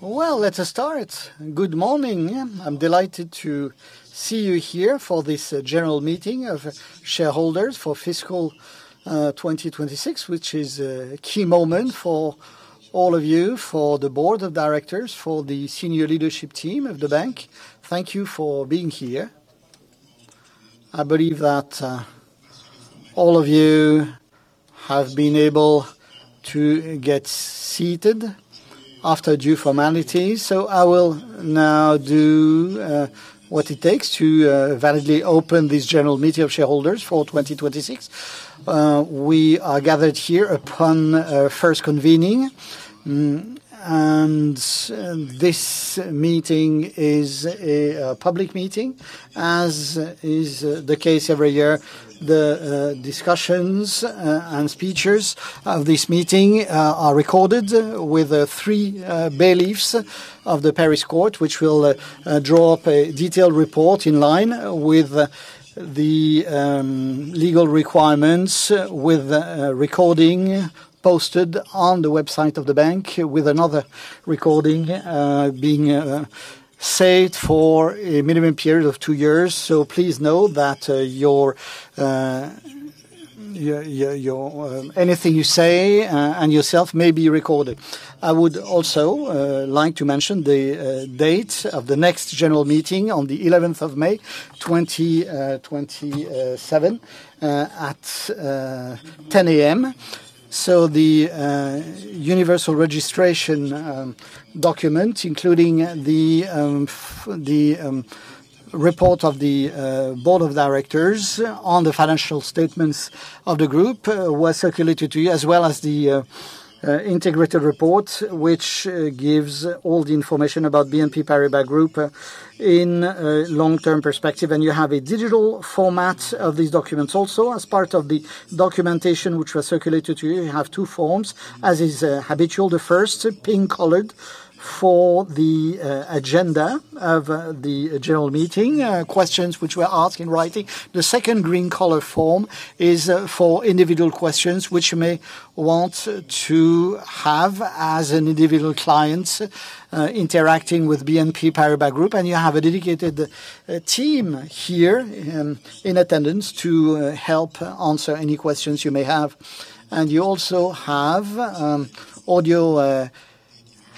Well, let us start. Good morning. I'm delighted to see you here for this general meeting of shareholders for fiscal 2026, which is a key moment for all of you, for the Board of Directors, for the Senior Leadership Team of the bank. Thank you for being here. I believe that all of you have been able to get seated after due formalities. I will now do what it takes to validly open this General Meeting of Shareholders for 2026. We are gathered here upon first convening. This meeting is a public meeting, as is the case every year. The discussions and speeches of this meeting are recorded with three bailiffs of the Paris Court, which will draw up a detailed report in line with the legal requirements, with a recording posted on the website of the bank, with another recording being saved for a minimum period of two years. Please know that anything you say and yourself may be recorded. I would also like to mention the date of the next general meeting on the 11th of May, 2027, at 10:00 A.M. The universal registration document, including the report of the Board of Directors on the financial statements of the group, was circulated to you, as well as the integrated report, which gives all the information about BNP Paribas Group in a long-term perspective. You have a digital format of these documents also as part of the documentation which was circulated to you. You have two forms, as is habitual. The first, pink-colored, for the agenda of the General Meeting, questions which were asked in writing. The second green-color form is for individual questions which you may want to have as an individual client, interacting with BNP Paribas Group, and you have a dedicated team here in attendance to help answer any questions you may have. You also have audio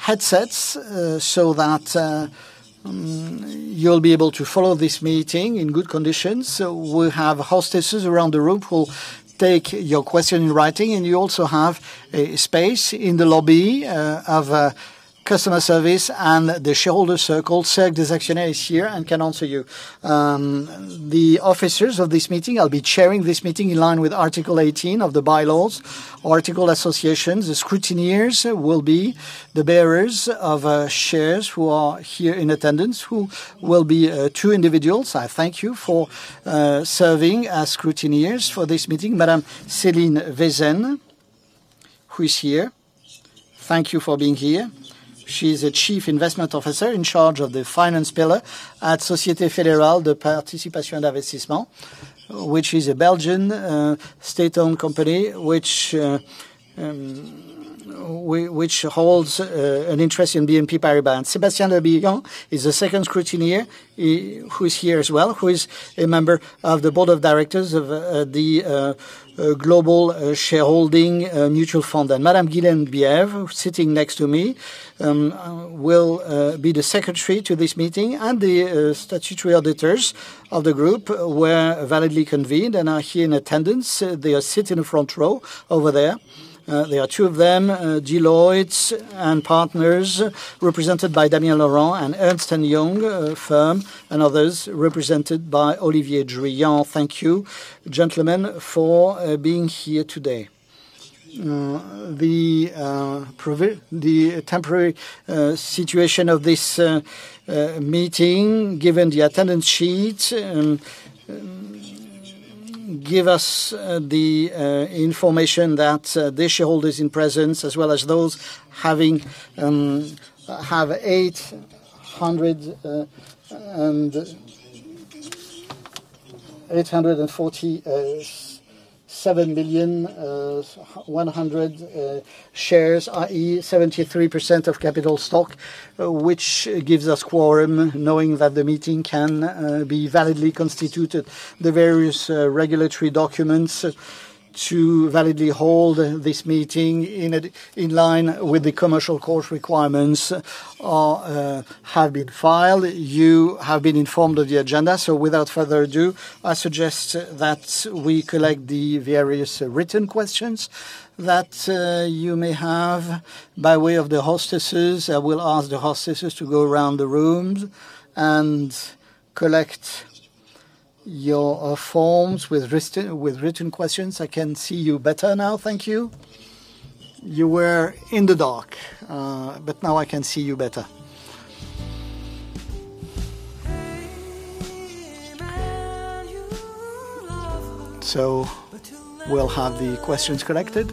headsets so that you'll be able to follow this meeting in good conditions. We have hostesses around the room who will take your question in writing, and you also have a space in the lobby of customer service and the shareholder circle. Cercle des Actionnaires is here and can answer you. The officers of this meeting, I'll be chairing this meeting in line with Article 18 of the bylaws. Article associations, the scrutineers will be the bearers of shares who are here in attendance, who will be two individuals. I thank you for serving as scrutineers for this meeting. Madame Céline Vaessen, who is here. Thank you for being here. She is the Chief Investment Officer in charge of the finance pillar at Société Fédérale de Participations et d'Investissement, which is a Belgian state-owned company, which holds an interest in BNP Paribas. Sébastien Le Bihan is the second scrutineer, who is here as well, who is a member of the Board of Directors of the global shareholding mutual fund. Madame Guylaine Dyèvre, sitting next to me, will be the Secretary to this meeting, and the Statutory Auditors of the group were validly convened and are here in attendance. They are sitting in the front row over there. There are two of them, Deloitte & Associés, represented by Damient Laurent, and Ernst & Young, represented by Olivier Durand. Thank you, gentlemen, for being here today. The temporary situation of this meeting, given the attendance sheets, give us the information that the shareholders in presence, as well as those having have 847,000,100 shares, i.e., 73% of capital stock, which gives us quorum, knowing that the meeting can be validly constituted. The various regulatory documents to validly hold this meeting in line with the commercial court requirements have been filed. You have been informed of the agenda. Without further ado, I suggest that we collect the various written questions that you may have by way of the hostesses. I will ask the hostesses to go around the room and collect your forms with written questions. I can see you better now. Thank you. You were in the dark, now I can see you better. We'll have the questions collected.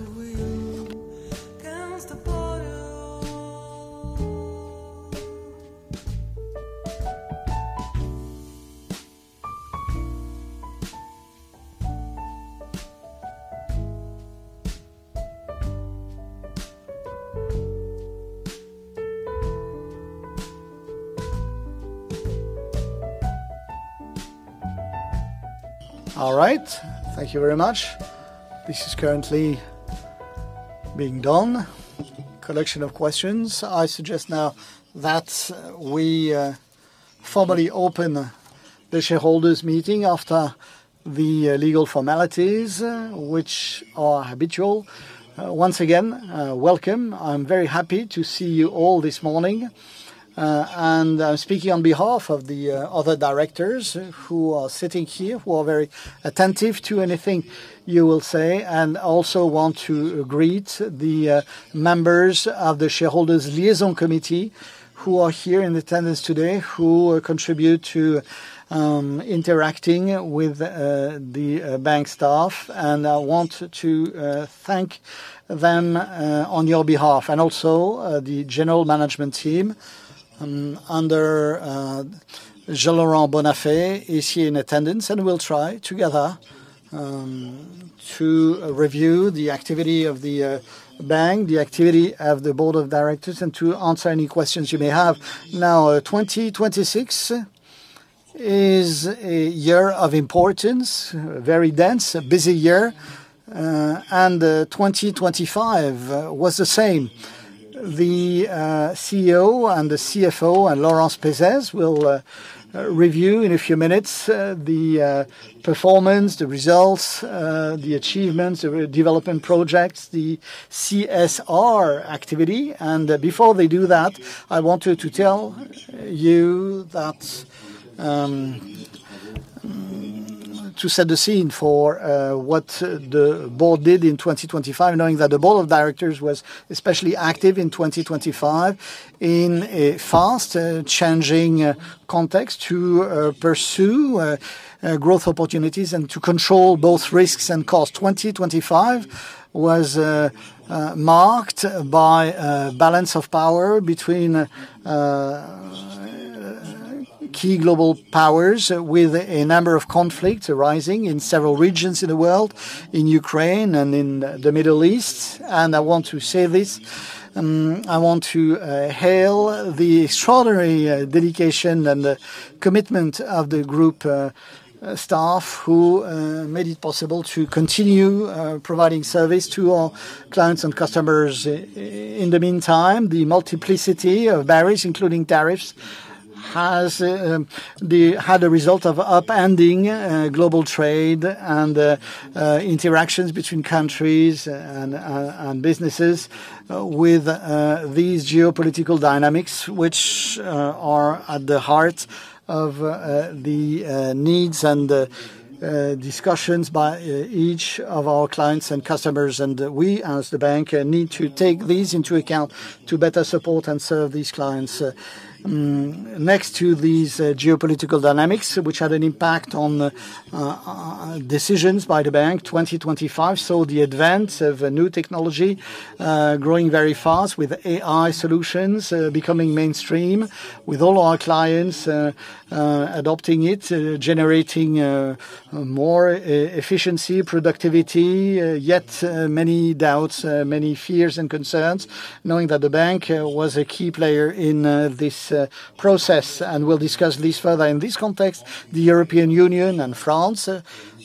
All right. Thank you very much. This is currently being done, collection of questions. I suggest now that we formally open the Shareholders' Meeting after the legal formalities, which are habitual. Once again, welcome. I'm very happy to see you all this morning. I'm speaking on behalf of the other Directors who are sitting here, who are very attentive to anything you will say, and also want to greet the members of the Shareholders' Liaison Committee who are here in attendance today, who contribute to interacting with the bank staff. I want to thank them on your behalf, and also the General Management team, under Jean-Laurent Bonnafé is here in attendance, and we'll try together to review the activity of the bank, the activity of the Board of Directors, and to answer any questions you may have. Now, 2026 is a year of importance. Very dense, a busy year, and 2025 was the same. The CEO, and the CFO, and Laurence Pessez will review in a few minutes the performance, the results, the achievements, the development projects, the CSR activity. Before they do that, I wanted to tell you that to set the scene for what the Board did in 2025, knowing that the Board of Directors was especially active in 2025 in a fast, changing context to pursue growth opportunities and to control both risks and costs. 2025 was marked by a balance of power between key global powers with a number of conflicts arising in several regions in the world, in Ukraine and in the Middle East. I want to say this, I want to hail the extraordinary dedication and the commitment of the group staff who made it possible to continue providing service to our clients and customers. In the meantime, the multiplicity of barriers, including tariffs, has had a result of upending global trade and interactions between countries and businesses, with these geopolitical dynamics, which are at the heart of the needs and discussions by each of our clients and customers. We as the bank need to take these into account to better support and serve these clients. Next to these geopolitical dynamics, which had an impact on decisions by the bank, 2025 saw the advance of a new technology, growing very fast with AI solutions, becoming mainstream with all our clients, adopting it, generating more efficiency, productivity, yet many doubts, many fears and concerns, knowing that the bank was a key player in this process, and we'll discuss this further. In this context, the European Union and France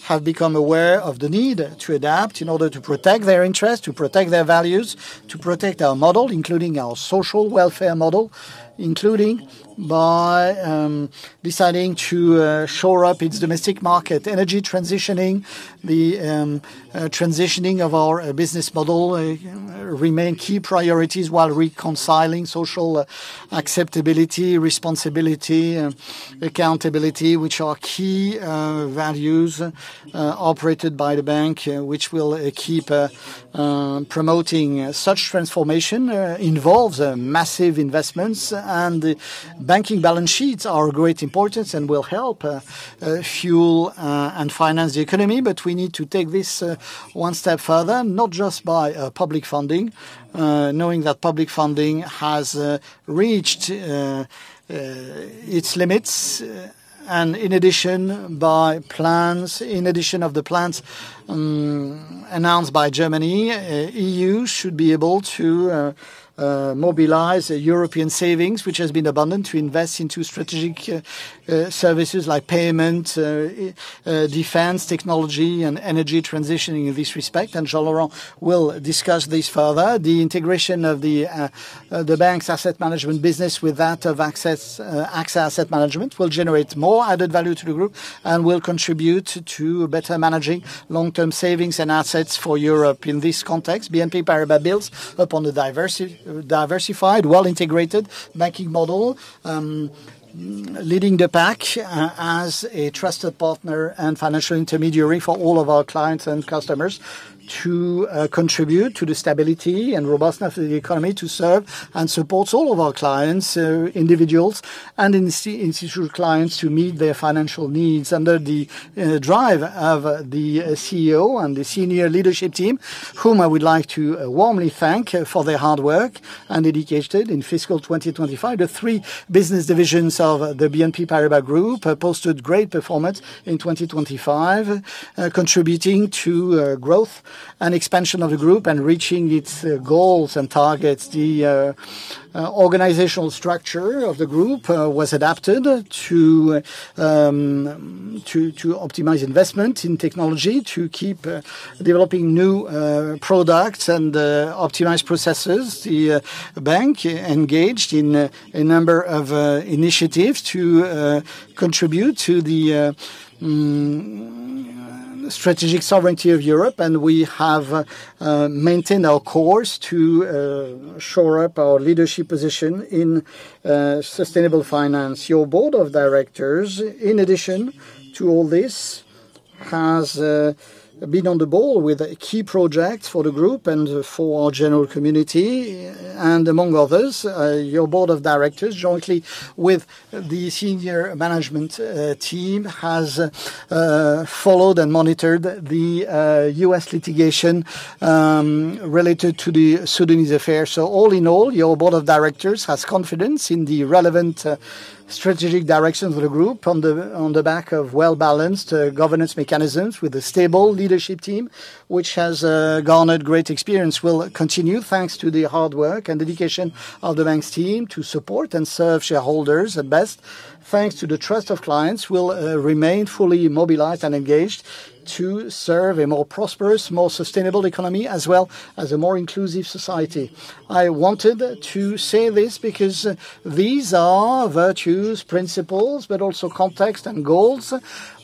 have become aware of the need to adapt in order to protect their interests, to protect their values, to protect our model, including our social welfare model, including by deciding to shore up its domestic market. Energy transitioning, the transitioning of our business model, remain key priorities while reconciling social acceptability, responsibility, accountability, which are key values operated by the bank, which we'll keep promoting. Such transformation involves massive investments. The banking balance sheets are of great importance and will help fuel and finance the economy. We need to take this one step further, not just by public funding, knowing that public funding has reached its limits. In addition of the plans announced by Germany, EU should be able to mobilize European savings, which has been abundant, to invest into strategic services like payment, defense, technology, and energy transitioning in this respect. Jean-Laurent will discuss this further. The integration of the bank's asset management business with that of AXA Asset Management will generate more added value to the group and will contribute to better managing long-term savings and assets for Europe. In this context, BNP Paribas builds upon the diversified, well-integrated banking model, leading the pack as a trusted partner and financial intermediary for all of our clients and customers to contribute to the stability and robustness of the economy, to serve and support all of our clients, individuals and institutional clients to meet their financial needs under the drive of the CEO and the Senior Leadership Team, whom I would like to warmly thank for their hard work and dedication. In fiscal 2025, the three business divisions of the BNP Paribas Group posted great performance in 2025, contributing to growth and expansion of the Group and reaching its goals and targets. The organizational structure of the Group was adapted to optimize investment in technology, to keep developing new products and optimize processes. The bank engaged in a number of initiatives to contribute to the strategic sovereignty of Europe, and we have maintained our course to shore up our leadership position in sustainable finance. Your Board of Directors, in addition to all this, has been on the ball with a key project for the Group and for our general community. Among others, your Board of Directors, jointly with the Senior Management Team, has followed and monitored the U.S. litigation related to the Sudanese affair. All in all, your Board of Directors has confidence in the relevant strategic direction of the Group on the back of well-balanced governance mechanisms with a stable leadership team, which has garnered great experience, will continue thanks to the hard work and dedication of the bank's team to support and serve shareholders the best. Thanks to the trust of clients, we'll remain fully mobilized and engaged to serve a more prosperous, more sustainable economy, as well as a more inclusive society. I wanted to say this because these are virtues, principles, but also context and goals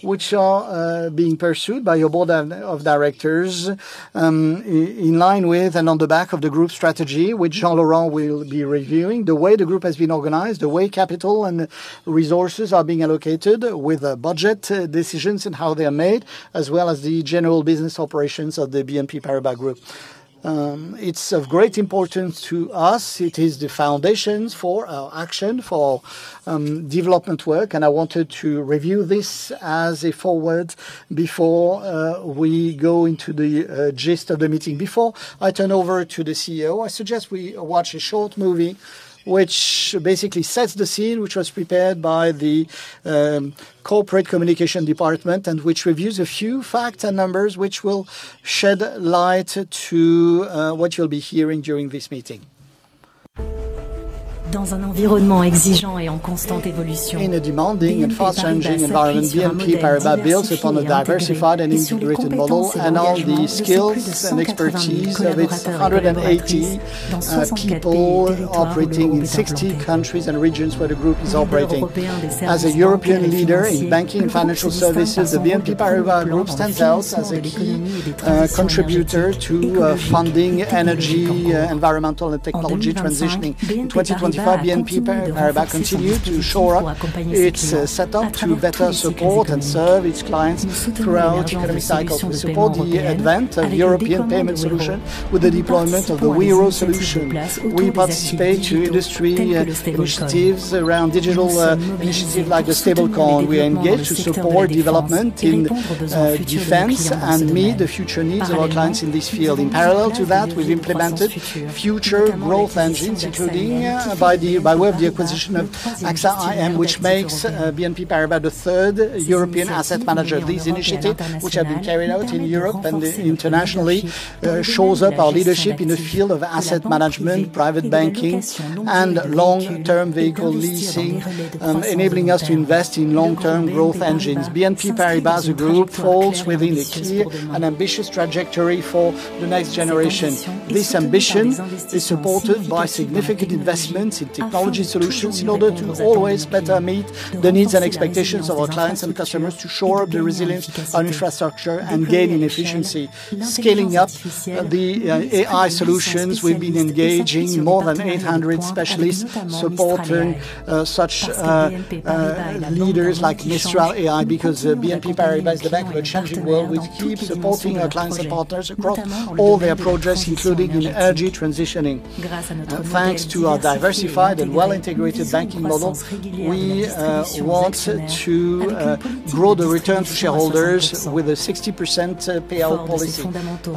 which are being pursued by your Board of Directors, in line with and on the back of the Group's strategy, which Jean-Laurent will be reviewing. The way the Group has been organized, the way capital and resources are being allocated with budget decisions and how they are made, as well as the general business operations of the BNP Paribas Group. It's of great importance to us. It is the foundations for our action, for development work, and I wanted to review this as a foreword before we go into the gist of the meeting. Before I turn over to the CEO, I suggest we watch a short movie which basically sets the scene, which was prepared by the corporate communication department and which reviews a few facts and numbers which will shed light to what you'll be hearing during this meeting. In a demanding and fast-changing environment, BNP Paribas builds upon a diversified and integrated model and all the skills and expertise of its 180 people operating in 60 countries and regions where the group is operating. As a European leader in banking and financial services, the BNP Paribas Group stands out as a key contributor to funding energy, environmental and technology transitioning. In 2025, BNP Paribas continued to shore up its setup to better support and serve its clients throughout economic cycles. We support the advent of European payment solutions with the deployment of the Wero solution. We participate to industry initiatives around digital initiatives like stablecoin. We engage to support development in defense and meet the future needs of our clients in this field. In parallel to that, we've implemented future growth engines, including by way of the acquisition of AXA IM, which makes BNP Paribas the third European asset manager. These initiatives, which have been carried out in Europe and internationally, shows up our leadership in the field of asset management, private banking and long-term vehicle leasing, enabling us to invest in long-term growth engines. BNP Paribas Group falls within a clear and ambitious trajectory for the next generation. This ambition is supported by significant investments in technology solutions in order to always better meet the needs and expectations of our clients and customers to shore up the resilience on infrastructure and gain in efficiency. Scaling up the AI solutions, we've been engaging more than 800 specialists supporting such leaders like Mistral AI, because BNP Paribas, the bank of a changing world, we keep supporting our clients and partners across all their projects, including in energy transitioning. Thanks to our diversified and well-integrated banking model, we want to grow the return to shareholders with a 60% payout policy.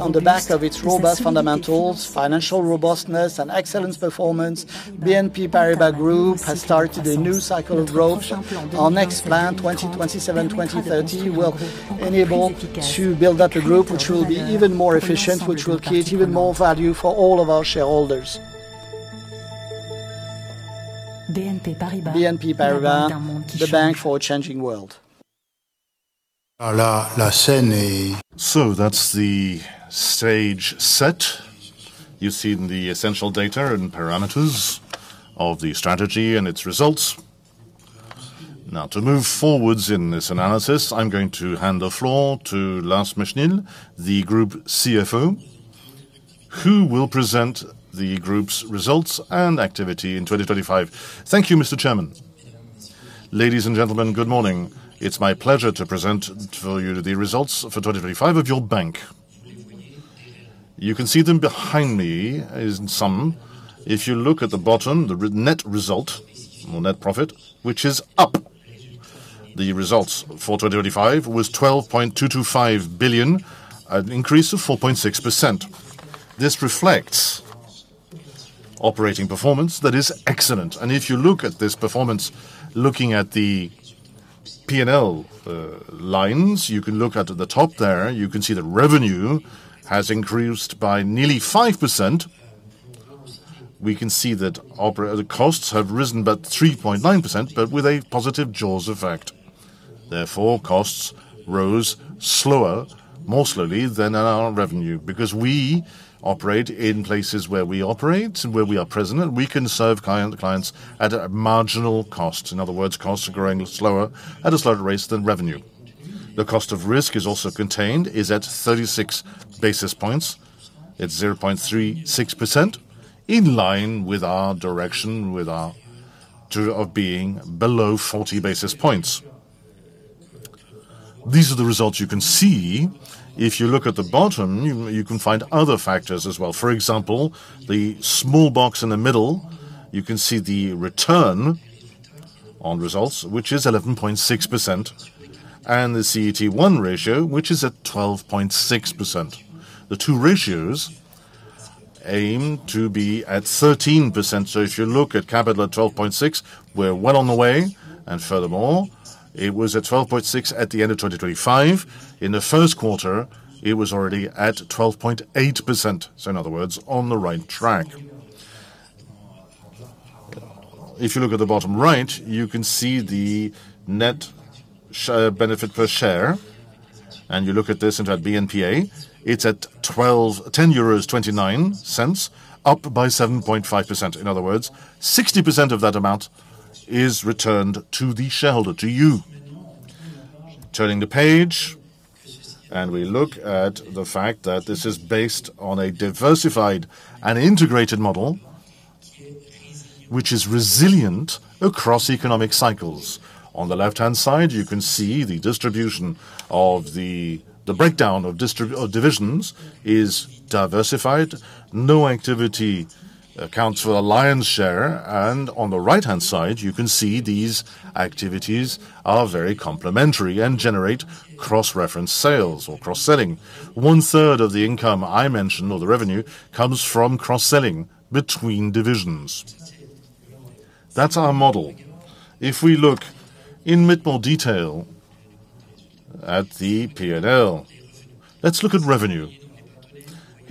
On the back of its robust fundamentals, financial robustness and excellence performance, BNP Paribas Group has started a new cycle of growth. Our next plan, 2027, 2030, will enable to build up a group which will be even more efficient, which will create even more value for all of our shareholders. BNP Paribas, the bank for a changing world. That's the stage set. You've seen the essential data and parameters of the strategy and its results. To move forwards in this analysis, I'm going to hand the floor to Lars Machenil, the Group CFO, who will present the group's results and activity in 2025. Thank you, Mr. Chairman. Ladies and gentlemen, good morning. It's my pleasure to present for you the results for 2025 of your bank. You can see them behind me in sum. If you look at the bottom, the net result or net profit, which is up. The results for 2025 was 12.225 billion, an increase of 4.6%. This reflects operating performance that is excellent. If you look at this performance, looking at the P&L lines, you can look at the top there, you can see that revenue has increased by nearly 5%. We can see that the costs have risen but 3.9%, but with a positive jaws effect. Costs rose slower, more slowly than our revenue. Because we operate in places where we operate, where we are present, and we can serve clients at a marginal cost. In other words, costs are growing slower, at a slower rate than revenue. The cost of risk is also contained, is at 36 basis points. It's 0.36%, in line with our direction, with our to of being below 40 basis points. These are the results you can see. If you look at the bottom, you can find other factors as well. For example, the small box in the middle, you can see the return on results, which is 11.6%, and the CET1 ratio, which is at 12.6%. The two ratios aim to be at 13%. If you look at capital at 12.6%, we're well on the way, and furthermore, it was at 12.6% at the end of 2025. In the first quarter, it was already at 12.8%, so in other words, on the right track. If you look at the bottom right, you can see the benefit per share, and you look at this and at BNPA, it's at 10.29 euros, up by 7.5%. In other words, 60% of that amount is returned to the shareholder, to you. Turning the page, we look at the fact that this is based on a diversified and integrated model which is resilient across economic cycles. On the left-hand side, you can see the distribution of the breakdown of divisions is diversified. No activity accounts for a lion's share. On the right-hand side, you can see these activities are very complementary and generate cross-reference sales or cross-selling. 1/3 of the income I mentioned, or the revenue, comes from cross-selling between divisions. That's our model. If we look in bit more detail at the P&L. Let's look at revenue.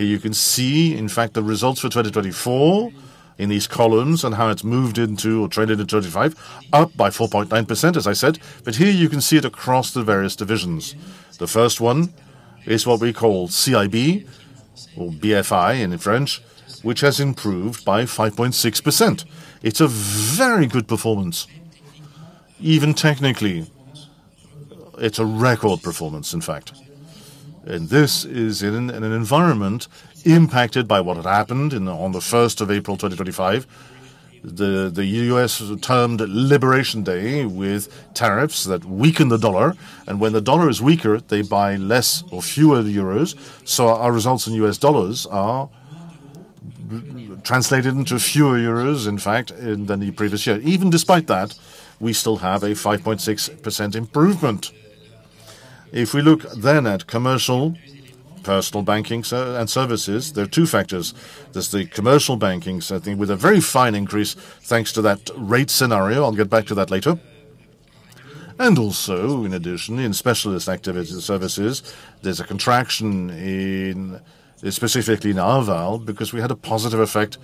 Here you can see, in fact, the results for 2024 in these columns and how it's moved into or traded at '25, up by 4.9%, as I said. Here you can see it across the various divisions. The first one is what we call CIB or BFI in French, which has improved by 5.6%. It's a very good performance. Even technically, it's a record performance, in fact. This is in an environment impacted by what had happened on the 1st of April, 2025. The U.S. termed Liberation Day with tariffs that weaken the dollar. When the dollar is weaker, they buy less or fewer EUR. Our results in U.S. dollars are translated into fewer EUR, in fact, than the previous year. Even despite that, we still have a 5.6% improvement. If we look then at commercial personal banking and services, there are two factors. There's the commercial banking, with a very fine increase, thanks to that rate scenario. I'll get back to that later. Also, in addition, in specialist activities services, there's a contraction in, specifically in Arval, because we had a positive effect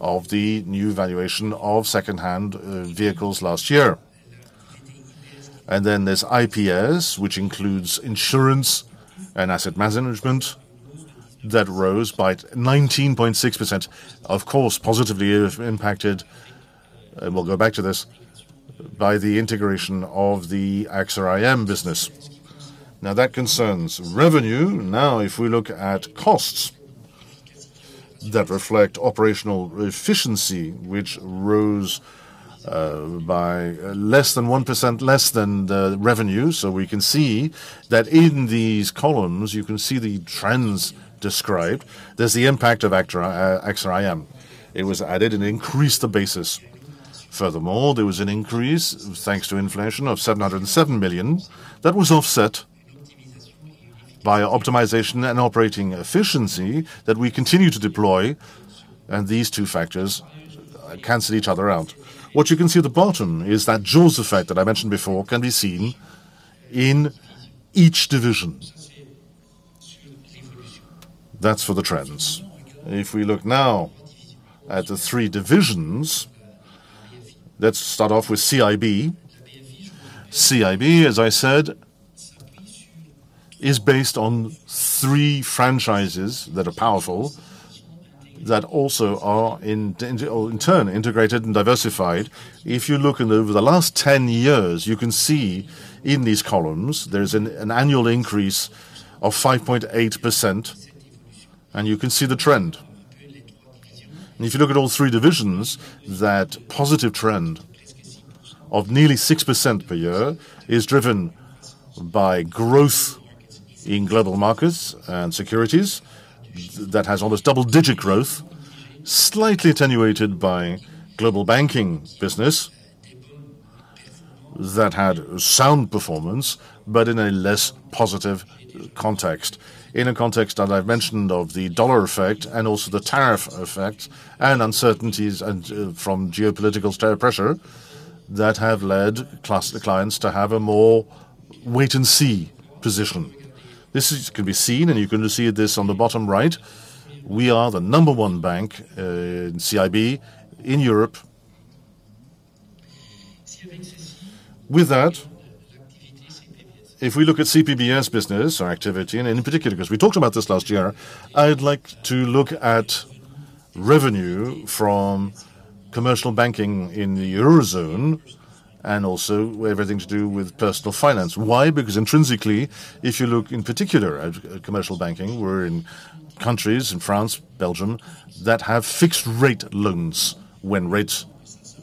of the new valuation of secondhand vehicles last year. Then there's IPS, which includes insurance and asset management that rose by 19.6%, of course, positively impacted, and we'll go back to this, by the integration of the AXA IM business. That concerns revenue. If we look at costs that reflect operational efficiency, which rose by less than 1% less than the revenue. We can see that in these columns, you can see the trends described. There's the impact of AXA IM. It was added and increased the basis. There was an increase, thanks to inflation, of 707 million. That was offset by optimization and operating efficiency that we continue to deploy, and these two factors cancel each other out. What you can see at the bottom is that jaws effect that I mentioned before can be seen in each division. That's for the trends. If we look now at the three divisions, let's start off with CIB. CIB, as I said, is based on three franchises that are powerful, that also are integrated and diversified. If you look in, over the last 10 years, you can see in these columns there's an annual increase of 5.8%, and you can see the trend. If you look at all three divisions, that positive trend of nearly 6% per year is driven by growth in Global Markets and Securities that has almost double-digit growth, slightly attenuated by Global Banking business that had sound performance, but in a less positive context. In a context, as I've mentioned, of the dollar effect and also the tariff effect and uncertainties and, from geopolitical pressure that have led clients to have a more wait-and-see position. This can be seen, and you're gonna see this on the bottom right. We are the number one bank in CIB in Europe. With that, if we look at CPBS business or activity, and in particular, because we talked about this last year, I'd like to look at revenue from commercial banking in the Eurozone and also everything to do with personal finance. Why? Because intrinsically, if you look in particular at commercial banking, we're in countries, in France, Belgium, that have fixed rate loans. When rates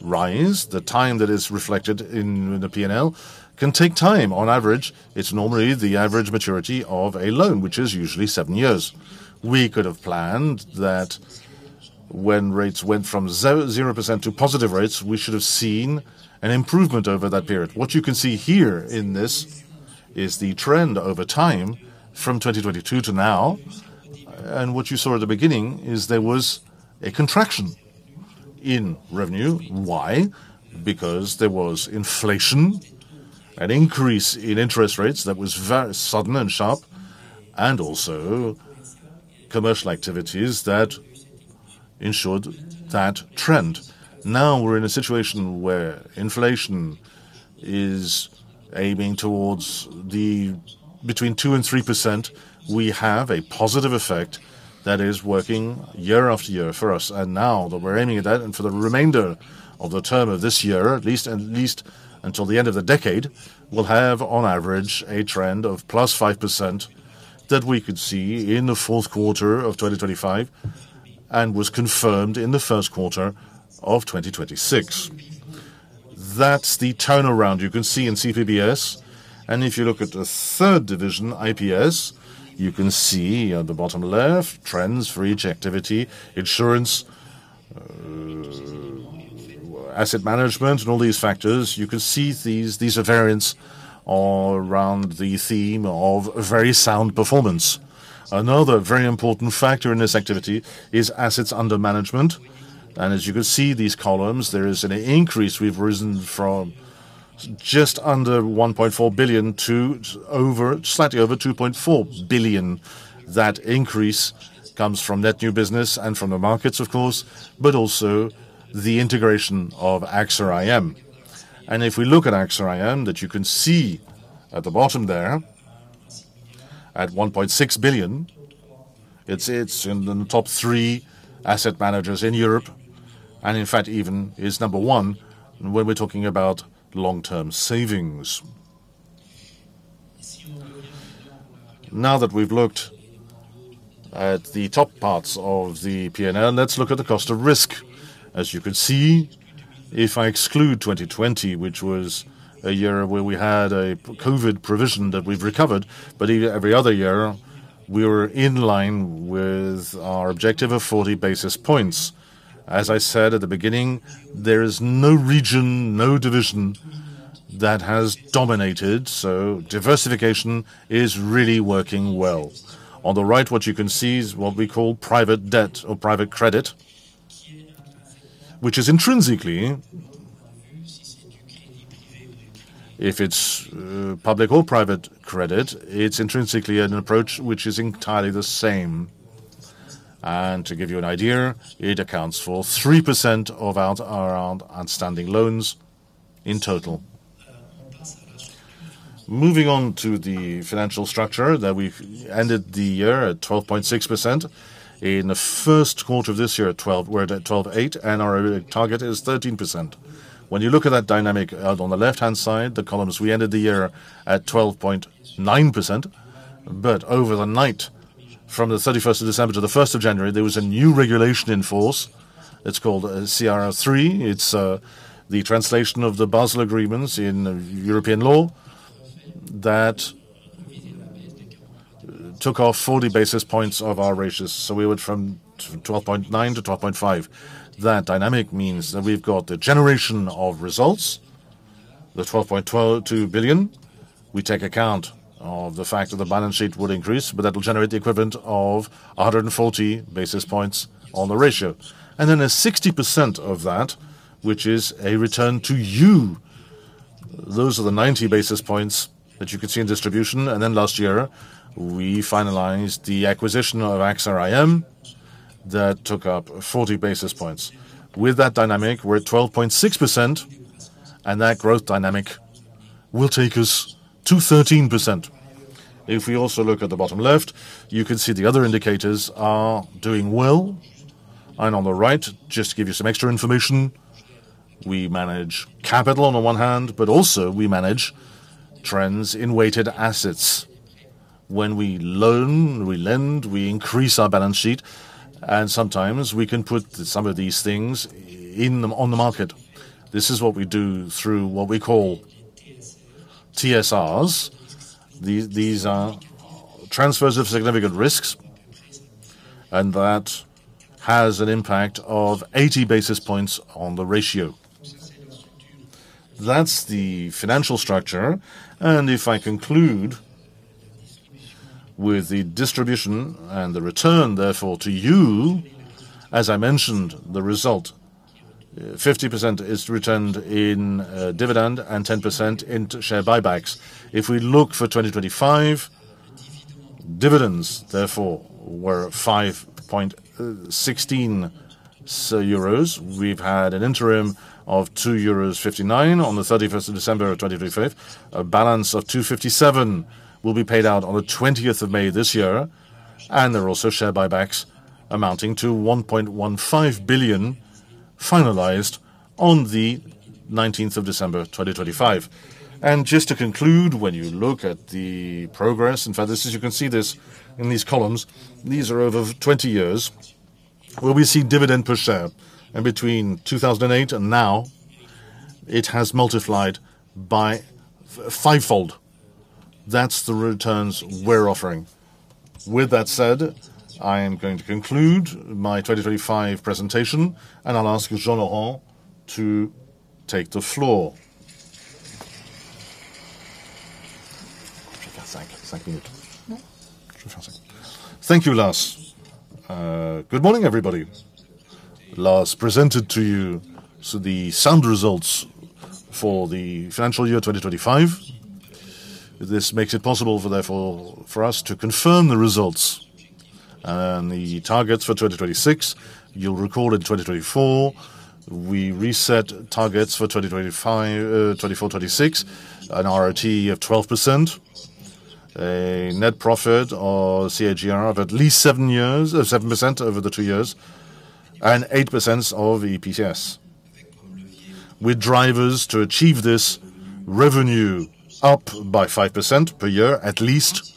rise, the time that is reflected in the P&L can take time. On average, it's normally the average maturity of a loan, which is usually seven years. We could have planned that when rates went from 0% to positive rates, we should have seen an improvement over that period. What you can see here in this is the trend over time from 2022 to now, and what you saw at the beginning is there was a contraction in revenue. Why? Because there was inflation, an increase in interest rates that was very sudden and sharp, and also commercial activities that ensured that trend. Now, we're in a situation where inflation is aiming towards the between 2% and 3%. We have a positive effect that is working year after year for us, now that we're aiming at that, for the remainder of the term of this year, at least, at least until the end of the decade, we'll have on average a trend of +5% that we could see in the fourth quarter of 2025 and was confirmed in the first quarter of 2026. That's the turnaround you can see in CPBS. If you look at the third division, IPS, you can see at the bottom left, trends for each activity, insurance, asset management, and all these factors. You can see these are variants all around the theme of very sound performance. Another very important factor in this activity is assets under management. As you can see, these columns, there is an increase. We've risen from just under 1.4 billion to slightly over 2.4 billion. That increase comes from net new business and from the markets, of course, but also the integration of AXA IM. If we look at AXA IM, that you can see at the bottom there, at 1.6 billion, it's in the top three asset managers in Europe, and in fact, even is number one when we're talking about long-term savings. Now that we've looked at the top parts of the P&L, let's look at the cost of risk. As you can see, if I exclude 2020, which was a year where we had a COVID provision that we've recovered, but every other year, we were in line with our objective of 40 basis points. As I said at the beginning, there is no region, no division that has dominated, so diversification is really working well. On the right, what you can see is what we call private debt or private credit, which is intrinsically an approach which is entirely the same. To give you an idea, it accounts for 3% of our outstanding loans in total. Moving on to the financial structure that we've ended the year at 12.6%. In the first quarter of this year, we're at 12.8%, and our target is 13%. When you look at that dynamic on the left-hand side, the columns, we ended the year at 12.9%. Over the night from the 31st of December to the 1st of January, there was a new regulation in force. It's called CRR III. It's the translation of the Basel Accords in European law that took off 40 basis points of our ratios. We went from 12.9% to 12.5%. That dynamic means that we've got the generation of results, the 12.122 billion. We take account of the fact that the balance sheet would increase, but that will generate the equivalent of 140 basis points on the ratio. There's 60% of that, which is a return to you. Those are the 90 basis points that you can see in distribution. Last year, we finalized the acquisition of AXA IM that took up 40 basis points. With that dynamic, we're at 12.6%. That growth dynamic will take us to 13%. If we also look at the bottom left, you can see the other indicators are doing well. On the right, just to give you some extra information, we manage capital on the one hand, but also we manage trends in weighted assets. When we loan, we lend, we increase our balance sheet. Sometimes we can put some of these things in the, on the market. This is what we do through what we call TSRs. These are Transfers of Significant Risks. That has an impact of 80 basis points on the ratio. That's the financial structure. If I conclude with the distribution and the return, therefore, to you, as I mentioned, the result, 50% is returned in dividend and 10% into share buybacks. If we look for 2025, dividends therefore were 5.16 euros. We've had an interim of 2.59 euros on the 31st of December 2023. A balance of 2.57 will be paid out on the 20th of May this year, and there are also share buybacks amounting to 1.15 billion finalized on the 19th of December 2025. Just to conclude, when you look at the progress, in fact, this is. You can see this in these columns. These are over 20 years, where we see dividend per share. Between 2008 and now, it has multiplied by fivefold. That's the returns we're offering. With that said, I am going to conclude my 2025 presentation, and I'll ask Jean-Laurent to take the floor. Thank you, Lars. Good morning, everybody. Lars presented to you the sound results for the financial year 2025. This makes it possible for therefore for us to confirm the results and the targets for 2026. You'll recall in 2024, we reset targets for 2025, 2026, an ROTE of 12%, a net profit or CAGR of at least 7% over the two years, and 8% of EPS. With drivers to achieve this revenue up by 5% per year, at least,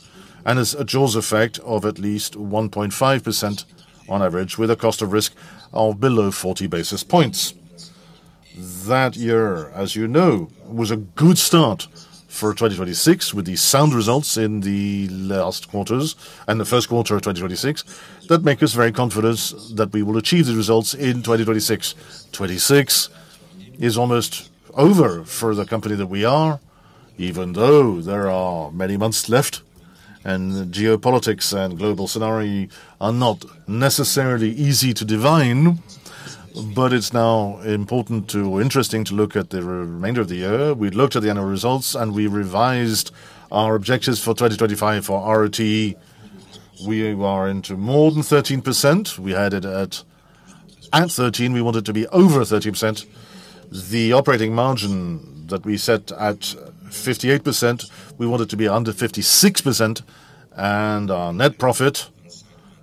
and as a jaws effect of at least 1.5% on average, with a cost of risk of below 40 basis points. That year, as you know, was a good start for 2026 with the sound results in the last quarters and the first quarter of 2026. That make us very confident that we will achieve the results in 2026. 2026 is almost over for the company that we are, even though there are many months left, and the geopolitics and global scenario are not necessarily easy to divine, but it's now important to interesting to look at the remainder of the year. We looked at the annual results, and we revised our objectives for 2025 for ROTE. We are into more than 13%. We had it at 13%. We want it to be over 13%. The operating margin that we set at 58%, we want it to be under 56%. Our net profit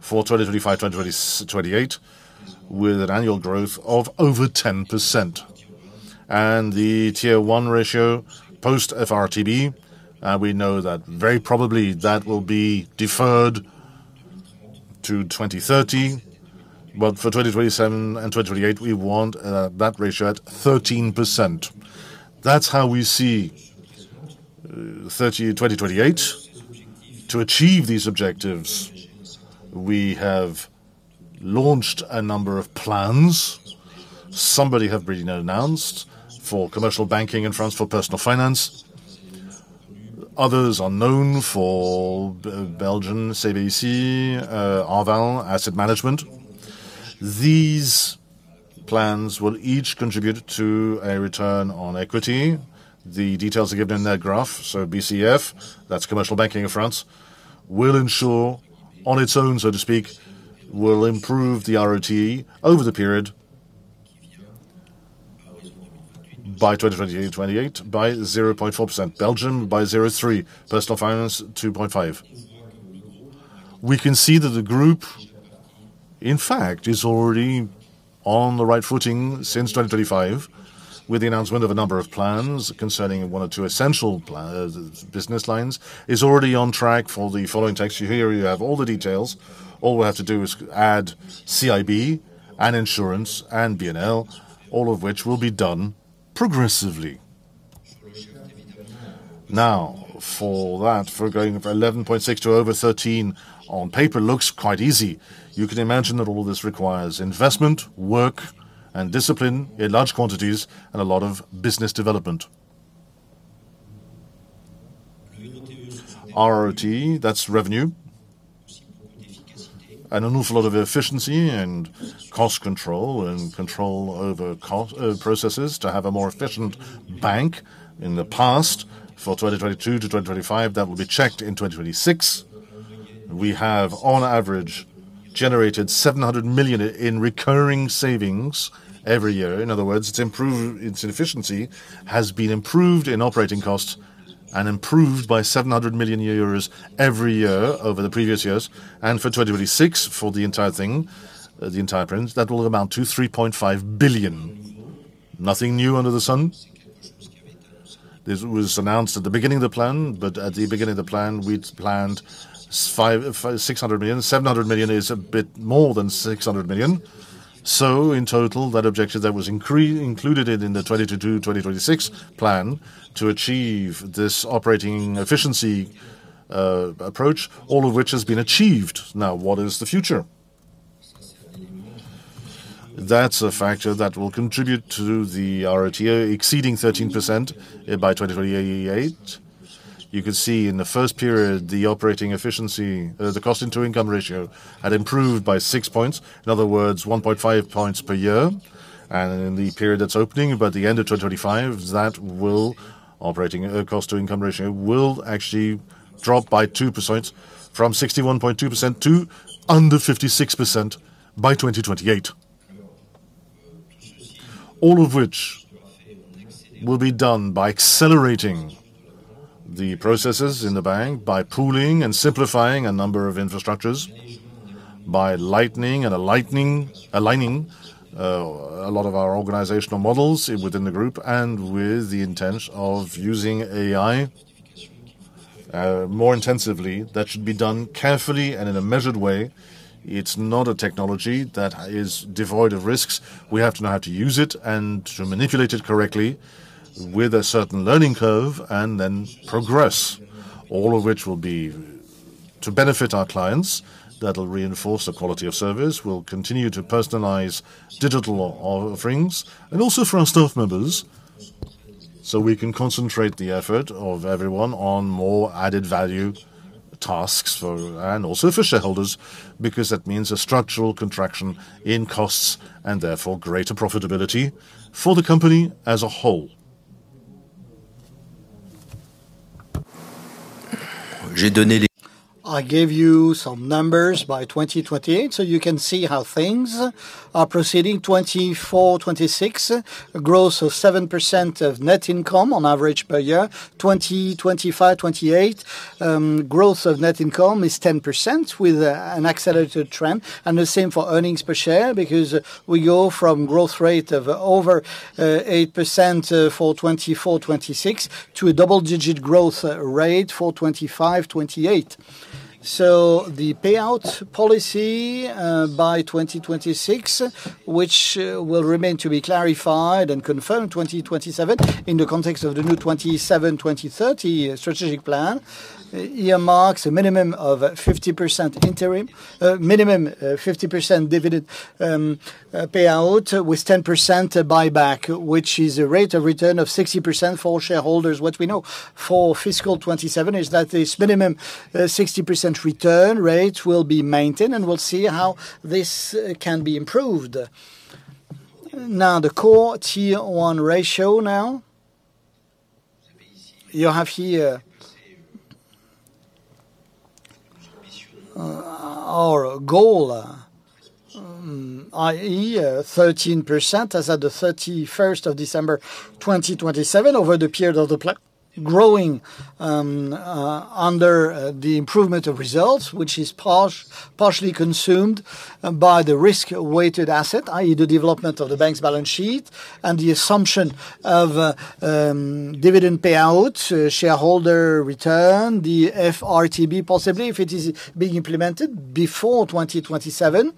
for 2025 to 2028, with an annual growth of over 10%. The Tier 1 ratio post-FRTB, we know that very probably that will be deferred to 2030, but for 2027 and 2028, we want that ratio at 13%. That's how we see 2028. To achieve these objectives, we have launched a number of plans. Somebody have really now announced for Commercial Banking in France for Personal Finance. Others are known for Belgian, CBC, Arval, Asset Management. These plans will each contribute to a return on equity. The details are given in that graph. BCEF, that's Commercial Banking of France, will ensure on its own, so to speak, will improve the ROTE over the period by 2028 by 0.4%, Belgium by 0.3%, Personal Finance 2.5%. We can see that the group, in fact, is already on the right footing since 2025 with the announcement of a number of plans concerning one or two essential business lines, is already on track for the following text. You hear you have all the details. All we have to do is add CIB and insurance and BNL, all of which will be done progressively. For that, for going from 11.6% to over 13% on paper looks quite easy. You can imagine that all this requires investment, work, and discipline in large quantities and a lot of business development. ROTE, that's revenue, and an awful lot of efficiency and cost control and control over processes to have a more efficient bank. In the past, for 2022 to 2025, that will be checked in 2026. We have, on average, generated 700 million in recurring savings every year. In other words, its efficiency has been improved in operating costs and improved by 700 million euros every year over the previous years. For 2026, for the entire thing, the entire print, that will amount to 3.5 billion. Nothing new under the sun. This was announced at the beginning of the plan, at the beginning of the plan, we'd planned 600 million. 700 million is a bit more than 600 million. In total, that objective that was included in the 2022-2026 plan to achieve this operating efficiency approach, all of which has been achieved. What is the future? That's a factor that will contribute to the ROTE exceeding 13% by 2028. You can see in the 1st period, the operating efficiency, the cost-into-income ratio had improved by six points. In other words, 1.5 points per year. In the period that's opening by the end of 2025, that cost to income ratio will actually drop by 2% from 61.2% to under 56% by 2028. All of which will be done by accelerating the processes in the bank, by pooling and simplifying a number of infrastructures, by lightening and aligning a lot of our organizational models within the group, and with the intent of using AI more intensively. That should be done carefully and in a measured way. It's not a technology that is devoid of risks. We have to know how to use it and to manipulate it correctly with a certain learning curve, then progress. All of which will be to benefit our clients. That'll reinforce the quality of service. We'll continue to personalize digital offerings. Also for our staff members, so we can concentrate the effort of everyone on more added value tasks. Also for shareholders, because that means a structural contraction in costs and therefore greater profitability for the company as a whole. I gave you some numbers by 2028. You can see how things are proceeding. 2024, 2026, a growth of 7% of net income on average per year. 2025, 2028, growth of net income is 10% with an accelerated trend. The same for earnings per share, because we go from growth rate of over 8% for 2024, 2026, to a double-digit growth rate for 2025, 2028. The payout policy by 2026, which will remain to be clarified and confirmed 2027 in the context of the new 2027, 2030 strategic plan, earmarks a minimum of 50% interim. Minimum 50% dividend payout with 10% buyback, which is a rate of return of 60% for shareholders. What we know for fiscal 2027 is that this minimum 60% return rate will be maintained, and we will see how this can be improved. The core Tier 1 ratio. You have here our goal, i.e., 13% as at the 31st of December, 2027 over the period of the growing under the improvement of results, which is partially consumed by the risk-weighted asset, i.e., the development of the bank's balance sheet and the assumption of dividend payout, shareholder return, the FRTB possibly, if it is being implemented before 2027.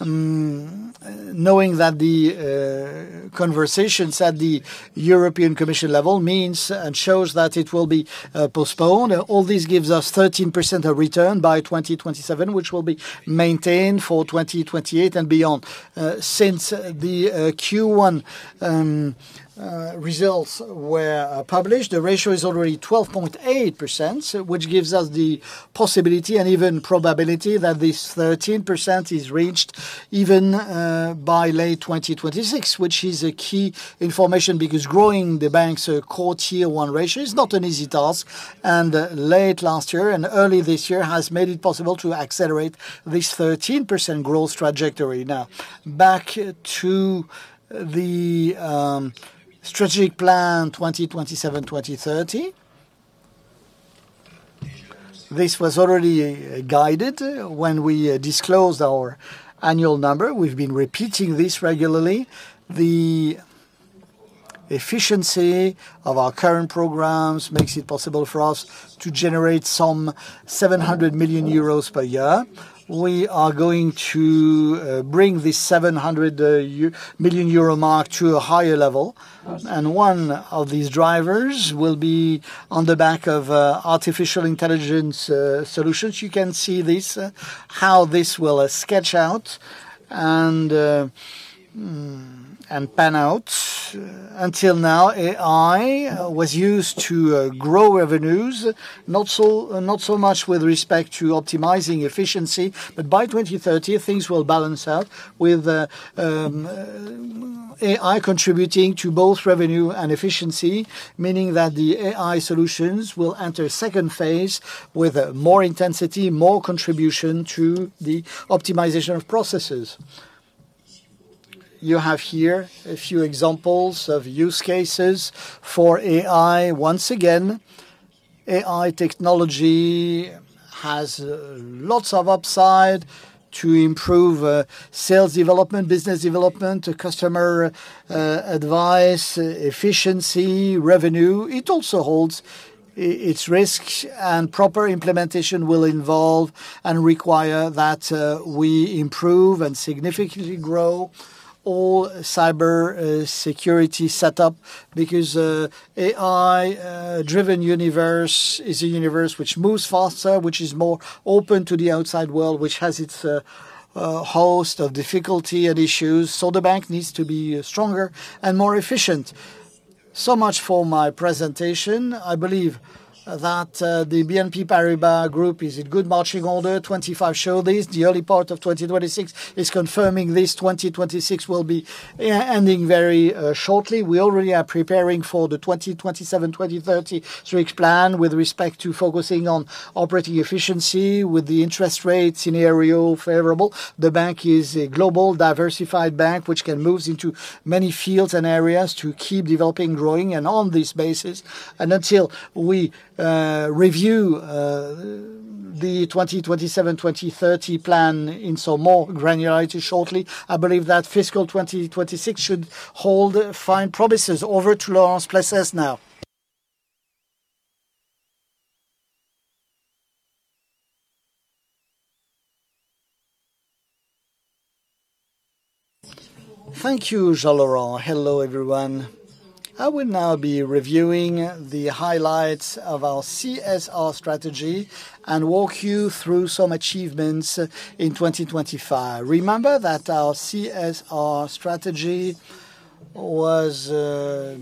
Knowing that the conversations at the European Commission level means and shows that it will be postponed. All this gives us 13% of return by 2027, which will be maintained for 2028 and beyond. Since the Q1 results were published, the ratio is already 12.8%, which gives us the possibility and even probability that this 13% is reached even by late 2026, which is a key information because growing the bank's core Tier 1 ratio is not an easy task, and late last year and early this year has made it possible to accelerate this 13% growth trajectory. Now, back to the strategic plan 2027, 2030. This was already guided when we disclosed our annual number. We've been repeating this regularly. The efficiency of our current programs makes it possible for us to generate some 700 million euros per year. We are going to bring this 700 million euro mark to a higher level. One of these drivers will be on the back of artificial intelligence solutions. You can see this how this will sketch out and pan out. Until now, AI was used to grow revenues, not so much with respect to optimizing efficiency, but by 2030 things will balance out with AI contributing to both revenue and efficiency, meaning that the AI solutions will enter a second phase with more intensity, more contribution to the optimization of processes. You have here a few examples of use cases for AI. Once again, AI technology has lots of upside to improve sales development, business development, customer advice, efficiency, revenue. It also holds its risks, and proper implementation will involve and require that we improve and significantly grow all cyber security setup because AI driven universe is a universe which moves faster, which is more open to the outside world, which has its host of difficulty and issues. The bank needs to be stronger and more efficient. Much for my presentation. I believe that the BNP Paribas Group is in good marching order. 2025 show this. The early part of 2026 is confirming this. 2026 will be ending very shortly. We already are preparing for the 2027, 2030 strategic plan with respect to focusing on operating efficiency with the interest rate scenario favorable. The bank is a global diversified bank which can moves into many fields and areas to keep developing, growing, and on this basis. Until we review the 2027, 2030 plan in some more granularity shortly, I believe that fiscal 2026 should hold fine promises. Over to Laurence Pessez now. Thank you, Jean-Laurent. Hello, everyone. I will now be reviewing the highlights of our CSR strategy and walk you through some achievements in 2025. Remember that our CSR strategy was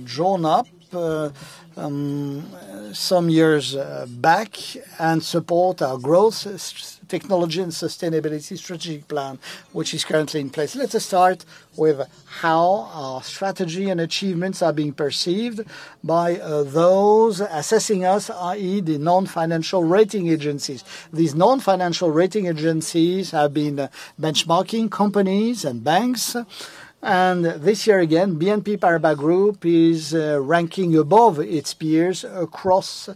drawn up some years back and support our Growth, Technology, and Sustainability strategic plan, which is currently in place. Let us start with how our strategy and achievements are being perceived by those assessing us, i.e., the non-financial rating agencies. These non-financial rating agencies have been benchmarking companies and banks, this year again, BNP Paribas Group is ranking above its peers across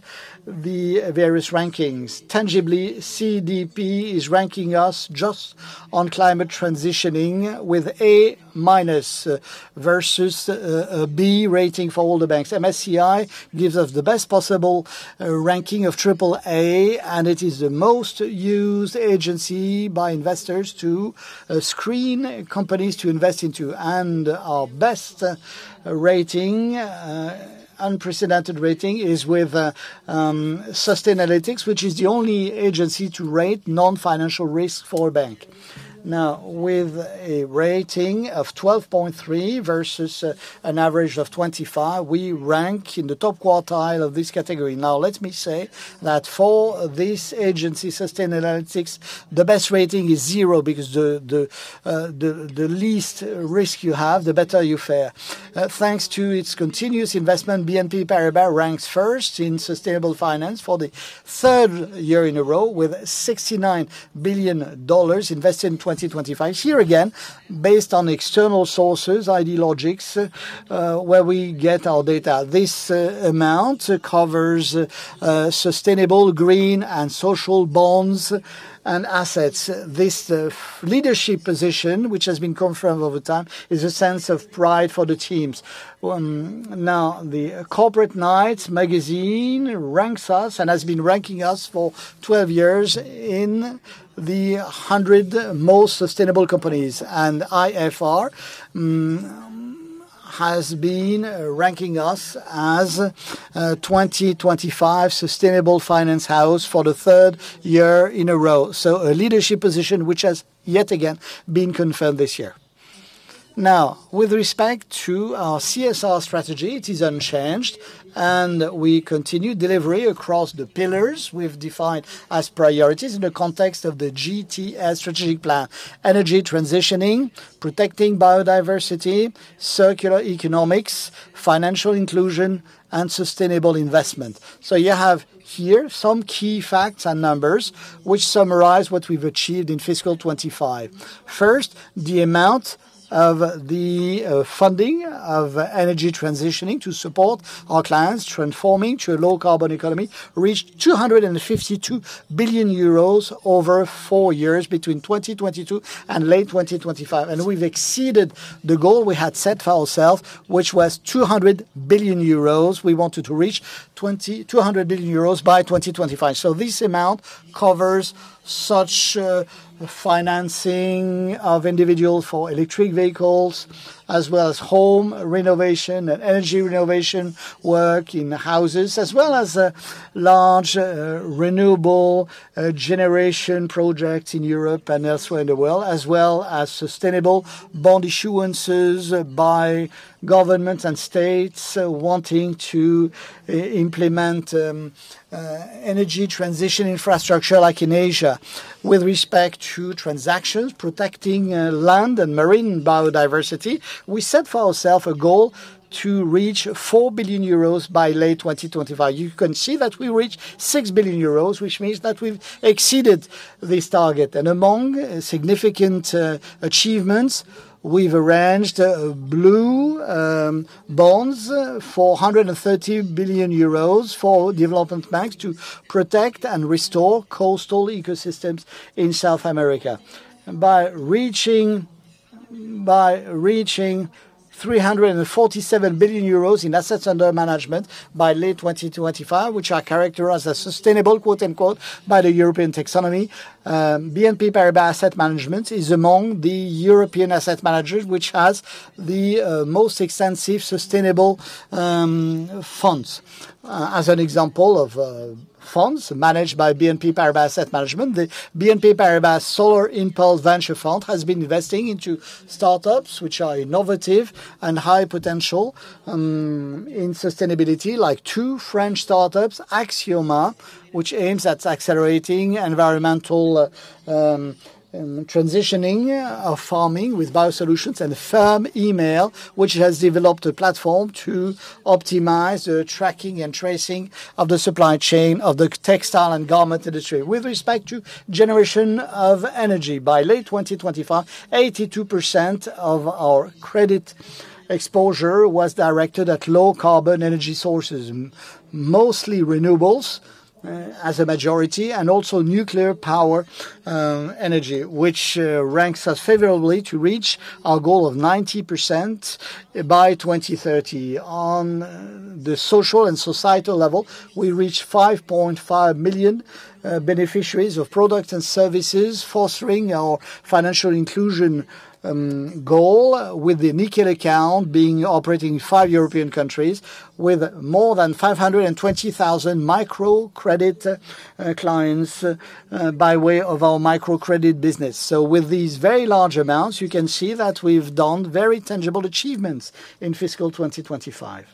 the various rankings. Tangibly, CDP is ranking us just on climate transitioning with A- versus a B rating for all the banks. MSCI gives us the best possible ranking of AAA, it is the most used agency by investors to screen companies to invest into. Our best rating, unprecedented rating is with Sustainalytics, which is the only agency to rate non-financial risk for a bank. Now, with a rating of 12.3% versus an average of 25%, we rank in the top quartile of this category. Now let me say that for this agency, Sustainalytics, the best rating is zero because the least risk you have, the better you fare. Thanks to its continuous investment, BNP Paribas ranks first in sustainable finance for the third year in a row with $69 billion invested in 2025. Here again, based on external sources, Dealogic, where we get our data, this amount covers sustainable green and social bonds and assets. This leadership position, which has been confirmed over time, is a sense of pride for the teams. Now, the Corporate Knights magazine ranks us and has been ranking us for 12 years in the 100 most sustainable companies. IFR has been ranking us as 2025 sustainable finance house for the third year in a row. A leadership position which has yet again been confirmed this year. With respect to our CSR strategy, it is unchanged, and we continue delivery across the pillars we've defined as priorities in the context of the GTS strategic plan. Energy transitioning, protecting biodiversity, circular economics, financial inclusion and sustainable investment. You have here some key facts and numbers which summarize what we've achieved in fiscal '25. First, the amount of the funding of energy transitioning to support our clients transforming to a low carbon economy reached 252 billion euros over four years between 2022 and late 2025. We've exceeded the goal we had set for ourselves, which was 200 billion euros. We wanted to reach 200 billion euros by 2025. This amount covers financing of individuals for electric vehicles as well as home renovation and energy renovation work in houses, as well as large renewable generation projects in Europe and elsewhere in the world, as well as sustainable bond issuances by governments and states wanting to implement energy transition infrastructure, like in Asia. With respect to transactions protecting land and marine biodiversity, we set for ourself a goal to reach 4 billion euros by late 2025. You can see that we reached 6 billion euros, which means that we've exceeded this target. Among significant achievements, we've arranged blue bonds for 130 billion euros for development banks to protect and restore coastal ecosystems in South America. By reaching 347 billion euros in assets under management by late 2025, which are characterized as sustainable, quote unquote, by the European taxonomy, BNP Paribas Asset Management is among the European asset managers which has the most extensive sustainable funds. As an example of funds managed by BNP Paribas Asset Management, the BNP Paribas Solar Impulse Venture Fund has been investing into startups which are innovative and high potential in sustainability, like two French startups, Axioma, which aims at accelerating environmental transitioning of farming with biosolutions and Fairly Made, which has developed a platform to optimize the tracking and tracing of the supply chain of the textile and garment industry. With respect to generation of energy, by late 2025, 82% of our credit exposure was directed at low carbon energy sources, mostly renewables, as a majority, and also nuclear power, energy, which ranks us favorably to reach our goal of 90% by 2030. The social and societal level, we reached 5.5 million beneficiaries of products and services, fostering our financial inclusion goal with the Nickel account being operating in five European countries, with more than 520,000 microcredit clients, by way of our microcredit business. With these very large amounts, you can see that we've done very tangible achievements in fiscal 2025.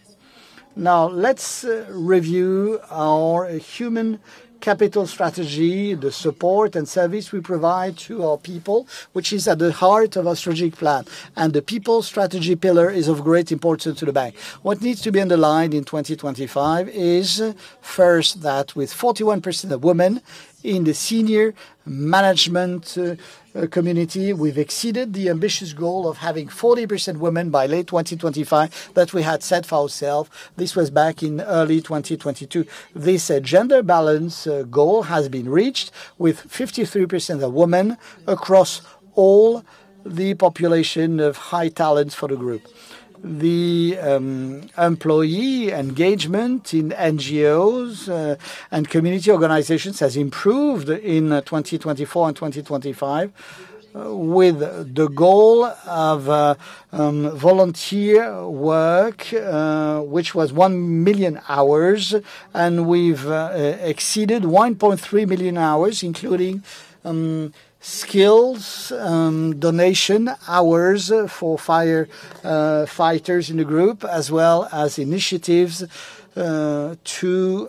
Now, let's review our human capital strategy, the support and service we provide to our people, which is at the heart of our strategic plan. The people strategy pillar is of great importance to the bank. What needs to be underlined in 2025 is, first, that with 41% of women in the senior management community, we've exceeded the ambitious goal of having 40% women by late 2025 that we had set for ourselves. This was back in early 2022. This gender balance goal has been reached with 53% of women across all the population of high talents for the group. The employee engagement in NGOs and community organizations has improved in 2024 and 2025 with the goal of volunteer work, which was one million hours. We've exceeded 1.3 million hours, including skills donation hours for firefighters in the group, as well as initiatives to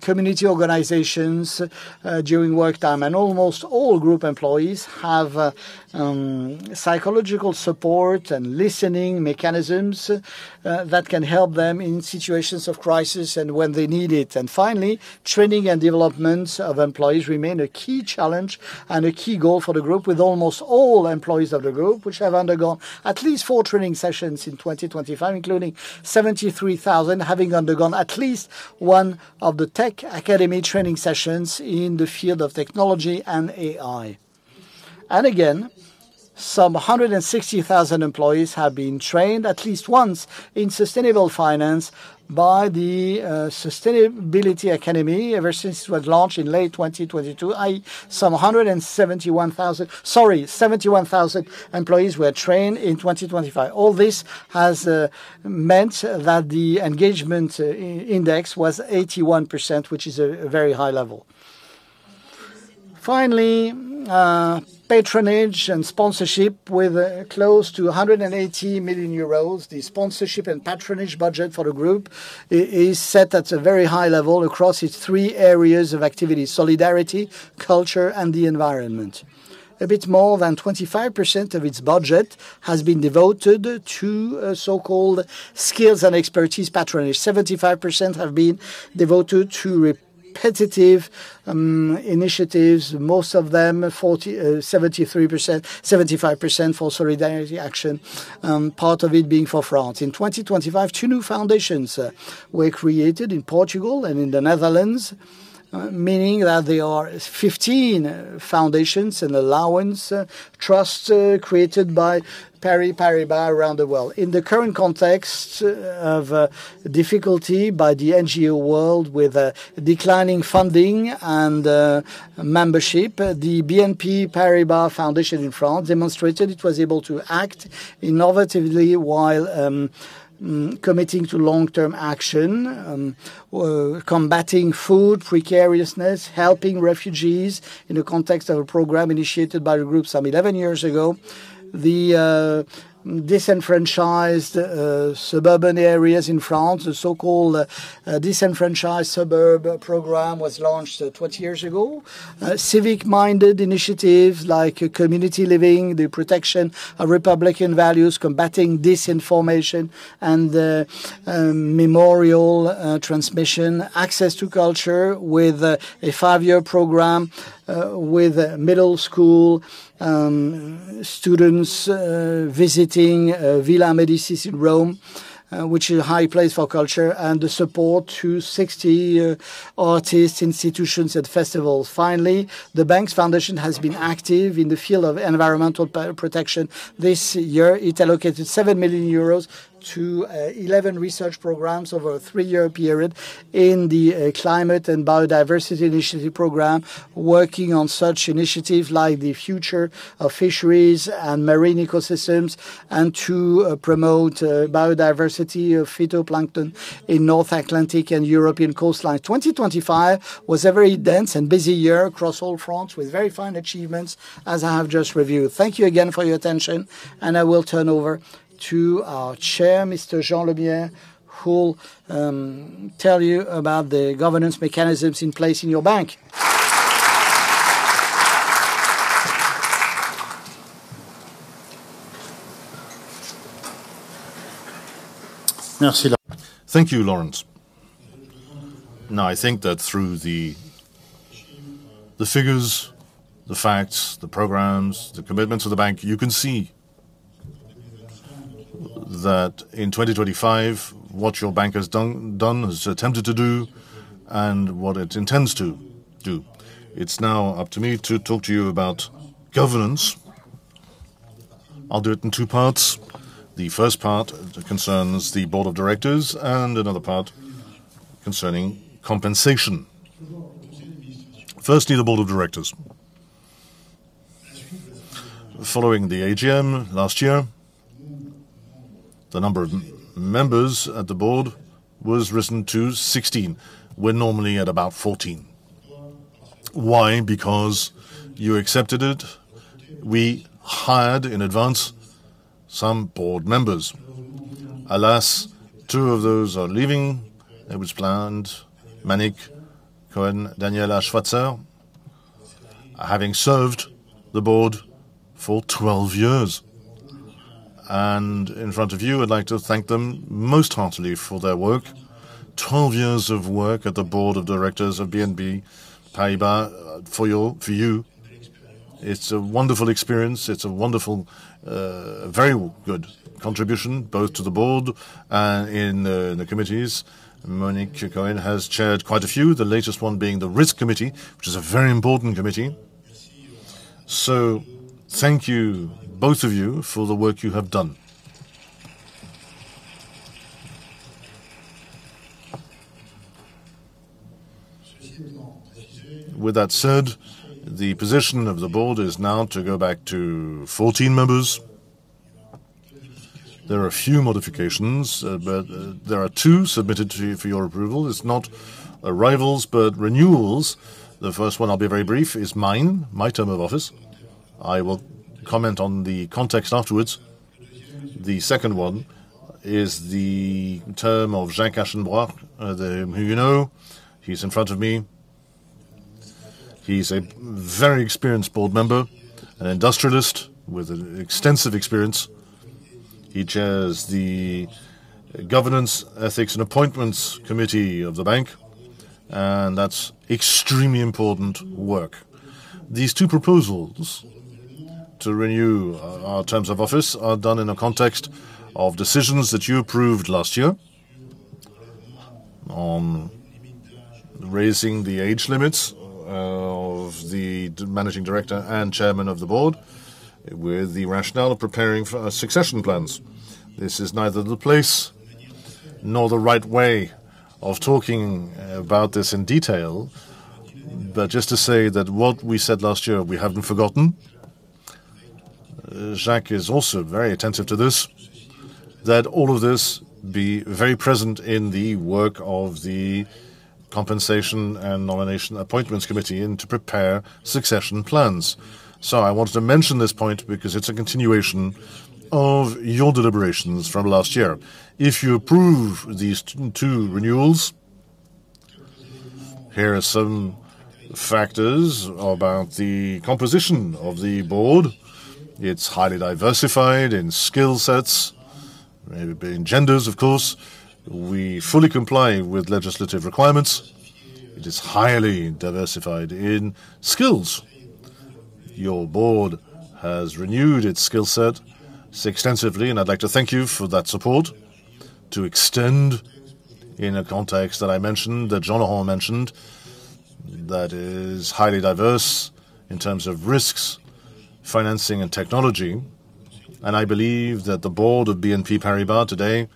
community organizations during work time. Almost all group employees have psychological support and listening mechanisms that can help them in situations of crisis and when they need it. Finally, training and development of employees remain a key challenge and a key goal for the group with almost all employees of the group, which have undergone at least four training sessions in 2025, including 73,000 having undergone at least one of the Tech Academy training sessions in the field of technology and AI. Again, some 160,000 employees have been trained at least once in sustainable finance by the Sustainability Academy ever since it was launched in late 2022. 71,000 employees were trained in 2025. All this has meant that the engagement index was 81%, which is a very high level. Finally, patronage and sponsorship with close to 180 million euros. The sponsorship and patronage budget for the group is set at a very high level across its three areas of activity: solidarity, culture, and the environment. A bit more than 25% of its budget has been devoted to so-called skills and expertise patronage. 75% have been devoted to repetitive initiatives, most of them 73%, 75% for solidarity action, part of it being for France. In 2025, two new foundations were created in Portugal and in the Netherlands, meaning that there are 15 foundations and allowance trusts created by BNP Paribas around the world. In the current context of difficulty by the NGO world with declining funding and membership, the BNP Paribas Foundation in France demonstrated it was able to act innovatively while committing to long-term action, combating food precariousness, helping refugees in the context of a program initiated by the group some 11 years ago. The disenfranchised suburban areas in France, the so-called Disenfranchised Suburb Program, was launched 20 years ago. Civic-minded initiatives like community living, the protection of Republican values, combating disinformation and the memorial transmission, access to culture with a five-year program with middle school students visiting Villa Medici in Rome, which is a high place for culture, and the support to 60 artists, institutions, and festivals. Finally, the bank's foundation has been active in the field of environmental protection. This year, it allocated 7 million euros to 11 research programs over a three-year period in the Climate and Biodiversity Initiative program, working on such initiatives like the future of fisheries and marine ecosystems, and to promote biodiversity of phytoplankton in North Atlantic and European coastlines. 2025 was a very dense and busy year across all fronts with very fine achievements, as I have just reviewed. Thank you again for your attention. I will turn over to our chair, Mr. Jean Lemierre, who'll tell you about the governance mechanisms in place in your bank. Thank you, Laurence. I think that through the figures, the facts, the programs, the commitments of the bank, you can see that in 2025, what your bank has done, has attempted to do and what it intends to do. It's now up to me to talk to you about governance. I'll do it in two parts. The first part concerns the Board of Directors and another part concerning compensation. Firstly, the Board of Directors. Following the AGM last year, the number of members at the Board was risen to 16. We're normally at about 14. Why? Because you accepted it. We hired in advance some Board Members. Alas, two of those are leaving. It was planned. Monique Cohen, Daniela Schwarzer, having served the board for 12 years. In front of you, I'd like to thank them most heartily for their work. 12 years of work at the Board of Directors of BNP Paribas. For you, it's a wonderful experience. It's a wonderful, very good contribution both to the Board, in the committees. Monique Cohen has Chaired quite a few, the latest one being the Risk Committee, which is a very important committee. Thank you, both of you, for the work you have done. With that said, the position of the Board is now to go back to 14 members. There are a few modifications, there are two submitted to you for your approval. It's not arrivals, renewals. The first one, I'll be very brief, is mine, my term of office. I will comment on the context afterwards. The second one is the term of Jacques Aschenbroich, who you know. He's in front of me. He's a very experienced Board Member, an industrialist with extensive experience. He Chairs the Governance, Ethics, and Appointments Committee of the bank. That's extremely important work. These two proposals to renew our terms of office are done in a context of decisions that you approved last year on raising the age limits of the managing Director and Chairman of the Board with the rationale of preparing for succession plans. This is neither the place nor the right way of talking about this in detail. Just to say that what we said last year, we haven't forgotten. Jacques is also very attentive to this, that all of this be very present in the work of the Compensation and Nomination Appointments Committee and to prepare succession plans. I wanted to mention this point because it's a continuation of your deliberations from last year. If you approve these two renewals, here are some factors about the composition of the Board. It's highly diversified in skill sets, maybe in genders, of course. We fully comply with legislative requirements. It is highly diversified in skills. Your Board has renewed its skill set extensively, I'd like to thank you for that support to extend in a context that I mentioned, that Jean-Laurent mentioned, that is highly diverse in terms of risks, financing, and technology. I believe that the Board of BNP Paribas today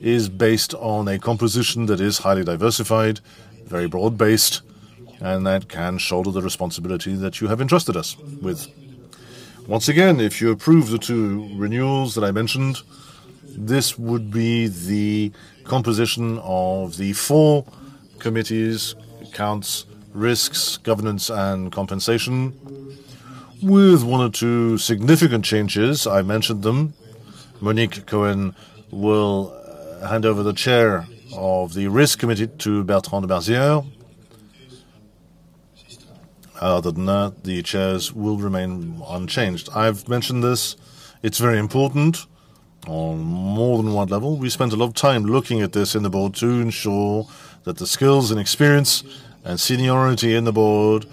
is based on a composition that is highly diversified, very broad-based, and that can shoulder the responsibility that you have entrusted us with. Once again, if you approve the two renewals that I mentioned, this would be the composition of the four committees: Accounts, Risks, Governance, and Compensation. With one or two significant changes, I mentioned them. Monique Cohen will hand over the Chair of the Risk Committee to Bertrand Badré. Other than that, the chairs will remain unchanged. I've mentioned this. It's very important on more than one level. We spent a lot of time looking at this in the Board to ensure that the skills and experience and seniority in the Board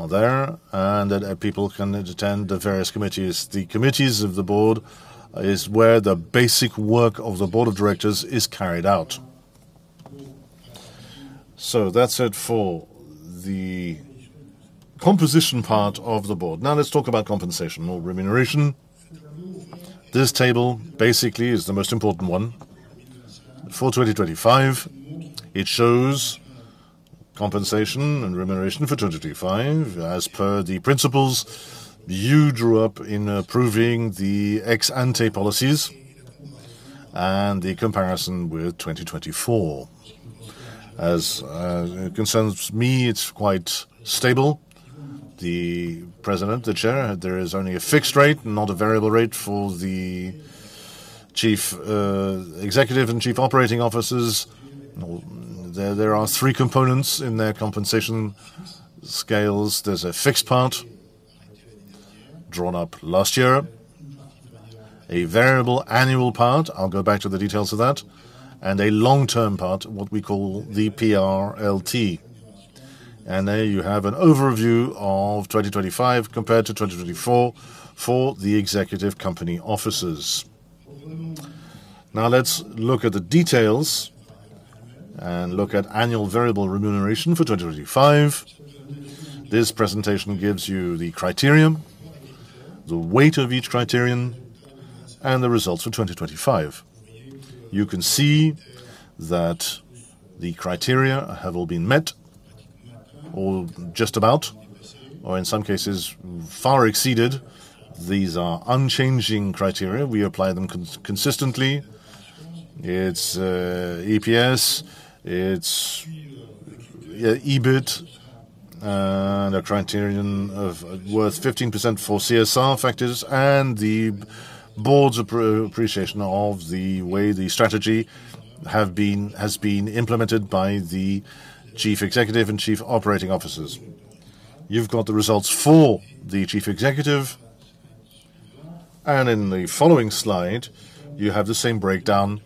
are there, and that people can attend the various committees. The Committees of the Board is where the basic work of the Board of Directors is carried out. That's it for the composition part of the Board. Let's talk about compensation or remuneration. This table basically is the most important one. For 2025, it shows compensation and remuneration for 2025 as per the principles you drew up in approving the ex ante policies and the comparison with 2024. As concerns me, it's quite stable. The President, the Chair, there is only a fixed rate, not a variable rate for the Chief Executive and Chief Operating Officers. Well, there are three components in their compensation scales. There's a fixed part drawn up last year, a variable annual part, I'll go back to the details of that, and a long-term part, what we call the PRLT. There you have an overview of 2025 compared to 2024 for the executive company officers. Now let's look at the details and look at annual variable remuneration for 2025. This presentation gives you the criterion, the weight of each criterion, and the results for 2025. You can see that the criteria have all been met, or just about, or in some cases, far exceeded. These are unchanging criteria. We apply them consistently. It's EPS, it's EBIT, and a criterion of worth 15% for CSR factors, and the Board's appreciation of the way the strategy has been implemented by the Chief Executive and Chief Operating Officers. You've got the results for the Chief Executive. In the following slide, you have the same breakdown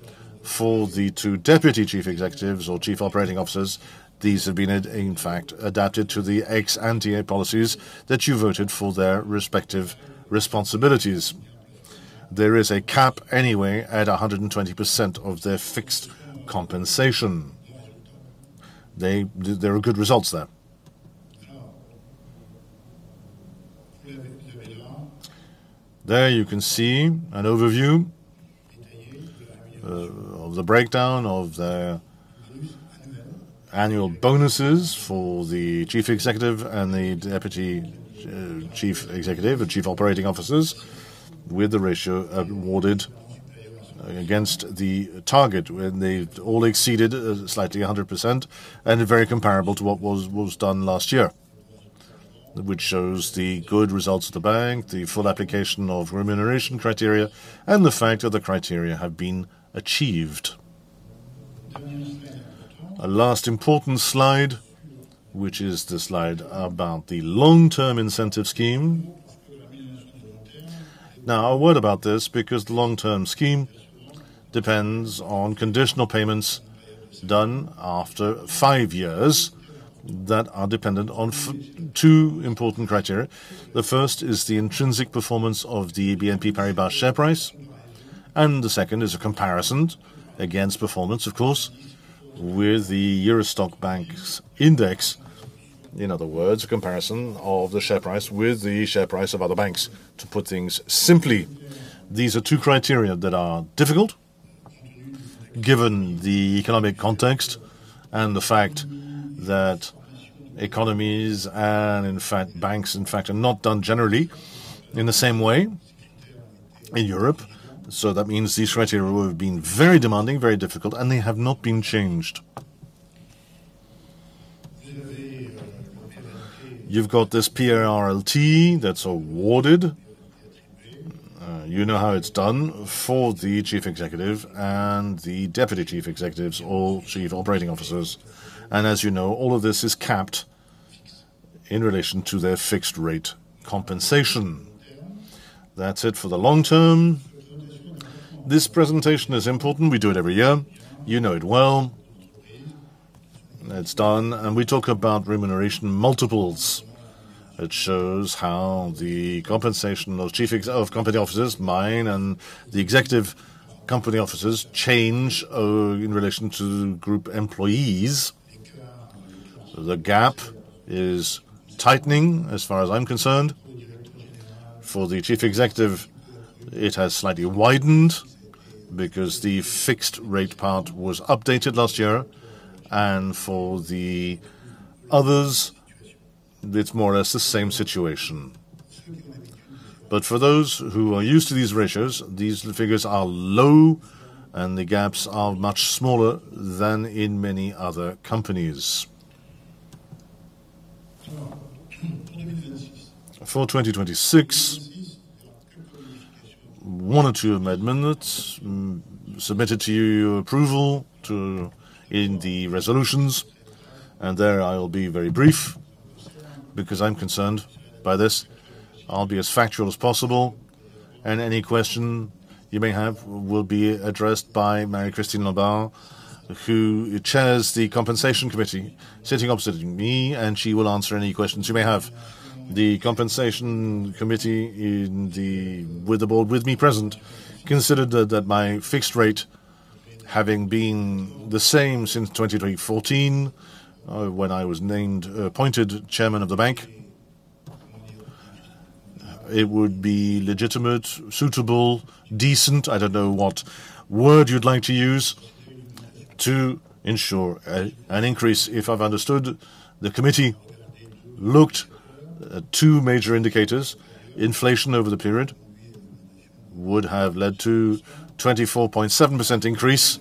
for the two Deputy Chief Executives or Chief Operating Officers. These have been, in fact, adapted to the ex ante policies that you voted for their respective responsibilities. There is a cap anyway at 120% of their fixed compensation. There are good results there. There you can see an overview of the breakdown of the annual bonuses for the Chief Executive and the Deputy Chief Executive and Chief Operating Officers with the ratio awarded against the target, when they all exceeded slightly 100% and very comparable to what was done last year, which shows the good results of the bank, the full application of remuneration criteria, and the fact that the criteria have been achieved. A last important slide, which is the slide about the long-term incentive scheme. Now, a word about this, because the long-term scheme depends on conditional payments done after five years that are dependent on two important criteria. The first is the intrinsic performance of the BNP Paribas share price. The second is a comparison against performance, of course, with the EURO STOXX Banks index. In other words, a comparison of the share price with the share price of other banks. To put things simply, these are two criteria that are difficult given the economic context and the fact that economies and, in fact, banks are not done generally in the same way in Europe. That means these criteria will have been very demanding, very difficult, and they have not been changed. You've got this PRLT that's awarded. You know how it's done for the Chief Executive and the Deputy Chief Executives or Chief Operating Officers. As you know, all of this is capped in relation to their fixed rate compensation. That's it for the long term. This presentation is important. We do it every year. You know it well. It's done. We talk about remuneration multiples. It shows how the compensation of company officers, mine and the Executive Company Officers change in relation to Group employees. The gap is tightening as far as I'm concerned. For the Chief Executive, it has slightly widened because the fixed rate part was updated last year. For the others, it's more or less the same situation. For those who are used to these ratios, these figures are low and the gaps are much smaller than in many other companies. For 2026, one or two amendments submitted to you, your approval in the resolutions. There I will be very brief because I'm concerned by this. I'll be as factual as possible. Any question you may have will be addressed by Marie-Christine Lombard, who chairs the Compensation Committee, sitting opposite me. She will answer any questions you may have. The Compensation Committee with the board, with me present, considered that my fixed rate, having been the same since 2014, when I was named, appointed Chairman of the Bank, it would be legitimate, suitable, decent, I don't know what word you'd like to use, to ensure an increase. If I've understood, the committee looked at two major indicators. Inflation over the period would have led to 24.7% increase.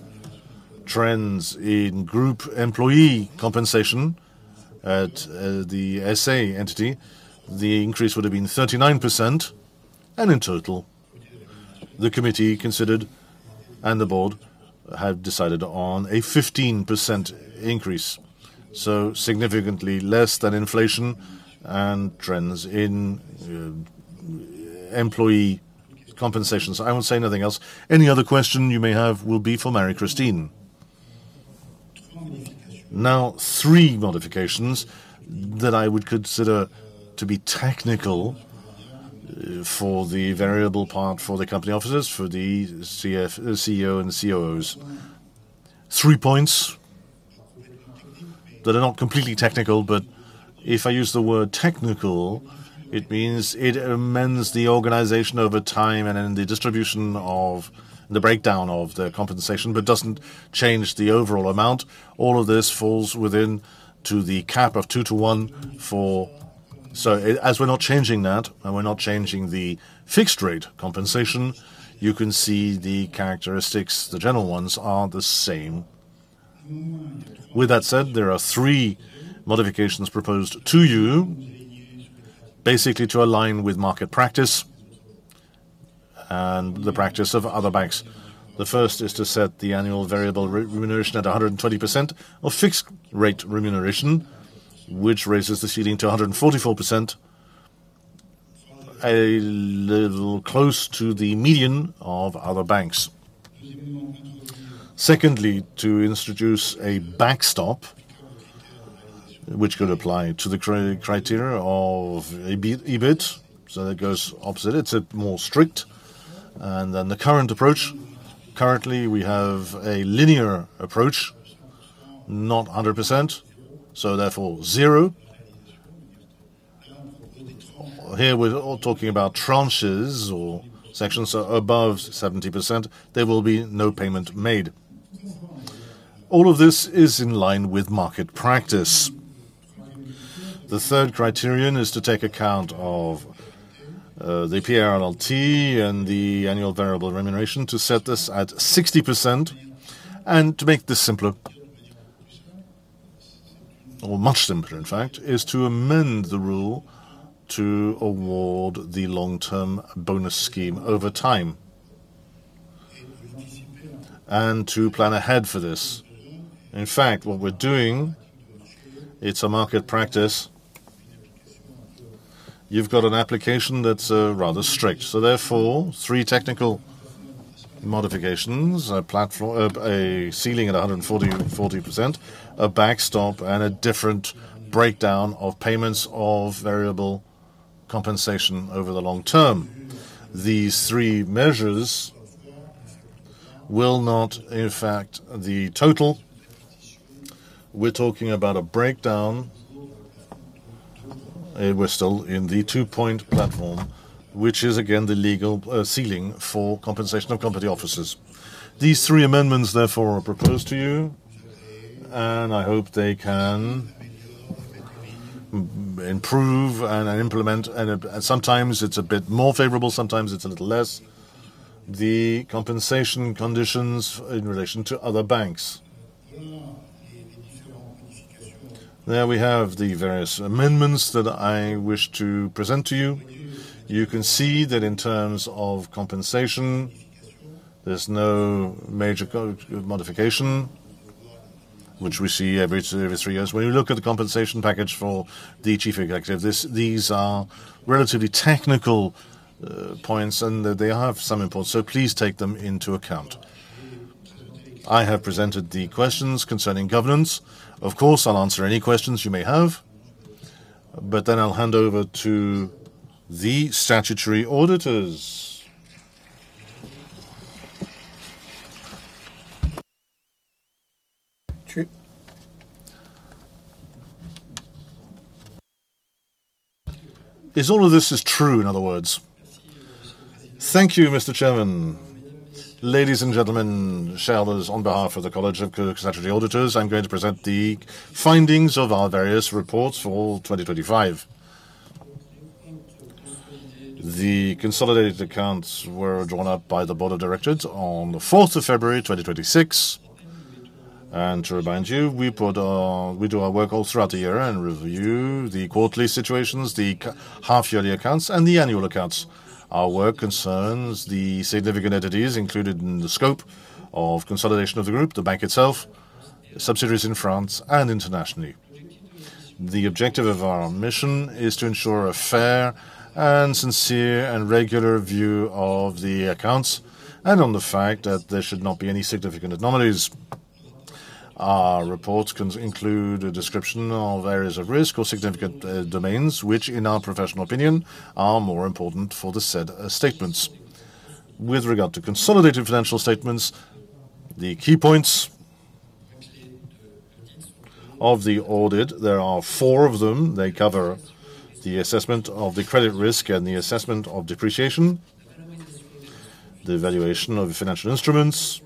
Trends in group employee compensation at the SA, the increase would have been 39%. In total, the committee considered and the Board have decided on a 15% increase, so significantly less than inflation and trends in employee compensations. I won't say anything else. Any other question you may have will be for Marie-Christine. Three modifications that I would consider to be technical for the variable part for the company officers, for the CEO, and COOs. Three points that are not completely technical, but if I use the word technical, it means it amends the organization over time and in the distribution of the breakdown of the compensation, but doesn't change the overall amount. All of this falls within to the cap of 2:1 for. As we're not changing that, and we're not changing the fixed-rate compensation, you can see the characteristics, the general ones are the same. There are three modifications proposed to you, basically to align with market practice and the practice of other banks. The first is to set the annual variable remuneration at 120% of fixed-rate remuneration, which raises the ceiling to 144%, a little close to the median of other banks. Secondly, to introduce a backstop which could apply to the criteria of EBIT. That goes opposite. It's more strict and than the current approach. Currently, we have a linear approach, not 100%, therefore zero. Here, we're all talking about tranches or sections. Above 70%, there will be no payment made. All of this is in line with market practice. The third criterion is to take account of the PRLT and the annual variable remuneration to set this at 60% and to make this simpler. Much simpler, in fact, is to amend the rule to award the long-term bonus scheme over time and to plan ahead for this. In fact, what we're doing, it's a market practice. You've got an application that's rather strict. Therefore, three technical modifications, a ceiling at 140%, a backstop, and a different breakdown of payments of variable compensation over the long term. These three measures will not affect the total. We're talking about a breakdown. We're still in the two-point platform, which is again, the legal ceiling for compensation of company officers. These three amendments, therefore, are proposed to you, and I hope they can improve and implement, and sometimes it's a bit more favorable, sometimes it's a little less, the compensation conditions in relation to other banks. There we have the various amendments that I wish to present to you. You can see that in terms of compensation, there's no major modification, which we see every three years. When you look at the compensation package for the Chief Executive, these are relatively technical points, and they have some importance. Please take them into account. I have presented the questions concerning governance. Of course, I'll answer any questions you may have. I'll hand over to the Statutory Auditors. True. Is all of this true, in other words. Thank you, Mr. Chairman. Ladies and gentlemen, shareholders, on behalf of the College of Co-Statutory Auditors, I'm going to present the findings of our various reports for 2025. The consolidated accounts were drawn up by the Board of Directors on the 4th of February, 2026. To remind you, we do our work all throughout the year and review the quarterly situations, the half-yearly accounts, and the annual accounts. Our work concerns the significant entities included in the scope of consolidation of the group, the bank itself, subsidiaries in France and internationally. The objective of our mission is to ensure a fair and sincere and regular view of the accounts, and on the fact that there should not be any significant anomalies. Our reports can include a description of areas of risk or significant domains, which, in our professional opinion, are more important for the said statements. With regard to consolidated financial statements, the key points of the audit, there are four of them. They cover the assessment of the credit risk and the assessment of depreciation, the valuation of financial instruments,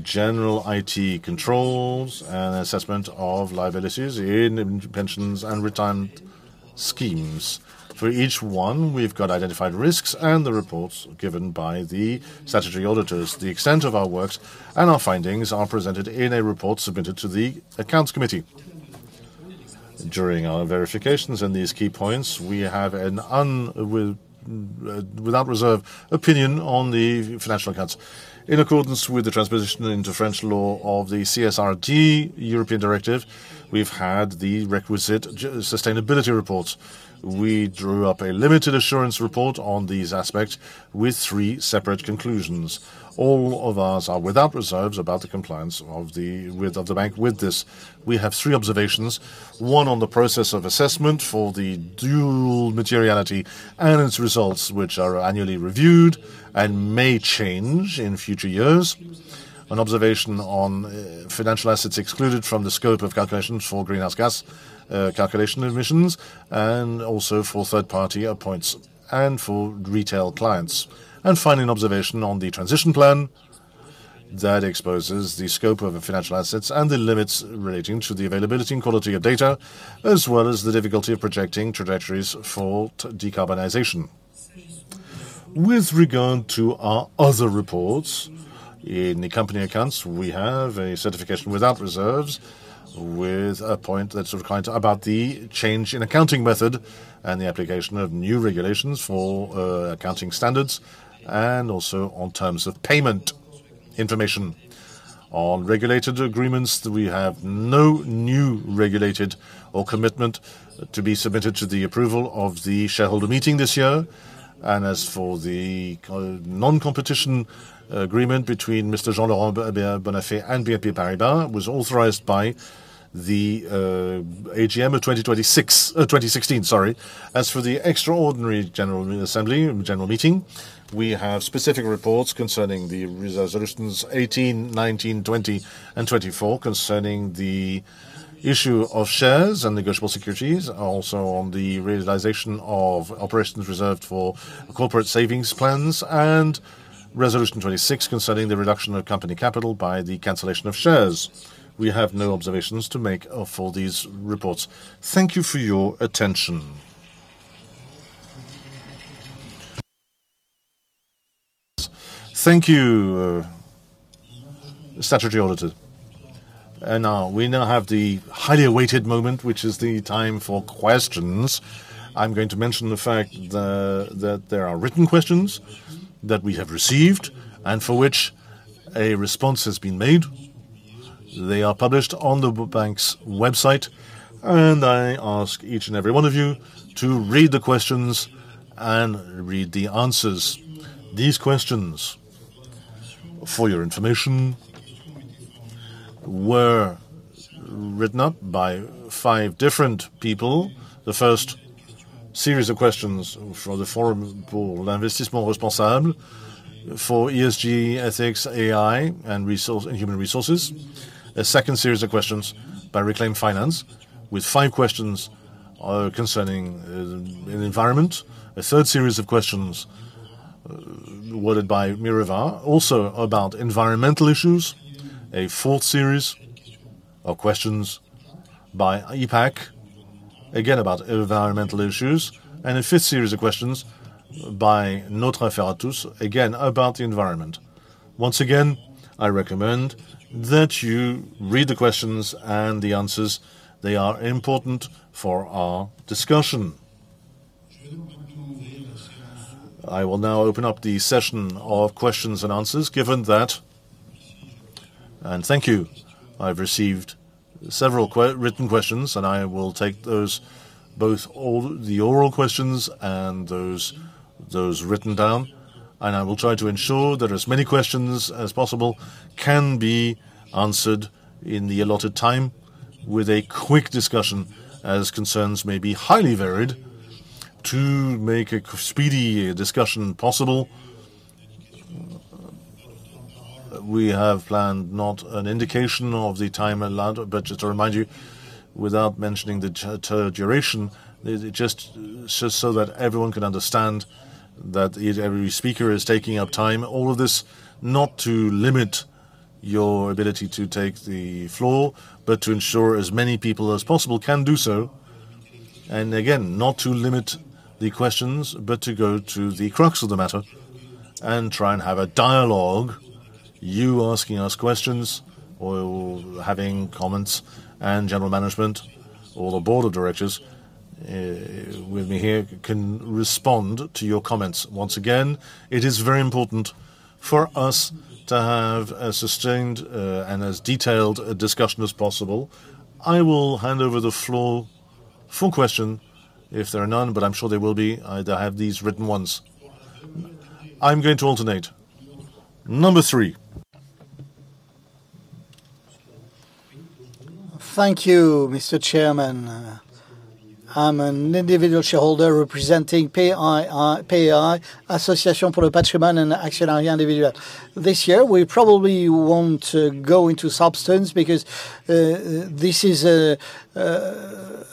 general IT controls, and assessment of liabilities in pensions and retirement schemes. For each one, we've got identified risks and the reports given by the Statutory Auditors. The extent of our works and our findings are presented in a report submitted to the Accounts Committee. During our verifications in these key points, we have without reserve opinion on the financial accounts. In accordance with the transposition into French law of the CSRD European directive, we've had the requisite sustainability reports. We drew up a limited assurance report on these aspects with three separate conclusions. All of ours are without reserves about the compliance of the bank. We have three observations. One on the process of assessment for the dual materiality and its results, which are annually reviewed and may change in future years. An observation on financial assets excluded from the scope of calculations for greenhouse gas calculation emissions, and also for third-party appoints and for retail clients. Finally, an observation on the transition plan that exposes the scope of the financial assets and the limits relating to the availability and quality of data, as well as the difficulty of projecting trajectories for decarbonization. With regard to our other reports, in the company accounts, we have a certification without reserves, with a point that's required about the change in accounting method and the application of new regulations for accounting standards, and also on terms of payment information. On regulated agreements, we have no new regulated or commitment to be submitted to the approval of the shareholder meeting this year. As for the non-competition agreement between Mr. Jean-Laurent Bonnafé and BNP Paribas was authorized by the AGM of 2016, sorry. As for the extraordinary general meeting, we have specific reports concerning the resolutions 18, 19, 20 and 24 concerning the issue of shares and negotiable securities, also on the realization of operations reserved for corporate savings plans, and resolution 26 concerning the reduction of company capital by the cancellation of shares. We have no observations to make for these reports. Thank you for your attention. Thank you, Statutory Auditor. We now have the highly awaited moment, which is the time for questions. I'm going to mention the fact that there are written questions that we have received and for which a response has been made. They are published on the bank's website, and I ask each and every one of you to read the questions and read the answers. These questions, for your information, were written up by five different people. The first series of questions for the Forum pour l'Investissement Responsable for ESG, ethics, AI, and resource, and human resources. A second series of questions by Reclaim Finance, with five questions concerning the environment. A third series of questions worded by Mirova, also about environmental issues. A fourth series of questions by EPAC, again, about environmental issues. A fifth series of questions by Notre Affaire à Tous, again, about the environment. Once again, I recommend that you read the questions and the answers. They are important for our discussion. I will now open up the session of questions and answers. Thank you. I've received several written questions. I will take those, both all the oral questions and those written down. I will try to ensure that as many questions as possible can be answered in the allotted time with a quick discussion, as concerns may be highly varied. To make a speedy discussion possible, we have planned not an indication of the time allowed, but just to remind you, without mentioning the duration, just so that everyone can understand that each and every speaker is taking up time. All of this not to limit your ability to take the floor, but to ensure as many people as possible can do so. Again, not to limit the questions, but to go to the crux of the matter and try and have a dialogue, you asking us questions or having comments, and general management or the Board of Directors, with me here can respond to your comments. Once again, it is very important for us to have a sustained and as detailed a discussion as possible. I will hand over the floor for question, if there are none, but I'm sure there will be. I have these written ones. I'm going to alternate. Number three. Thank you, Mr. Chairman. I'm an individual shareholder representing L'APAI, Association pour le Patrimoine et l'Actionnariat Individuel. This year, we probably won't go into substance because this is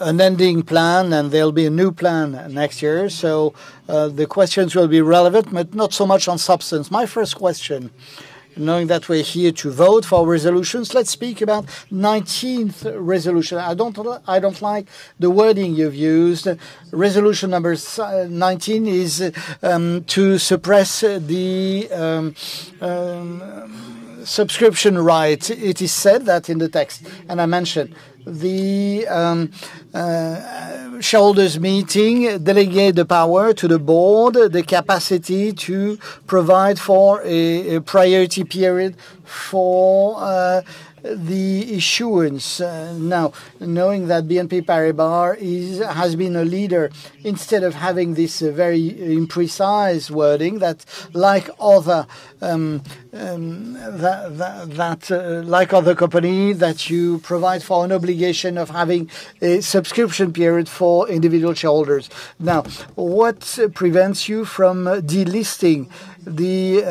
an ending plan, and there'll be a new plan next year. The questions will be relevant, but not so much on substance. My first question, knowing that we're here to vote for resolutions, let's speak about 19th resolution. I don't like the wording you've used. Resolution number 19 is to suppress the subscription right. It is said that in the text, I mention the shareholders meeting delegate the power to the Board, the capacity to provide for a priority period for the issuance. Knowing that BNP Paribas has been a leader, instead of having this very imprecise wording that like other company, that you provide for an obligation of having a subscription period for individual shareholders. What prevents you from delisting the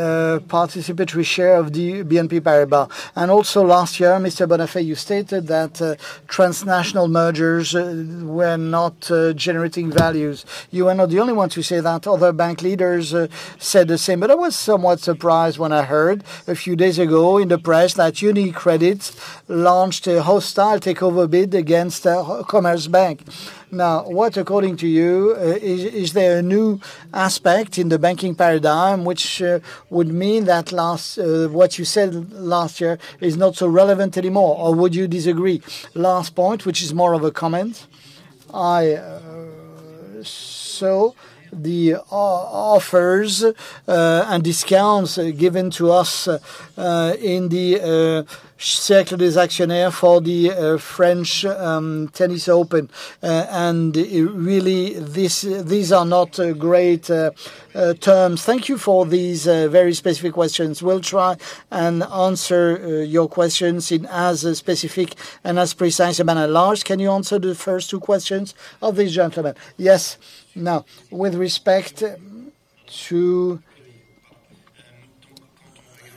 participatory share of BNP Paribas? Last year, Mr. Bonnafé, you stated that transnational mergers were not generating values. You are not the only one to say that. Other bank leaders said the same. I was somewhat surprised when I heard a few days ago in the press that UniCredit launched a hostile takeover bid against Commerzbank. What according to you, is there a new aspect in the banking paradigm which would mean that what you said last year is not so relevant anymore, or would you disagree? Last point, which is more of a comment. I saw the offers and discounts given to us in the Cercle des Actionnaires for the French Tennis Open. Really, these are not great terms. Thank you for these very specific questions. We'll try and answer your questions in as specific and as precise a manner. Lars, can you answer the first two questions of this gentleman? Yes. Now, with respect to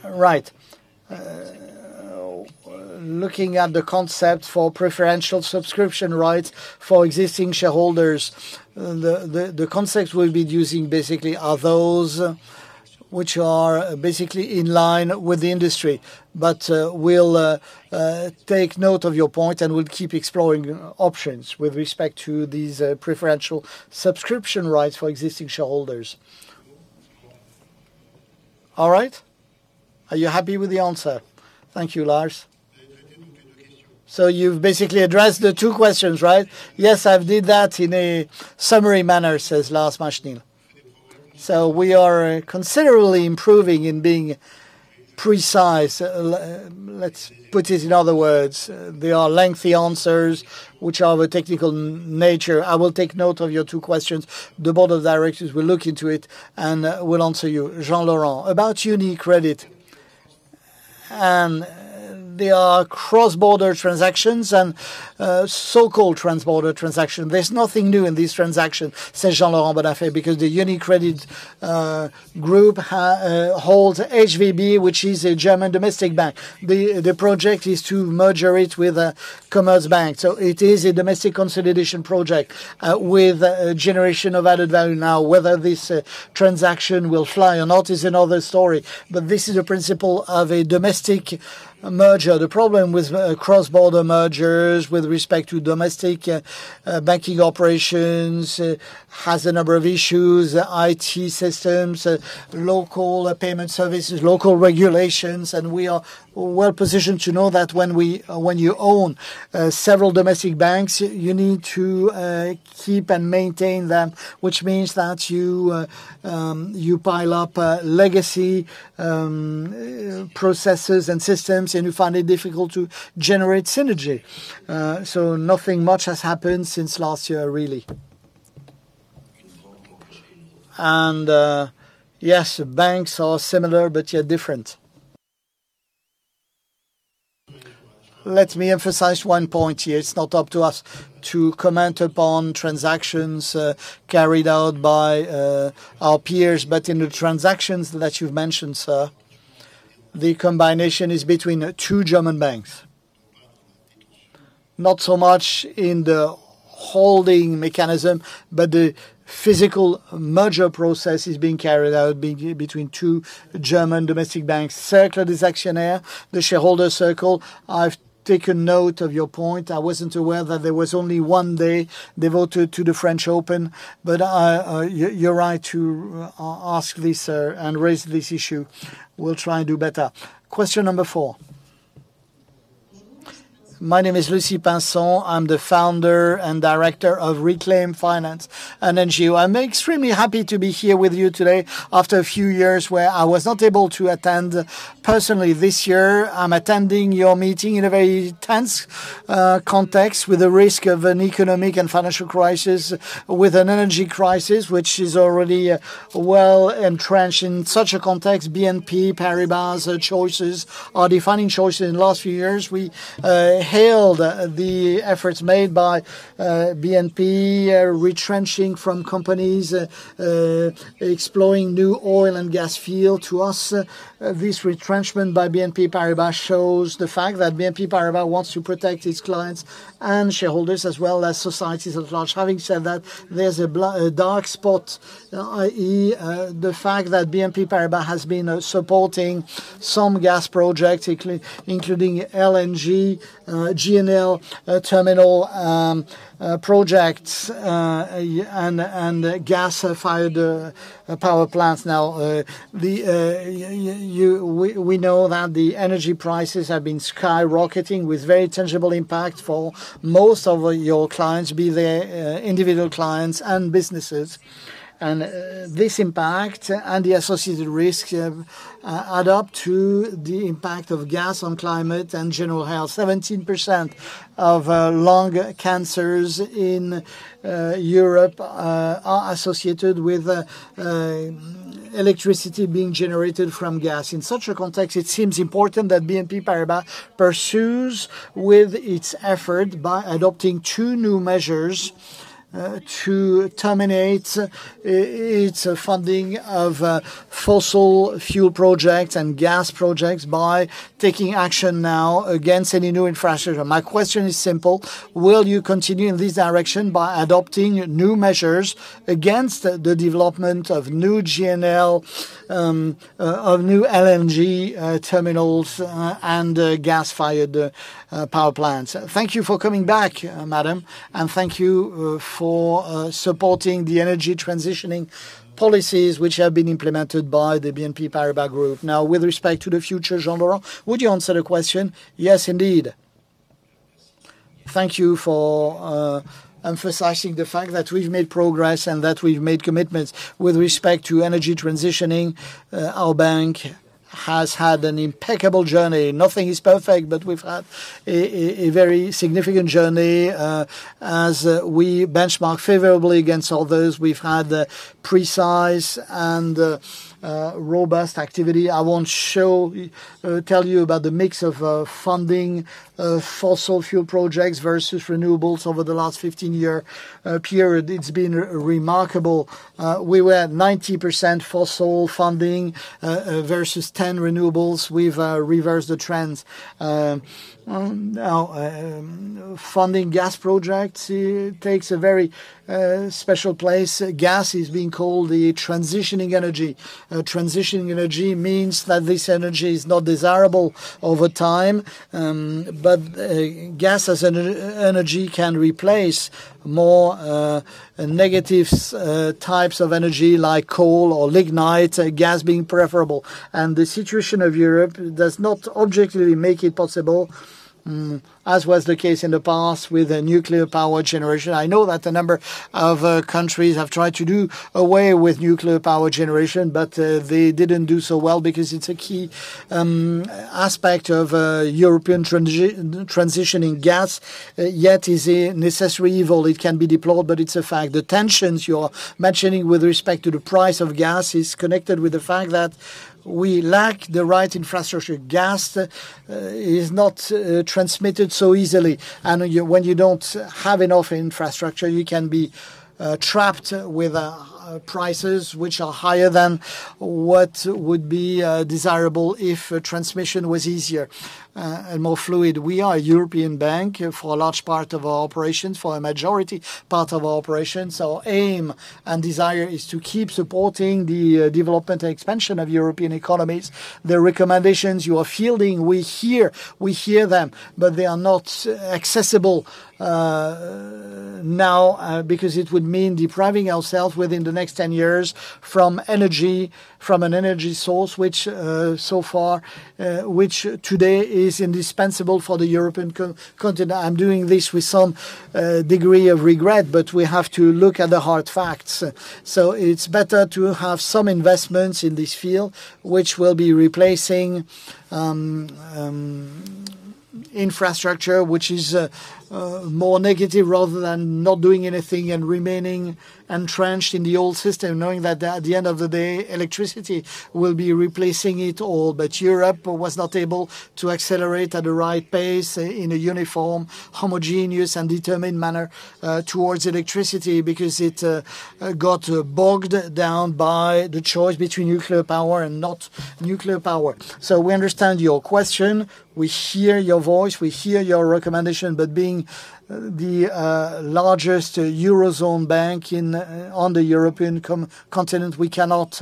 Right. Looking at the concept for preferential subscription rights for existing shareholders, the concepts we'll be using basically are those which are basically in line with the industry. We'll take note of your point, and we'll keep exploring options with respect to these preferential subscription rights for existing shareholders. All right? Are you happy with the answer? Thank you, Lars. You've basically addressed the two questions, right? "Yes, I've did that in a summary manner," says Lars Machenil. We are considerably improving in being precise. Let's put it in other words. They are lengthy answers, which are of a technical nature. I will take note of your two questions. The Board of Directors will look into it and will answer you. Jean-Laurent. About UniCredit, there are cross-border transactions and so-called transborder transaction. There's nothing new in this transaction, says Jean-Laurent Bonnafé, because the UniCredit group holds HVB, which is a German domestic bank. The project is to merger it with Commerzbank, so it is a domestic consolidation project with generation of added value. Now, whether this transaction will fly or not is another story. This is a principle of a domestic merger. The problem with cross-border mergers with respect to domestic banking operations has a number of issues, IT systems, local payment services, local regulations, and we are well-positioned to know that when we, when you own several domestic banks, you need to keep and maintain them, which means that you pile up legacy processes and systems, and you find it difficult to generate synergy. Nothing much has happened since last year really. Yes, banks are similar but yet different. Let me emphasize one point here. It's not up to us to comment upon transactions carried out by our peers. In the transactions that you've mentioned, sir, the combination is between two German banks. Not so much in the holding mechanism, but the physical merger process is being carried out between two German domestic banks. Cercle des Actionnaires, the shareholder circle, I've taken note of your point. I wasn't aware that there was only one day devoted to the French Open. You're right to ask this, sir, and raise this issue. We'll try and do better. Question number four. My name is Lucie Pinson. I'm the Founder and Director of Reclaim Finance, an NGO. I'm extremely happy to be here with you today after a few years where I was not able to attend personally. This year, I'm attending your meeting in a very tense context with the risk of an economic and financial crisis, with an energy crisis which is already well-entrenched. In such a context, BNP Paribas' choices are defining choices. In the last few years, we hailed the efforts made by BNP retrenching from companies exploring new oil and gas field. To us, this retrenchment by BNP Paribas shows the fact that BNP Paribas wants to protect its clients and shareholders as well as societies at large. Having said that, there's a dark spot, i.e., the fact that BNP Paribas has been supporting some gas projects, including LNG, GNL terminal projects and gas-fired power plants. Now, we know that the energy prices have been skyrocketing with very tangible impact for most of your clients, be they individual clients and businesses. This impact and the associated risk add up to the impact of gas on climate and general health. 17% of lung cancers in Europe are associated with Electricity being generated from gas. In such a context, it seems important that BNP Paribas pursues with its effort by adopting two new measures to terminate its funding of fossil fuel projects and gas projects by taking action now against any new infrastructure. My question is simple: Will you continue in this direction by adopting new measures against the development of new GNL of new LNG terminals and gas-fired power plants? Thank you for coming back, madam, and thank you for supporting the energy transitioning policies which have been implemented by the BNP Paribas Group. With respect to the future, Jean-Laurent, would you answer the question? Yes, indeed. Thank you for emphasizing the fact that we've made progress and that we've made commitments with respect to energy transitioning. Our bank has had an impeccable journey. Nothing is perfect, but we've had a very significant journey. As we benchmark favorably against others, we've had a precise and robust activity. I won't tell you about the mix of funding fossil fuel projects versus renewables over the last 15-year period. It's been remarkable. We were at 90% fossil funding versus 10 renewables. We've reversed the trends. Now, funding gas projects, it takes a very special place. Gas is being called the transitioning energy. Transitioning energy means that this energy is not desirable over time. Gas as an e-energy can replace more negative types of energy like coal or lignite, gas being preferable. The situation of Europe does not objectively make it possible, as was the case in the past with a nuclear power generation. I know that a number of countries have tried to do away with nuclear power generation, they didn't do so well because it's a key aspect of European transitioning gas. Yet is a necessary evil. It can be deplored, it's a fact. The tensions you're mentioning with respect to the price of gas is connected with the fact that we lack the right infrastructure. Gas is not transmitted so easily. When you don't have enough infrastructure, you can be trapped with prices which are higher than what would be desirable if transmission was easier and more fluid. We are a European bank for a large part of our operations, for a majority part of our operations. Our aim and desire is to keep supporting the development and expansion of European economies. The recommendations you are fielding, we hear. We hear them, but they are not accessible now because it would mean depriving ourselves within the next 10 years from energy, from an energy source which so far, which today is indispensable for the European continent. I'm doing this with some degree of regret, but we have to look at the hard facts. It's better to have some investments in this field which will be replacing infrastructure which is more negative rather than not doing anything and remaining entrenched in the old system, knowing that at the end of the day, electricity will be replacing it all. Europe was not able to accelerate at the right pace in a uniform, homogeneous, and determined manner towards electricity because it got bogged down by the choice between nuclear power and not nuclear power. We understand your question. We hear your voice, we hear your recommendation, being the largest Eurozone bank in, on the European continent, we cannot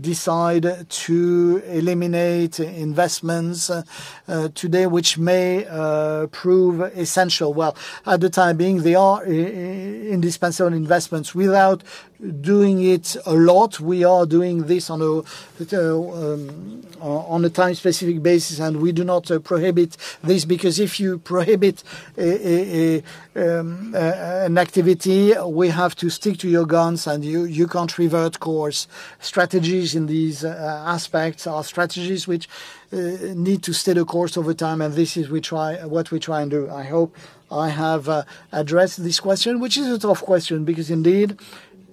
decide to eliminate investments today, which may prove essential. Well, at the time being, they are indispensable investments. Without doing it a lot, we are doing this on a time-specific basis, and we do not prohibit this, because if you prohibit an activity, we have to stick to your guns and you can't revert course. Strategies in these aspects are strategies which need to stay the course over time, and this is what we're trying to do. I hope I have addressed this question, which is a tough question, because indeed,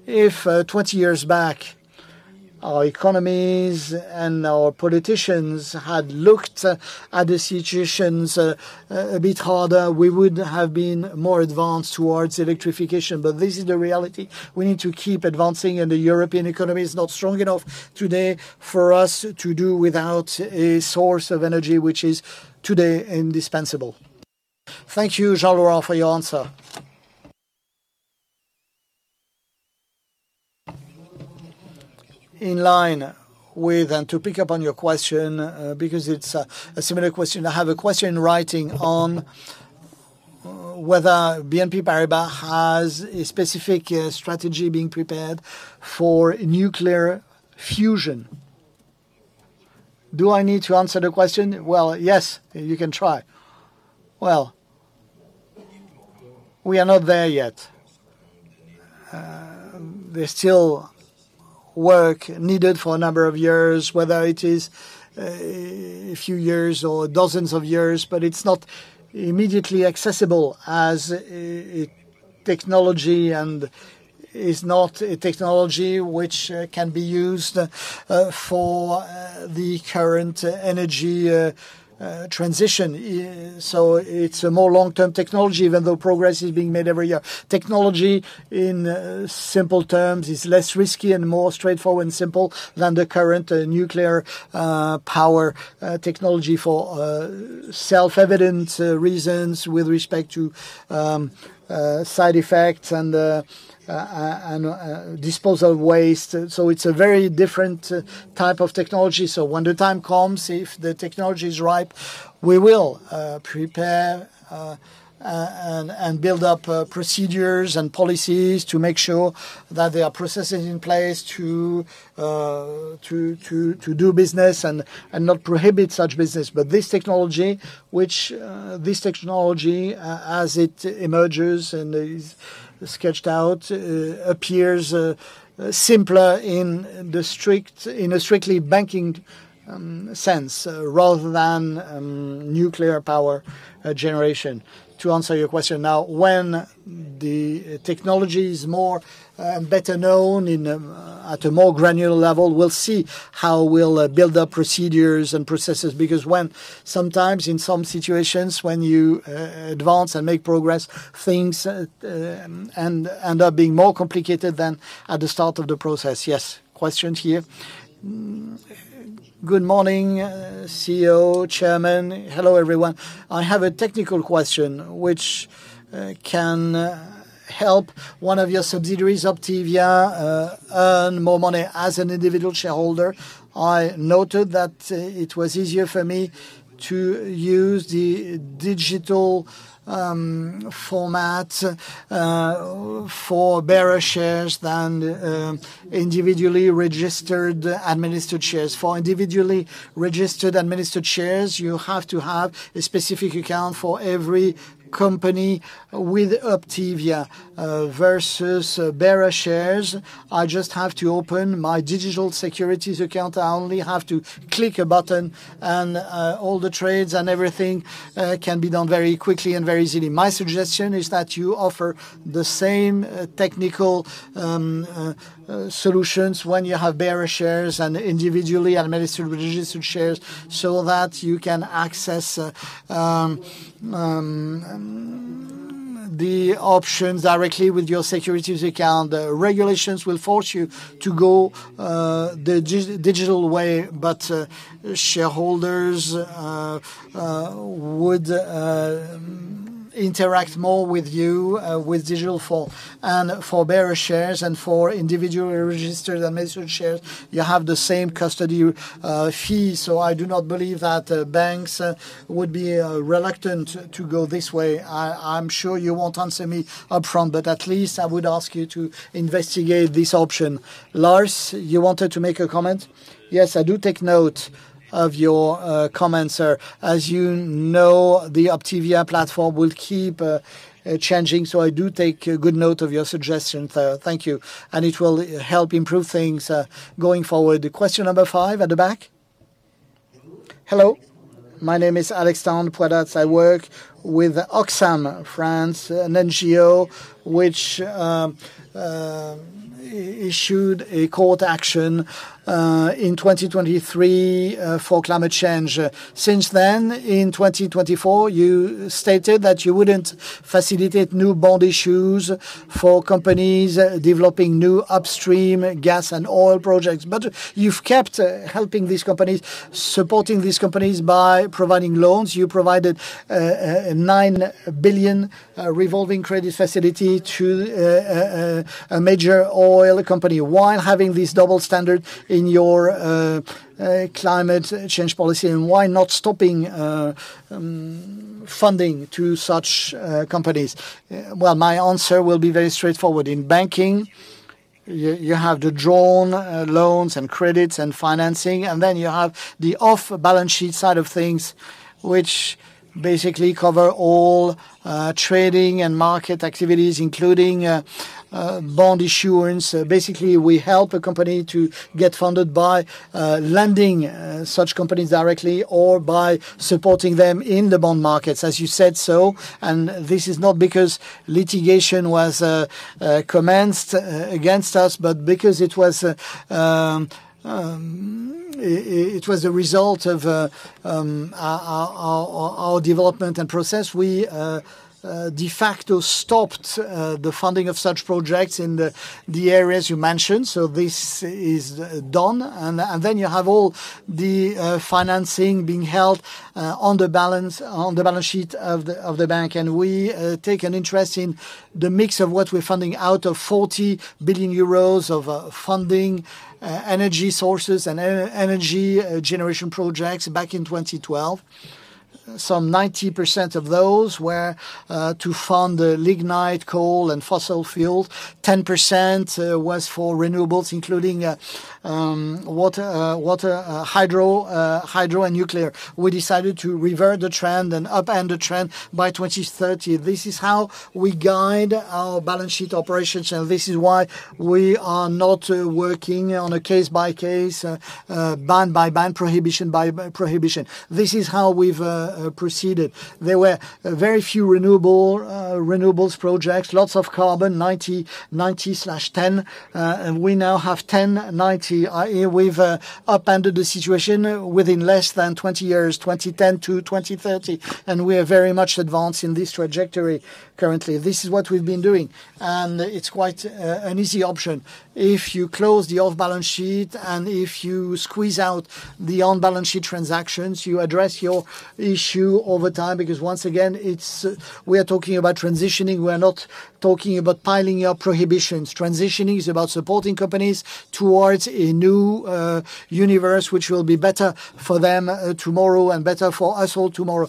if 20 years back, our economies and our politicians had looked at the situations a bit harder, we would have been more advanced towards electrification. This is the reality. We need to keep advancing, and the European economy is not strong enough today for us to do without a source of energy which is today indispensable. Thank you, Jean-Laurent, for your answer. In line with, and to pick up on your question, because it's a similar question, I have a question in writing on whether BNP Paribas has a specific strategy being prepared for nuclear fusion. Do I need to answer the question? Well, yes, you can try. Well, we are not there yet. There's still work needed for a number of years, whether it is a few years or dozens of years, but it's not immediately accessible as technology and is not a technology which can be used for the current energy transition. So it's a more long-term technology even though progress is being made every year. Technology, in simple terms, is less risky and more straightforward and simple than the current nuclear power technology for self-evident reasons with respect to side effects and disposal of waste. It's a very different type of technology. When the time comes, if the technology is ripe, we will prepare and build up procedures and policies to make sure that there are processes in place to do business and not prohibit such business. This technology which, this technology, as it emerges and is sketched out, appears simpler in the strict, in a strictly banking sense, rather than nuclear power generation. To answer your question now, when the technology is more better known at a more granular level, we'll see how we'll build up procedures and processes. Because when sometimes in some situations, when you advance and make progress, things end up being more complicated than at the start of the process. Yes. Question here. Good morning, CEO, Chairman. Hello, everyone. I have a technical question which can help one of your subsidiaries, Uptevia, earn more money. As an individual shareholder, I noted that it was easier for me to use the digital format for bearer shares than individually registered administered shares. For individually registered administered shares, you have to have a specific account for every company with Uptevia. Versus bearer shares, I just have to open my digital securities account. I only have to click a button, and all the trades and everything can be done very quickly and very easily. My suggestion is that you offer the same technical solutions when you have bearer shares and individually administered registered shares so that you can access the options directly with your securities account. Regulations will force you to go the digital way, but shareholders would interact more with you with digital for and for bearer shares and for individually registered administered shares. You have the same custody fees, so I do not believe that banks would be reluctant to go this way. I'm sure you won't answer me upfront, but at least I would ask you to investigate this option. Lars, you wanted to make a comment? Yes, I do take note of your comment, sir. As you know, the Uptevia platform will keep changing, so I do take good note of your suggestion. Thank you, it will help improve things going forward. Question number five at the back. Hello. My name is Alexandre Poidatz. I work with Oxfam France, an NGO which issued a court action in 2023 for climate change. Since then, in 2024, you stated that you wouldn't facilitate new bond issues for companies developing new upstream gas and oil projects. You've kept helping these companies, supporting these companies by providing loans. You provided a 9 billion revolving credit facility to a major oil company. Why having this double standard in your climate change policy, and why not stopping funding to such companies? Well, my answer will be very straightforward. In banking, you have the drawn loans and credits and financing, and then you have the off-balance sheet side of things, which basically cover all trading and market activities, including bond issuance. Basically, we help a company to get funded by lending such companies directly or by supporting them in the bond markets, as you said so. This is not because litigation was commenced against us, but because it was a result of our development and process. We de facto stopped the funding of such projects in the areas you mentioned, so this is done. Then you have all the financing being held on the balance sheet of the bank. We take an interest in the mix of what we're funding out of 40 billion euros of funding, energy sources and energy generation projects back in 2012. Some 90% of those were to fund the lignite coal and fossil fuel. 10% was for renewables, including water, hydro and nuclear. We decided to revert the trend and upend the trend by 2030. This is how we guide our balance sheet operations, this is why we are not working on a case-by-case, ban-by-ban, prohibition-by-prohibition. This is how we've proceeded. There were very few renewable, renewables projects, lots of carbon, 90/10. We now have 1090. We've upended the situation within less than 20 years, 2010 to 2030, and we are very much advanced in this trajectory currently. This is what we've been doing, and it's quite an easy option. If you close the off-balance sheet and if you squeeze out the on-balance sheet transactions, you address your issue over time, because once again, it's, we are talking about transitioning. We are not talking about piling up prohibitions. Transitioning is about supporting companies towards a new universe, which will be better for them tomorrow and better for us all tomorrow.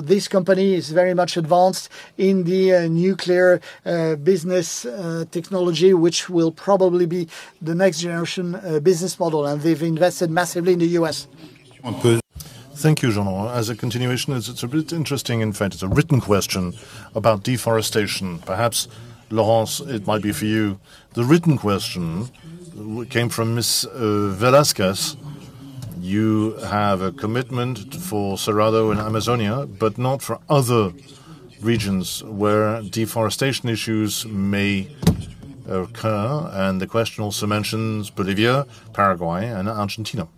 This company is very much advanced in the nuclear business technology, which will probably be the next generation business model, and they've invested massively in the U.S. Thank you, Jean. As a continuation, it's a bit interesting. It's a written question about deforestation. Perhaps, Laurence, it might be for you. The written question came from Miss Velasquez. You have a commitment for Cerrado and Amazonia, but not for other regions where deforestation issues may occur, and the question also mentions Bolivia, Paraguay, and Argentina.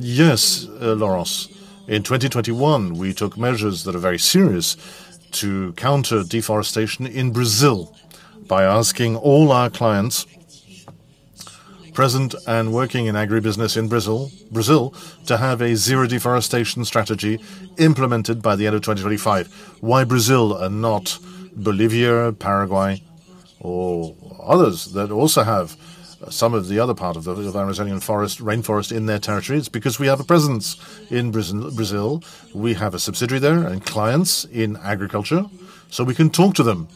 Yes, Laurence, in 2021, we took measures that are very serious to counter deforestation in Brazil by asking all our clients present and working in agribusiness in Brazil to have a zero-deforestation strategy implemented by the end of 2025. Why Brazil and not Bolivia, Paraguay, or others that also have some of the other part of the Amazonian forest, rainforest in their territory? It's because we have a presence in Brazil. We have a subsidiary there and clients in agriculture, so we can talk to them.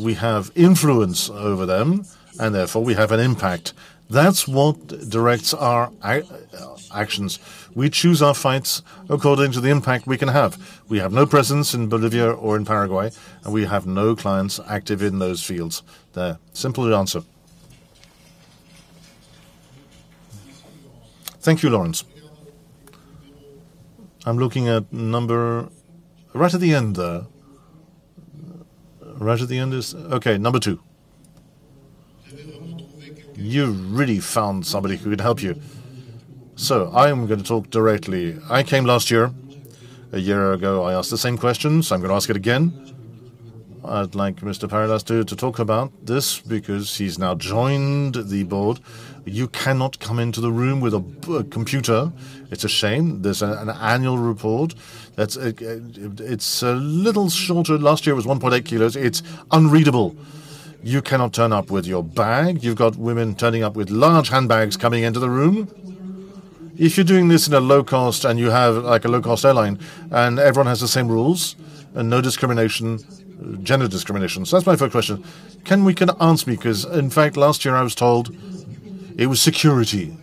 We have influence over them, and therefore, we have an impact. That's what directs our actions. We choose our fights according to the impact we can have. We have no presence in Bolivia or in Paraguay, and we have no clients active in those fields there. Simple answer. Thank you, Laurence. I'm looking at number right at the end there. Right at the end is Okay, number two. You really found somebody who could help you. I am gonna talk directly. I came last year. A year ago, I asked the same question, so I'm gonna ask it again. I'd like Mr. Antoine Sire, too, to talk about this because he's now joined the Board. You cannot come into the room with a computer. It's a shame. There's an annual report that's. It's a little shorter. Last year, it was 1.8 kilos. It's unreadable. You cannot turn up with your bag. You've got women turning up with large handbags coming into the room. If you're doing this in a low-cost and you have like a low-cost airline, and everyone has the same rules and no discrimination, gender discrimination. That's my first question. Can we get an answer because, in fact, last year I was told it was security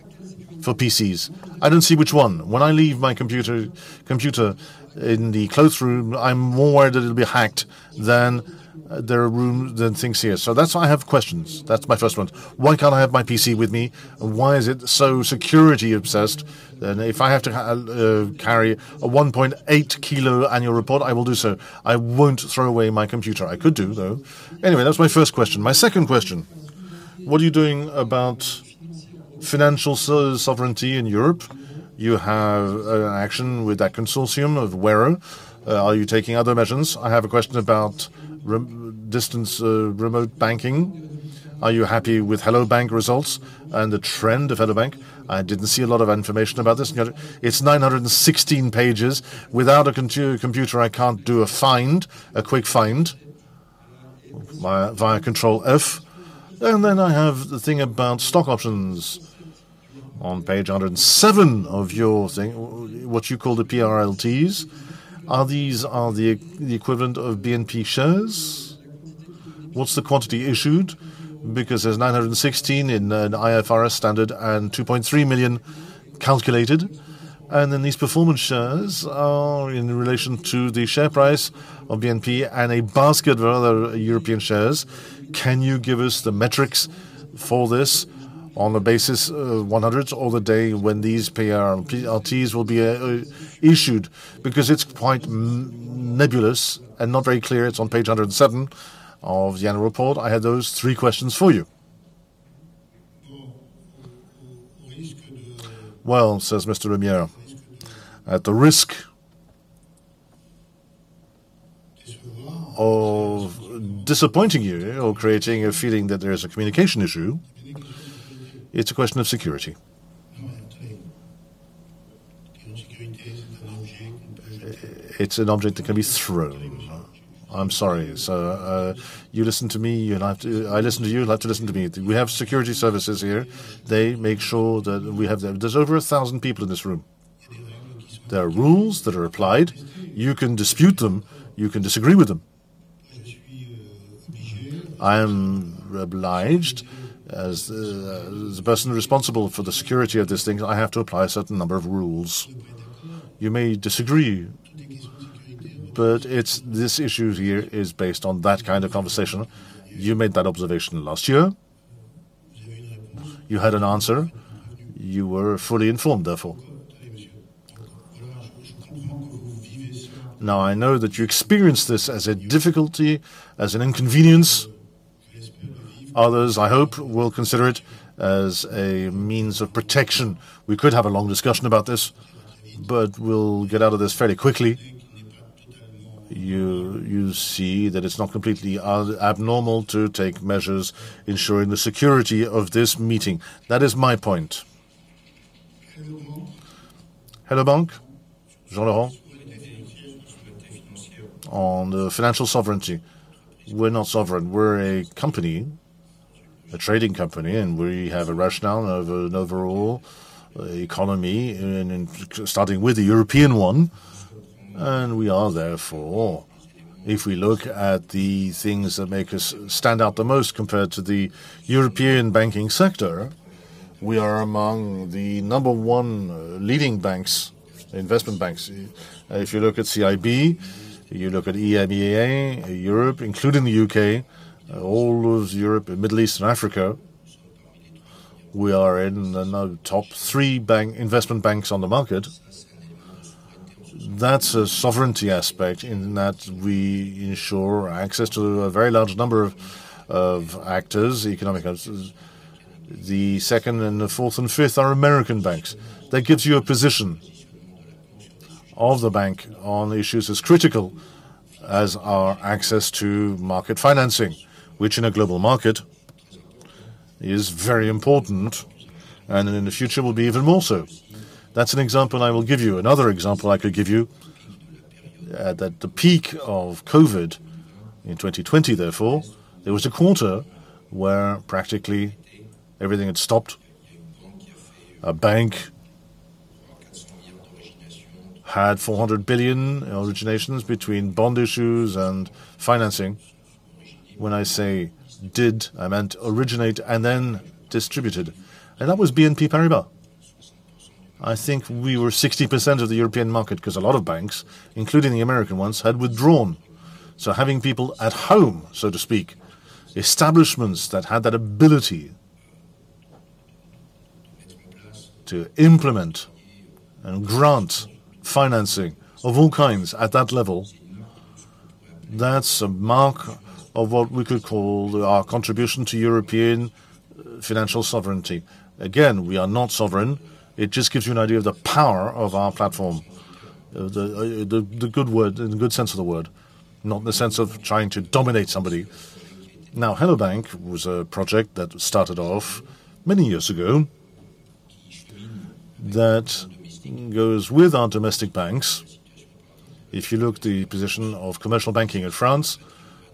for PCs. I don't see which one. When I leave my computer in the cloakroom, I'm more worried that it'll be hacked than there are room than things here. That's why I have questions. That's my first one. Why can't I have my PC with me, and why is it so security-obsessed? If I have to carry a 1.8 kilo annual report, I will do so. I won't throw away my computer. I could do, though. Anyway, that's my first question. My second question: What are you doing about financial sovereignty in Europe? You have action with that consortium of Wero. Are you taking other measures? I have a question about distance, remote banking. Are you happy with Hello bank! results and the trend of Hello bank!? I didn't see a lot of information about this. It's 916 pages. Without a computer, I can't do a find, a quick find via Control F. I have the thing about stock options on page 107 of your thing, what you call the PRLTs. Are these the equivalent of BNP shares? What's the quantity issued? There's 916 in an IFRS standard and 2.3 million calculated. These performance shares are in relation to the share price of BNP and a basket of other European shares. Can you give us the metrics for this on the basis of 100 or the day when these PRLTs will be issued? It's quite nebulous and not very clear. It's on page 107 of the annual report. I have those three questions for you. Says Mr. Lemierre, at the risk of disappointing you or creating a feeling that there is a communication issue, it's a question of security. It's an object that can be thrown. I'm sorry. You listen to me, I listen to you don't have to listen to me. We have security services here. They make sure that we have them. There's over 1,000 people in this room. There are rules that are applied. You can dispute them. You can disagree with them. I am obliged, as the person responsible for the security of these things, I have to apply a certain number of rules. You may disagree, but this issue here is based on that kind of conversation. You made that observation last year. You had an answer. You were fully informed, therefore. Now, I know that you experience this as a difficulty, as an inconvenience. Others, I hope, will consider it as a means of protection. We could have a long discussion about this, but we'll get out of this fairly quickly. You see that it's not completely abnormal to take measures ensuring the security of this meeting. That is my point. Hello bank! Jean-Laurent. On the financial sovereignty, we're not sovereign. We're a company, a trading company, and we have a rationale of an overall economy and starting with the European one, and we are therefore, if we look at the things that make us stand out the most compared to the European banking sector, we are among the number one leading banks, investment banks. If you look at CIB, you look at EMEA, Europe, including the UK, all of Europe and Middle East and Africa, we are in the top three bank, investment banks on the market. That's a sovereignty aspect in that we ensure access to a very large number of actors, economic actors. The 2nd and the 4th and 5th are American banks. That gives you a position of the bank on issues as critical as our access to market financing, which in a global market is very important, and in the future will be even more so. That's an example I will give you. Another example I could give you, at the peak of COVID in 2020, therefore, there was a quarter where practically everything had stopped. A bank had 400 billion in originations between bond issues and financing. When I say did, I meant originate and then distributed, that was BNP Paribas. I think we were 60% of the European market 'cause a lot of banks, including the American ones, had withdrawn. Having people at home, so to speak, establishments that had that ability to implement and grant financing of all kinds at that level, that's a mark of what we could call our contribution to European financial sovereignty. Again, we are not sovereign. It just gives you an idea of the power of our platform. The good word, in the good sense of the word, not in the sense of trying to dominate somebody. Hello bank! was a project that started off many years ago that goes with our domestic banks. If you look at the position of commercial banking in France,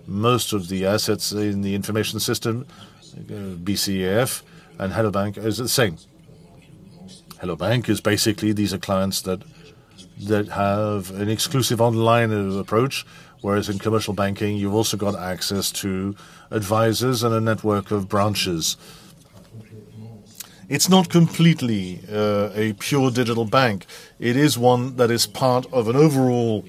most of the assets in the information system, BCF and Hello bank!, is the same. Hello bank! is basically these are clients that have an exclusive online approach, whereas in commercial banking, you've also got access to advisors and a network of branches. It's not completely a pure digital bank. It is one that is part of an overall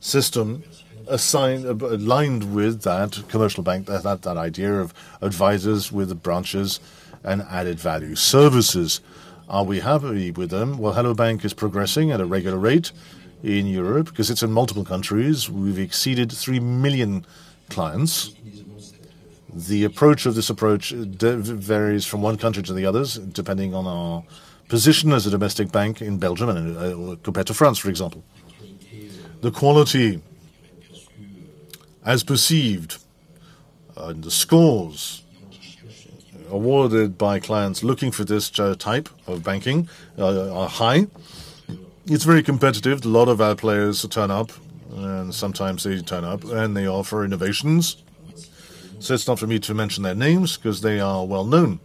system assigned, aligned with that commercial bank, that idea of advisors with branches and added value services. Are we happy with them? Well, Hello bank! is progressing at a regular rate in Europe 'cause it's in multiple countries. We've exceeded 3 million clients. The approach of this approach varies from one country to the others, depending on our position as a domestic bank in Belgium and compared to France, for example. The quality as perceived, and the scores awarded by clients looking for this type of banking, are high. It's very competitive. A lot of our players turn up, and sometimes they turn up, and they offer innovations. It's not for me to mention their names 'cause they are well-known.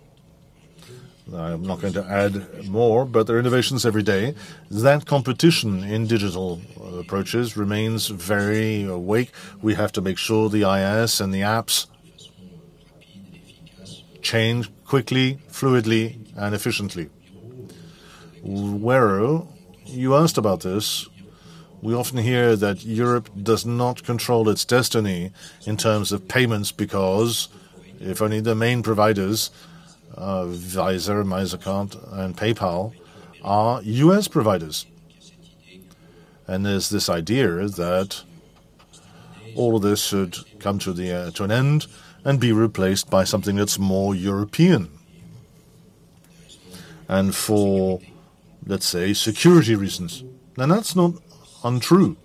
I'm not going to add more, there are innovations every day. That competition in digital approaches remains very awake. We have to make sure the IS and the apps change quickly, fluidly, and efficiently. You asked about this. We often hear that Europe does not control its destiny in terms of payments because if only the main providers, Visa, Mastercard, and PayPal are U.S. providers. There's this idea that all of this should come to the, to an end and be replaced by something that's more European and for, let's say, security reasons. That's not untrue.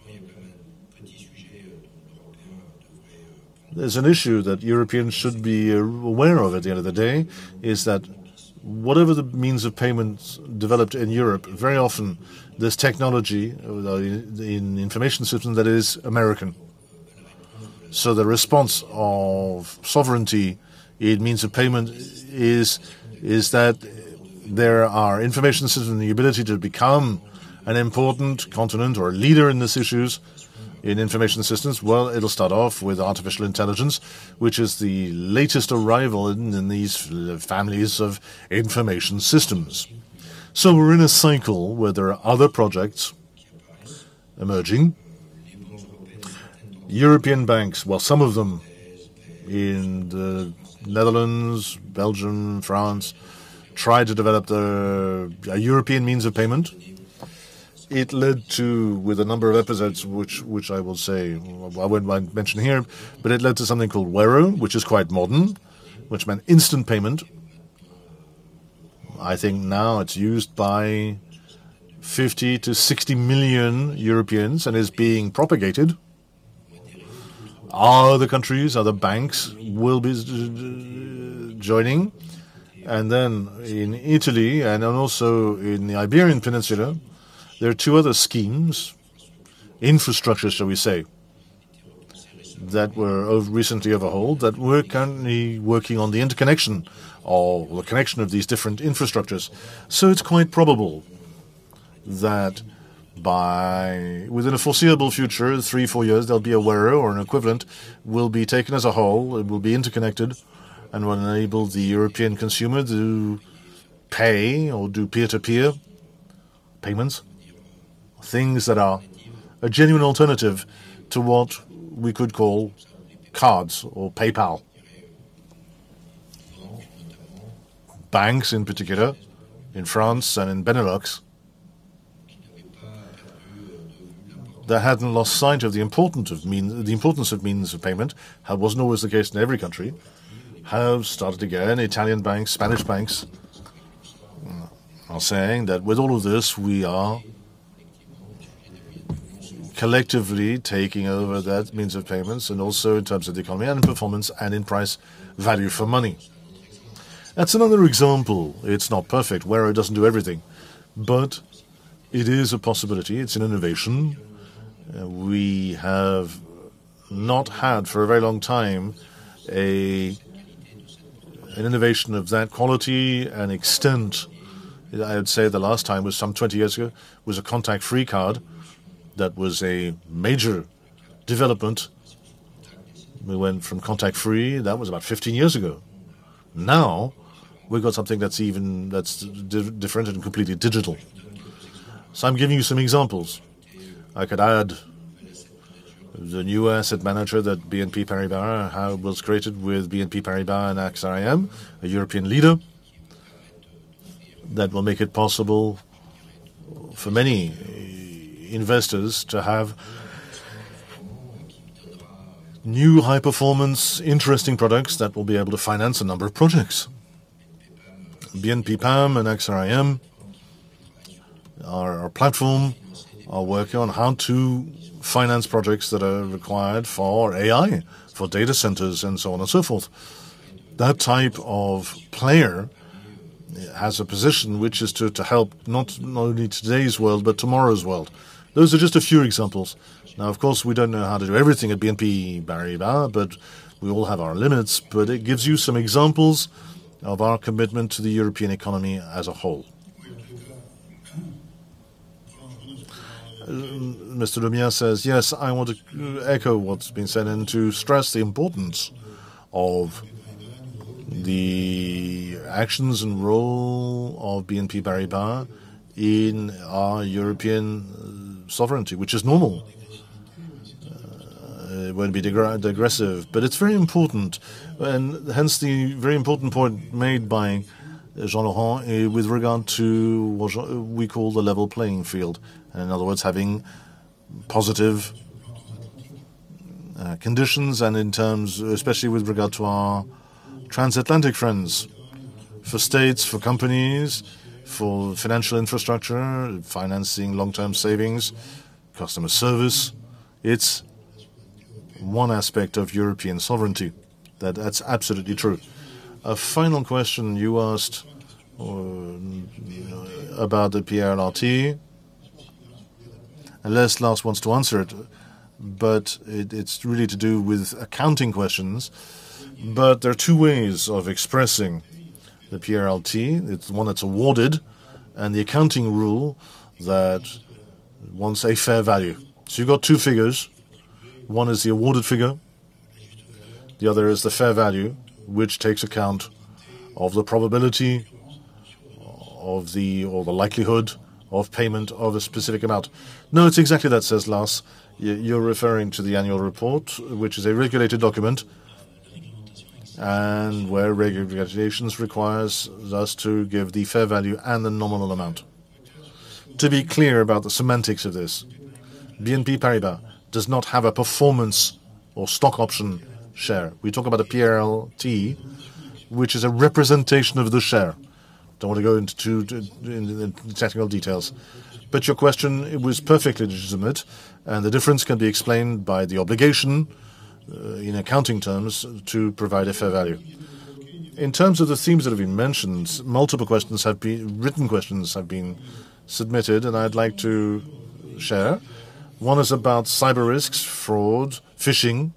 There's an issue that Europeans should be aware of at the end of the day, is that whatever the means of payments developed in Europe, very often there's technology in information system that is American. The response of sovereignty in means of payment is that there are information systems and the ability to become an important continent or a leader in these issues in information systems. It'll start off with artificial intelligence, which is the latest arrival in these families of information systems. We're in a cycle where there are other projects emerging. European banks, some of them in the Netherlands, Belgium, France, tried to develop a European means of payment. It led to, with a number of episodes, which I will say Well, I wouldn't mind mentioning here, but it led to something called Wero, which is quite modern, which meant instant payment. I think now it's used by 50 to 60 million Europeans and is being propagated. Other countries, other banks will be joining. In Italy, and also in the Iberian Peninsula, there are two other schemes, infrastructure, shall we say, that were recently overhauled, that we're currently working on the interconnection or the connection of these different infrastructures. It's quite probable that by within a foreseeable future, three, four years, there'll be a Wero or an equivalent will be taken as a whole, it will be interconnected, and will enable the European consumer to pay or do peer-to-peer payments, things that are a genuine alternative to what we could call cards or PayPal. Banks, in particular, in France and in Benelux, they hadn't lost sight of the importance of means of payment. That wasn't always the case in every country. Have started again, Italian banks, Spanish banks, are saying that with all of this, we are collectively taking over that means of payments, and also in terms of the economic performance and in price value for money. That's another example. It's not perfect. Wero doesn't do everything, it is a possibility. It's an innovation. We have not had for a very long time an innovation of that quality and extent. I would say the last time was some 20 years ago, was a contact-free card that was a major development. We went from contact free, that was about 15 years ago. Now, we've got something that's even different and completely digital. I'm giving you some examples. I could add the new asset manager that BNP Paribas have was created with BNP Paribas and AXA IM, a European leader, that will make it possible for many investors to have new high-performance, interesting products that will be able to finance a number of projects. BNP Paribas Asset Management and AXA IM, our platform, are working on how to finance projects that are required for AI, for data centers, and so on and so forth. That type of player has a position which is to help not only today's world, but tomorrow's world. Those are just a few examples. Of course, we don't know how to do everything at BNP Paribas, but we all have our limits. It gives you some examples of our commitment to the European economy as a whole. Mr. Jean Lemierre says, "Yes, I want to echo what's been said and to stress the importance of the actions and role of BNP Paribas in our European sovereignty, which is normal." It won't be digressive, but it's very important, and hence the very important point made by Jean-Laurent Bonnafé with regard to what we call the level playing field, in other words, having positive conditions and in terms, especially with regard to our transatlantic friends, for states, for companies, for financial infrastructure, financing long-term savings, customer service. It's one aspect of European sovereignty. That, that's absolutely true. A final question you asked about the PRLT. Unless Lars Machenil wants to answer it, but it's really to do with accounting questions. There are two ways of expressing the PRLT. It's one that's awarded and the accounting rule that wants a fair value. You've got two figures. One is the awarded figure, the other is the fair value, which takes account of the probability of the or the likelihood of payment of a specific amount. "No, it's exactly that," says Lars. "You're referring to the annual report, which is a regulated document, and where regulations requires us to give the fair value and the nominal amount." To be clear about the semantics of this, BNP Paribas does not have a performance or stock option share. We talk about a PRLT, which is a representation of the share. Don't want to go into too in the technical details. Your question, it was perfectly legitimate, and the difference can be explained by the obligation in accounting terms to provide a fair value. In terms of the themes that have been mentioned, multiple questions have been written questions have been submitted, and I'd like to share. One is about cyber risks, fraud, phishing.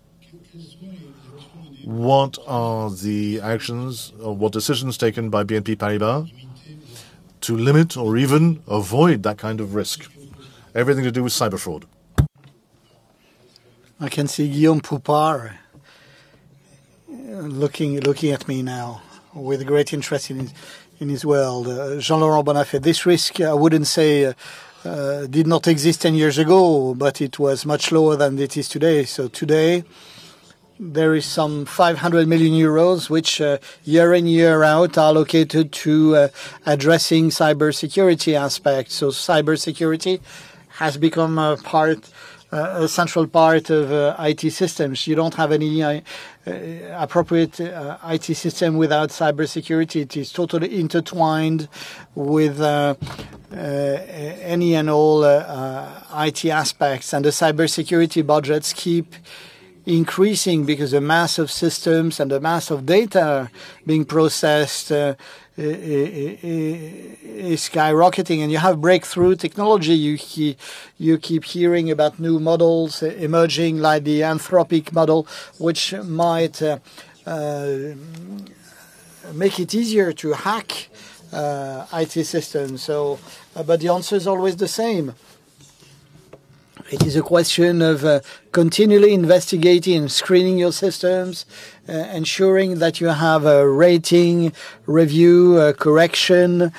What are the actions or what decisions taken by BNP Paribas to limit or even avoid that kind of risk? Everything to do with cyber fraud. I can see Guillaume Poupard looking at me now with great interest in his world. Jean-Laurent Bonnafé, this risk, I wouldn't say did not exist 10 years ago, but it was much lower than it is today. Today, there is some 500 million euros which year in, year out are allocated to addressing cybersecurity aspects. Cybersecurity has become a central part of IT systems. You don't have any appropriate IT system without cybersecurity. It is totally intertwined with any and all IT aspects. The cybersecurity budgets keep increasing because the massive systems and the massive data being processed is skyrocketing. You have breakthrough technology. You keep hearing about new models emerging, like the Anthropic model, which might make it easier to hack IT systems. The answer is always the same. It is a question of continually investigating and screening your systems, ensuring that you have a rating, review, a correction,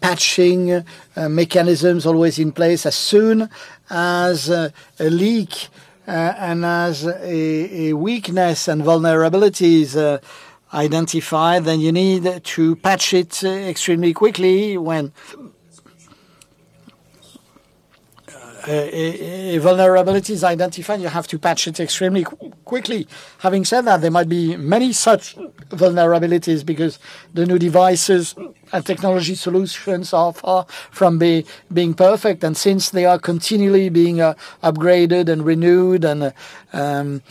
patching, mechanisms always in place. As soon as a leak, and as a weakness and vulnerability is identified, then you need to patch it extremely quickly. A vulnerability is identified, you have to patch it extremely quickly. Having said that, there might be many such vulnerabilities because the new devices and technology solutions are far from being perfect. Since they are continually being upgraded and renewed and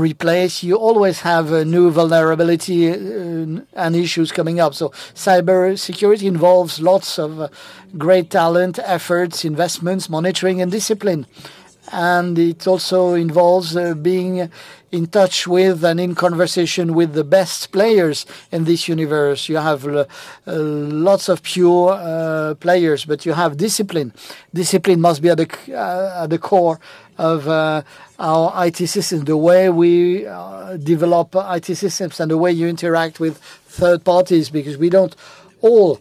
replaced, you always have a new vulnerability and issues coming up. Cybersecurity involves lots of great talent, efforts, investments, monitoring, and discipline. It also involves being in touch with and in conversation with the best players in this universe. You have lots of pure players, but you have discipline. Discipline must be at the core of our IT system, the way we develop IT systems and the way you interact with third parties, because we don't all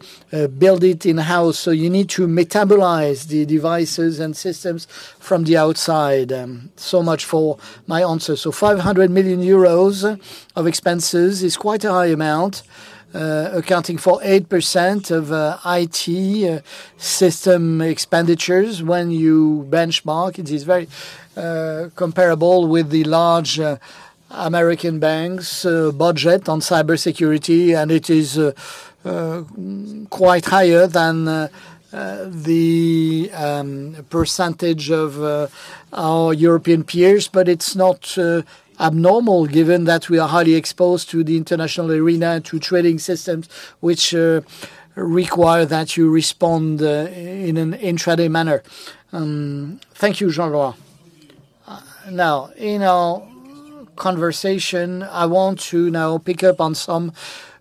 build it in-house, so you need to metabolize the devices and systems from the outside. Much for my answer. 500 million euros of expenses is quite a high amount, accounting for 8% of IT system expenditures. When you benchmark, it is very comparable with the large American banks' budget on cybersecurity, and it is quite higher than the percentage of our European peers. It's not abnormal given that we are highly exposed to the international arena and to trading systems which require that you respond in an intraday manner. Thank you, Jean-Laurent. Now, in our conversation, I want to pick up on some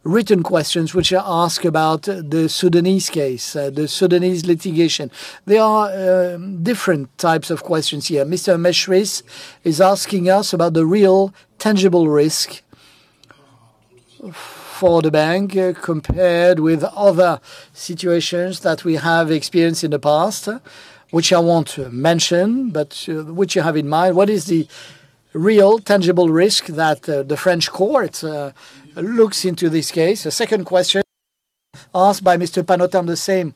written questions which ask about the Sudanese case, the Sudanese litigation. There are different types of questions here. Mr. Mechriz is asking us about the real tangible risk for the bank compared with other situations that we have experienced in the past, which I want to mention, but which you have in mind. What is the real tangible risk that the French court looks into this case? A second question asked by Mr. Panot on the same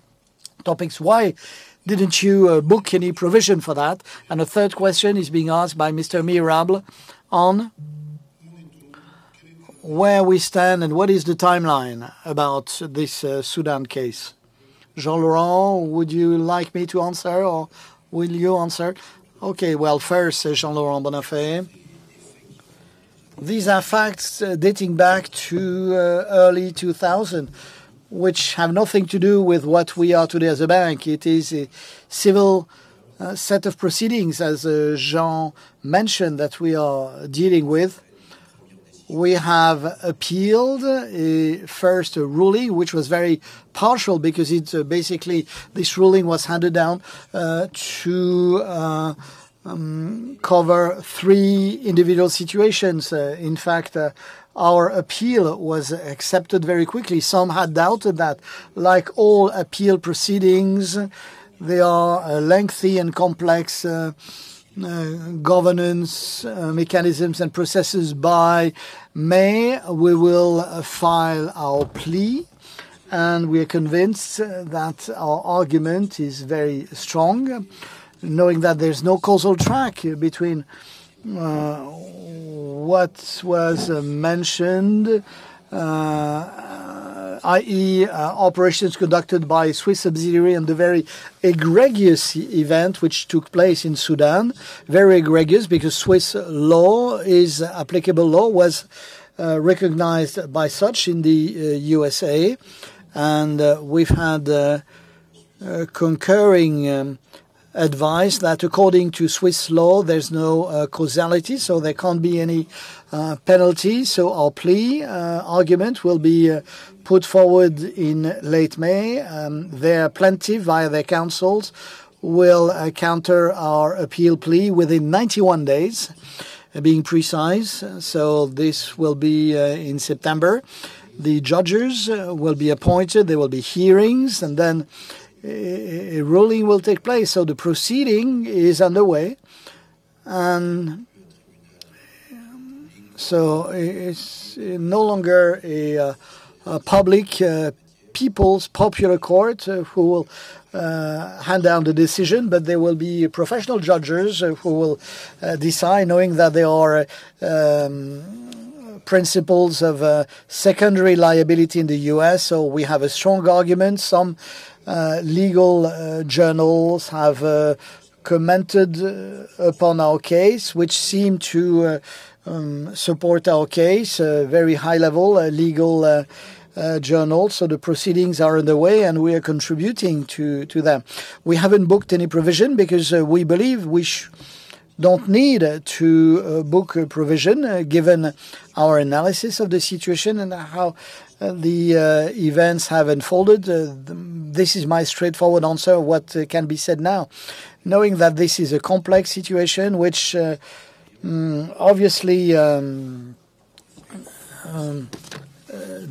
topics: Why didn't you book any provision for that? A third question is being asked by Mr. Mirable on where we stand and what is the timeline about this Sudan case. Jean-Laurent, would you like me to answer or will you answer? Okay. Well, first, Jean-Laurent Bonnafé. These are facts dating back to early 2000, which have nothing to do with what we are today as a bank. It is a civil set of proceedings, as Jean mentioned, that we are dealing with. We have appealed first a ruling which was very partial because it's basically this ruling was handed down to cover three individual situations. In fact, our appeal was accepted very quickly. Some had doubted that. Like all appeal proceedings, they are a lengthy and complex governance mechanisms and processes. By May, we will file our plea, and we're convinced that our argument is very strong, knowing that there's no causal track between what was mentioned, i.e., operations conducted by Swiss subsidiary and the very egregious event which took place in Sudan. Very egregious because Swiss law is applicable law, was recognized by such in the U.S.A. We've had concurring advice that according to Swiss law, there's no causality, so there can't be any penalty. Our plea argument will be put forward in late May. Their plaintiff, via their counsels, will counter our appeal plea within 91 days, being precise, so this will be in September. The judges will be appointed, there will be hearings, and then a ruling will take place. The proceeding is underway. It's no longer a public people's popular court who will hand down the decision, but there will be professional judges who will decide, knowing that there are principles of secondary liability in the U.S., so we have a strong argument. Some legal journals have commented upon our case, which seem to support our case. A very high level legal journal. The proceedings are underway, and we are contributing to them. We haven't booked any provision because we believe we don't need to book a provision, given our analysis of the situation and how the events have unfolded. This is my straightforward answer, what can be said now. Knowing that this is a complex situation, which obviously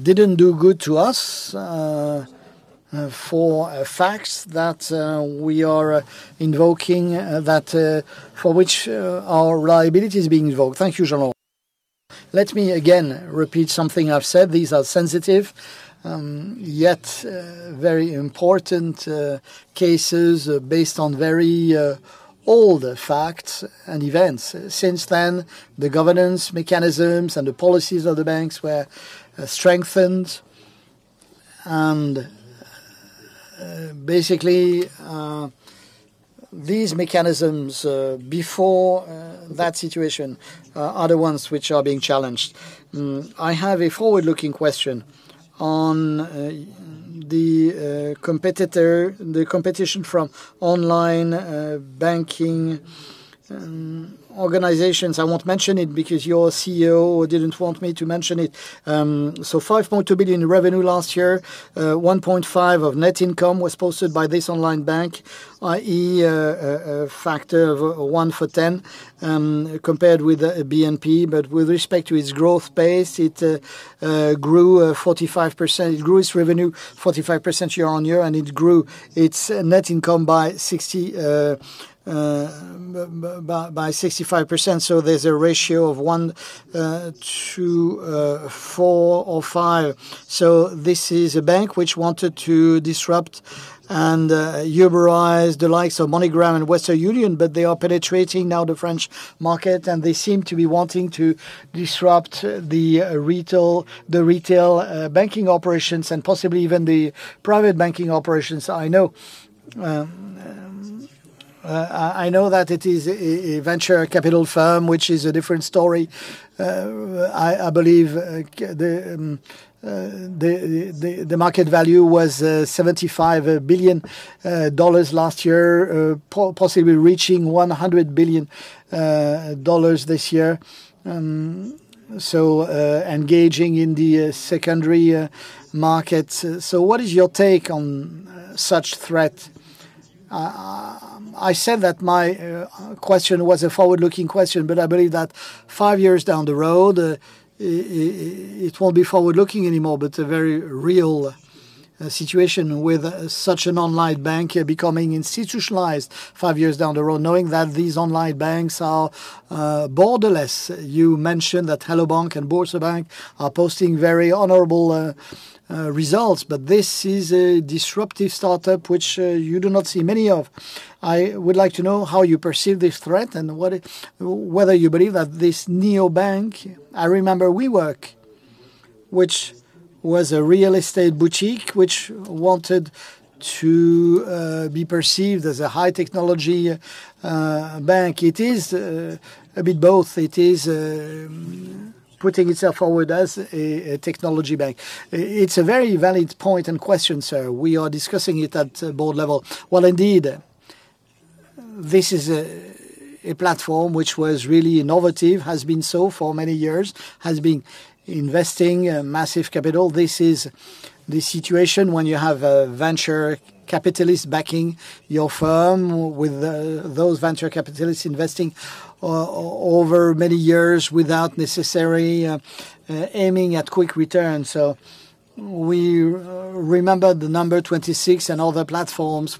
didn't do good to us, for facts that we are invoking, that for which our liability is being invoked. Thank you, Jean. Let me again repeat something I've said. These are sensitive, yet very important cases, based on very old facts and events. Since then, the governance mechanisms and the policies of the banks were strengthened. Basically, these mechanisms, before that situation, are the ones which are being challenged. I have a forward-looking question on the competitor, the competition from online banking organizations. I won't mention it because your CEO didn't want me to mention it. 5.2 billion revenue last year. 1.5 billion of net income was posted by this online bank, i.e., a factor of one for 10 compared with BNP. With respect to its growth base, it grew 45%. It grew its revenue 45% year-on-year, and it grew its net income by 65%. There's a ratio of 1:4 or 1:5. This is a bank which wanted to disrupt and Uberize the likes of MoneyGram and Western Union, but they are penetrating now the French market, and they seem to be wanting to disrupt the retail banking operations and possibly even the private banking operations. I know, I know that it is a venture capital firm, which is a different story. I believe the market value was $75 billion last year, possibly reaching $100 billion this year. Engaging in the secondary markets. What is your take on such threat? I said that my question was a forward-looking question, but I believe that five years down the road, it won't be forward-looking anymore, but a very real situation with such an online bank becoming institutionalized five years down the road, knowing that these online banks are borderless. You mentioned that Hello bank! and Boursorama are posting very honorable results, but this is a disruptive startup which you do not see many of. I would like to know how you perceive this threat and whether you believe that this neobank I remember WeWork, which was a real estate boutique, which wanted to be perceived as a high technology bank. It is a bit both. It is putting itself forward as a technology bank. It's a very valid point and question, sir. We are discussing it at Board level. Indeed, this is a platform which was really innovative, has been so for many years, has been investing massive capital. This is the situation when you have venture capitalists backing your firm with those venture capitalists investing over many years without necessary aiming at quick returns. We remember the number 26 and other platforms.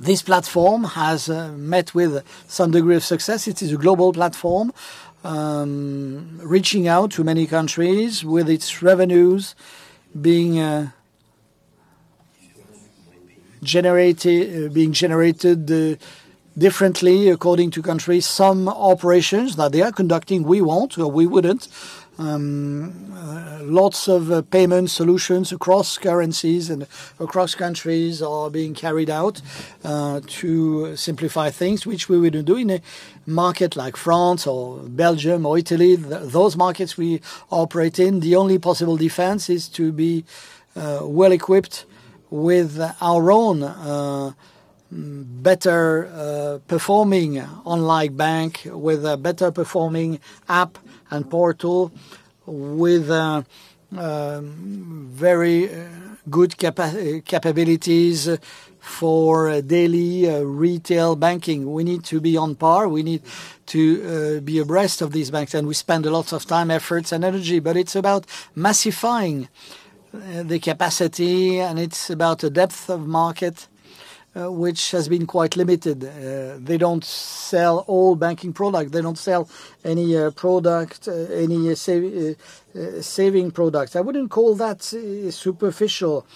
This platform has met with some degree of success. It is a global platform, reaching out to many countries with its revenues being generated differently according to countries. Some operations that they are conducting, we won't or we wouldn't. Lots of payment solutions across currencies and across countries are being carried out to simplify things which we wouldn't do in a market like France or Belgium or Italy. Those markets we operate in, the only possible defense is to be well-equipped with our own better performing online bank with a better performing app and portal with very good capabilities for daily retail banking. We need to be on par. We need to be abreast of these banks, and we spend a lot of time, efforts and energy. It's about massifying the capacity, and it's about the depth of market which has been quite limited. They don't sell all banking product. They don't sell any product, any saving products. I wouldn't call that a superficial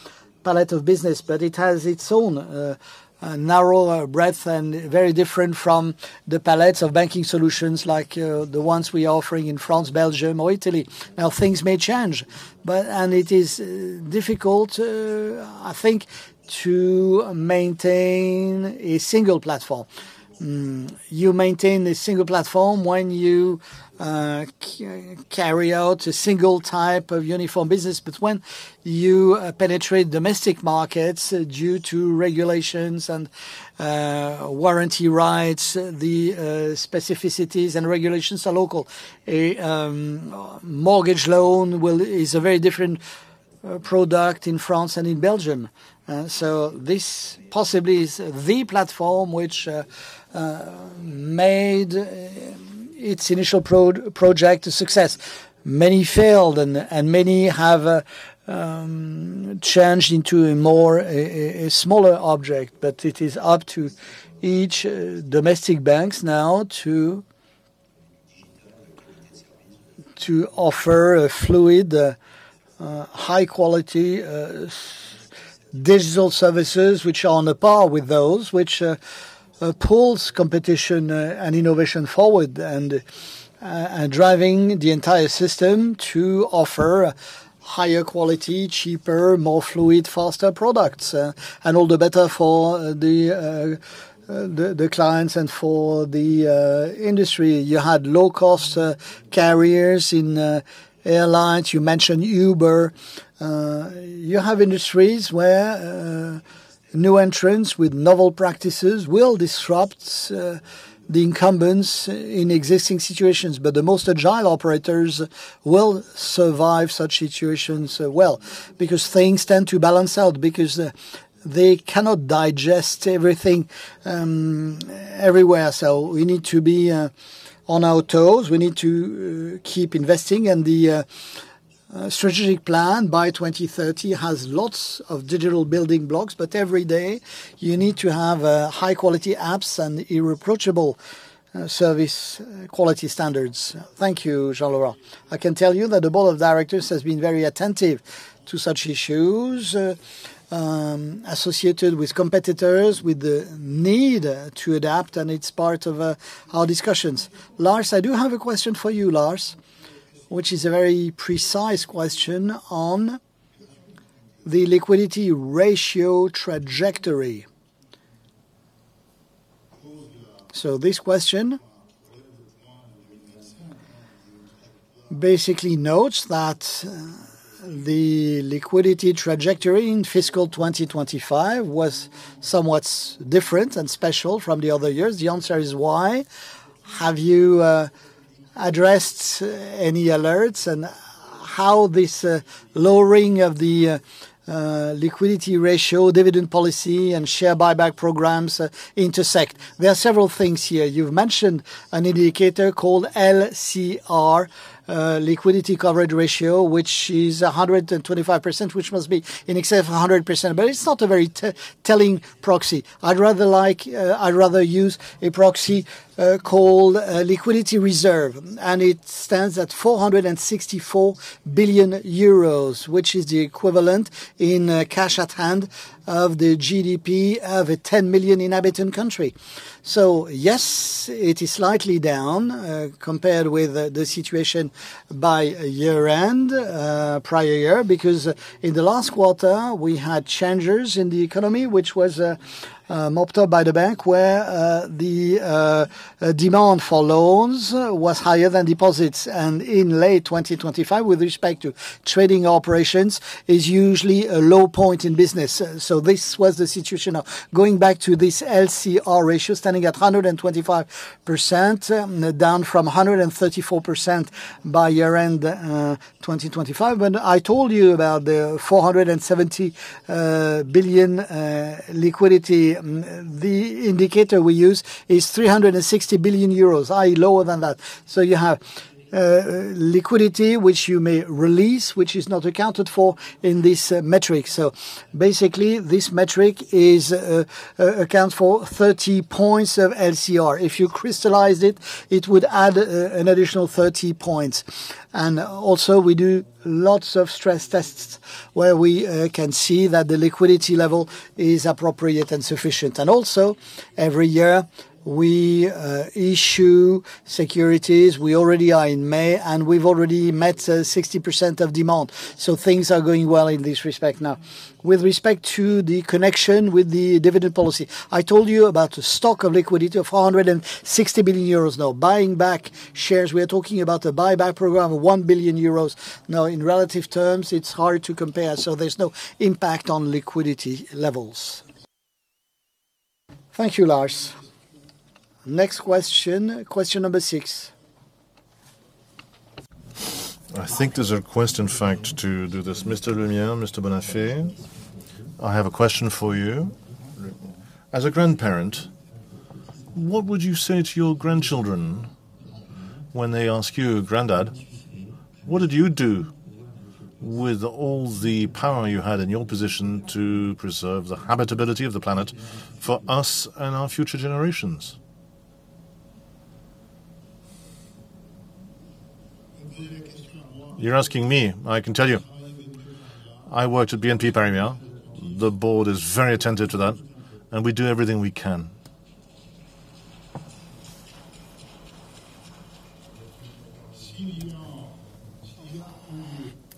palette of business, but it has its own narrow breadth and very different from the palettes of banking solutions like the ones we are offering in France, Belgium or Italy. Now, things may change, but it is difficult, I think, to maintain a single platform. You maintain a single platform when you carry out a single type of uniform business. When you penetrate domestic markets due to regulations and warranty rights, the specificities and regulations are local. A mortgage loan is a very different product in France than in Belgium. This possibly is the platform which made its initial project a success. Many failed and many have changed into a more, a smaller object. It is up to each domestic banks now to offer a fluid, high quality digital services which are on the par with those which pulls competition and innovation forward and are driving the entire system to offer higher quality, cheaper, more fluid, faster products. All the better for the clients and for the industry. You had low-cost carriers in airlines. You mentioned Uber. You have industries where new entrants with novel practices will disrupt the incumbents in existing situations. The most agile operators will survive such situations well, because things tend to balance out because they cannot digest everything everywhere. We need to be on our toes. We need to keep investing. The strategic plan by 2030 has lots of digital building blocks, but every day you need to have high-quality apps and irreproachable service quality standards. Thank you, Jean-Laurent. I can tell you that the Board of Directors has been very attentive to such issues associated with competitors, with the need to adapt, and it's part of our discussions. Lars, I do have a question for you, Lars, which is a very precise question on the liquidity ratio trajectory. This question basically notes that the liquidity trajectory in fiscal 2025 was somewhat different and special from the other years. The answer is why? Have you addressed any alerts? How this lowering of the liquidity ratio, dividend policy and share buyback programs intersect? There are several things here. You've mentioned an indicator called LCR, liquidity coverage ratio, which is 125%, which must be in excess of 100%, it's not a very telling proxy. I'd rather use a proxy, called liquidity reserve, it stands at 464 billion euros, which is the equivalent in cash at hand of the GDP of a 10 million inhabitant country. Yes, it is slightly down compared with the situation by year-end, prior year, because in the last quarter we had changes in the economy, which was mopped up by the bank, where the demand for loans was higher than deposits. In late 2025, with respect to trading operations, is usually a low point in business. This was the situation. Going back to this LCR ratio, standing at 125%, down from 134% by year-end 2025. When I told you about the 470 billion liquidity, the indicator we use is 360 billion euros, i.e., lower than that. You have liquidity which you may release, which is not accounted for in this metric. This metric accounts for 30 points of LCR. If you crystallized it would add an additional 30 points. We do lots of stress tests where we can see that the liquidity level is appropriate and sufficient. Every year we issue securities. We already are in May, and we've already met 60% of demand, so things are going well in this respect. With respect to the connection with the dividend policy, I told you about the stock of liquidity of 460 billion euros. Buying back shares, we are talking about a buyback program of 1 billion euros. In relative terms it's hard to compare, so there's no impact on liquidity levels. Thank you, Lars. Next question number six. I think there's a question, in fact, to do this. Mr. Lemierre, Mr. Bonnafé, I have a question for you. As a grandparent, what would you say to your grandchildren when they ask you, "Granddad, what did you do with all the power you had in your position to preserve the habitability of the planet for us and our future generations?" You're asking me, I can tell you. I worked at BNP Paribas. The Board is very attentive to that, and we do everything we can.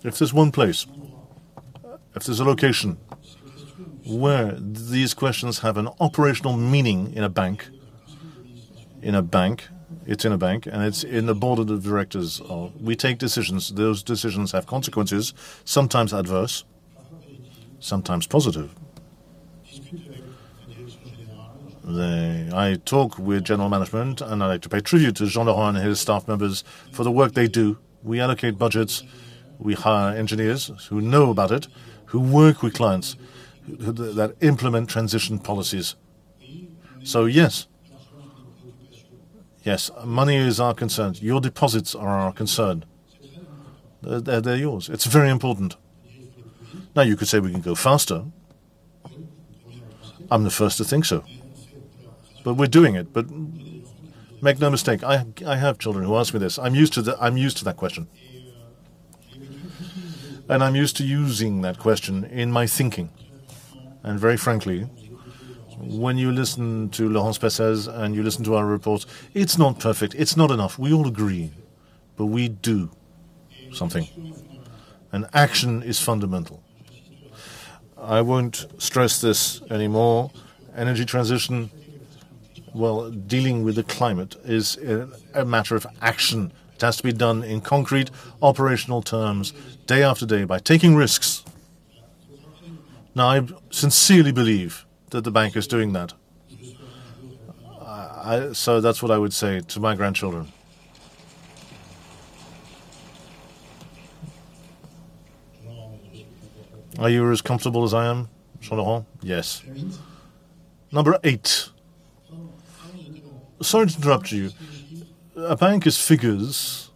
If there's one place, if there's a location where these questions have an operational meaning in a bank, in a bank, it's in a bank, and it's in the Board of the directors. We take decisions. Those decisions have consequences, sometimes adverse, sometimes positive. I talk with general management, and I like to pay tribute to Jean-Laurent and his staff members for the work they do. We allocate budgets. We hire engineers who know about it, who work with clients, that implement transition policies. Yes. Yes, money is our concern. Your deposits are our concern. They're yours. It's very important. You could say we can go faster. I'm the first to think so, but we're doing it. Make no mistake, I have children who ask me this. I'm used to that question. I'm used to using that question in my thinking. Very frankly, when you listen to Laurence Pessez and you listen to our reports, it's not perfect. It's not enough. We all agree, but we do something. Action is fundamental. I won't stress this anymore. Energy transition, well, dealing with the climate is a matter of action. It has to be done in concrete, operational terms, day after day, by taking risks. I sincerely believe that the bank is doing that. That's what I would say to my grandchildren. Are you as comfortable as I am, Jean-Laurent? Sorry to interrupt you. A bank is figures.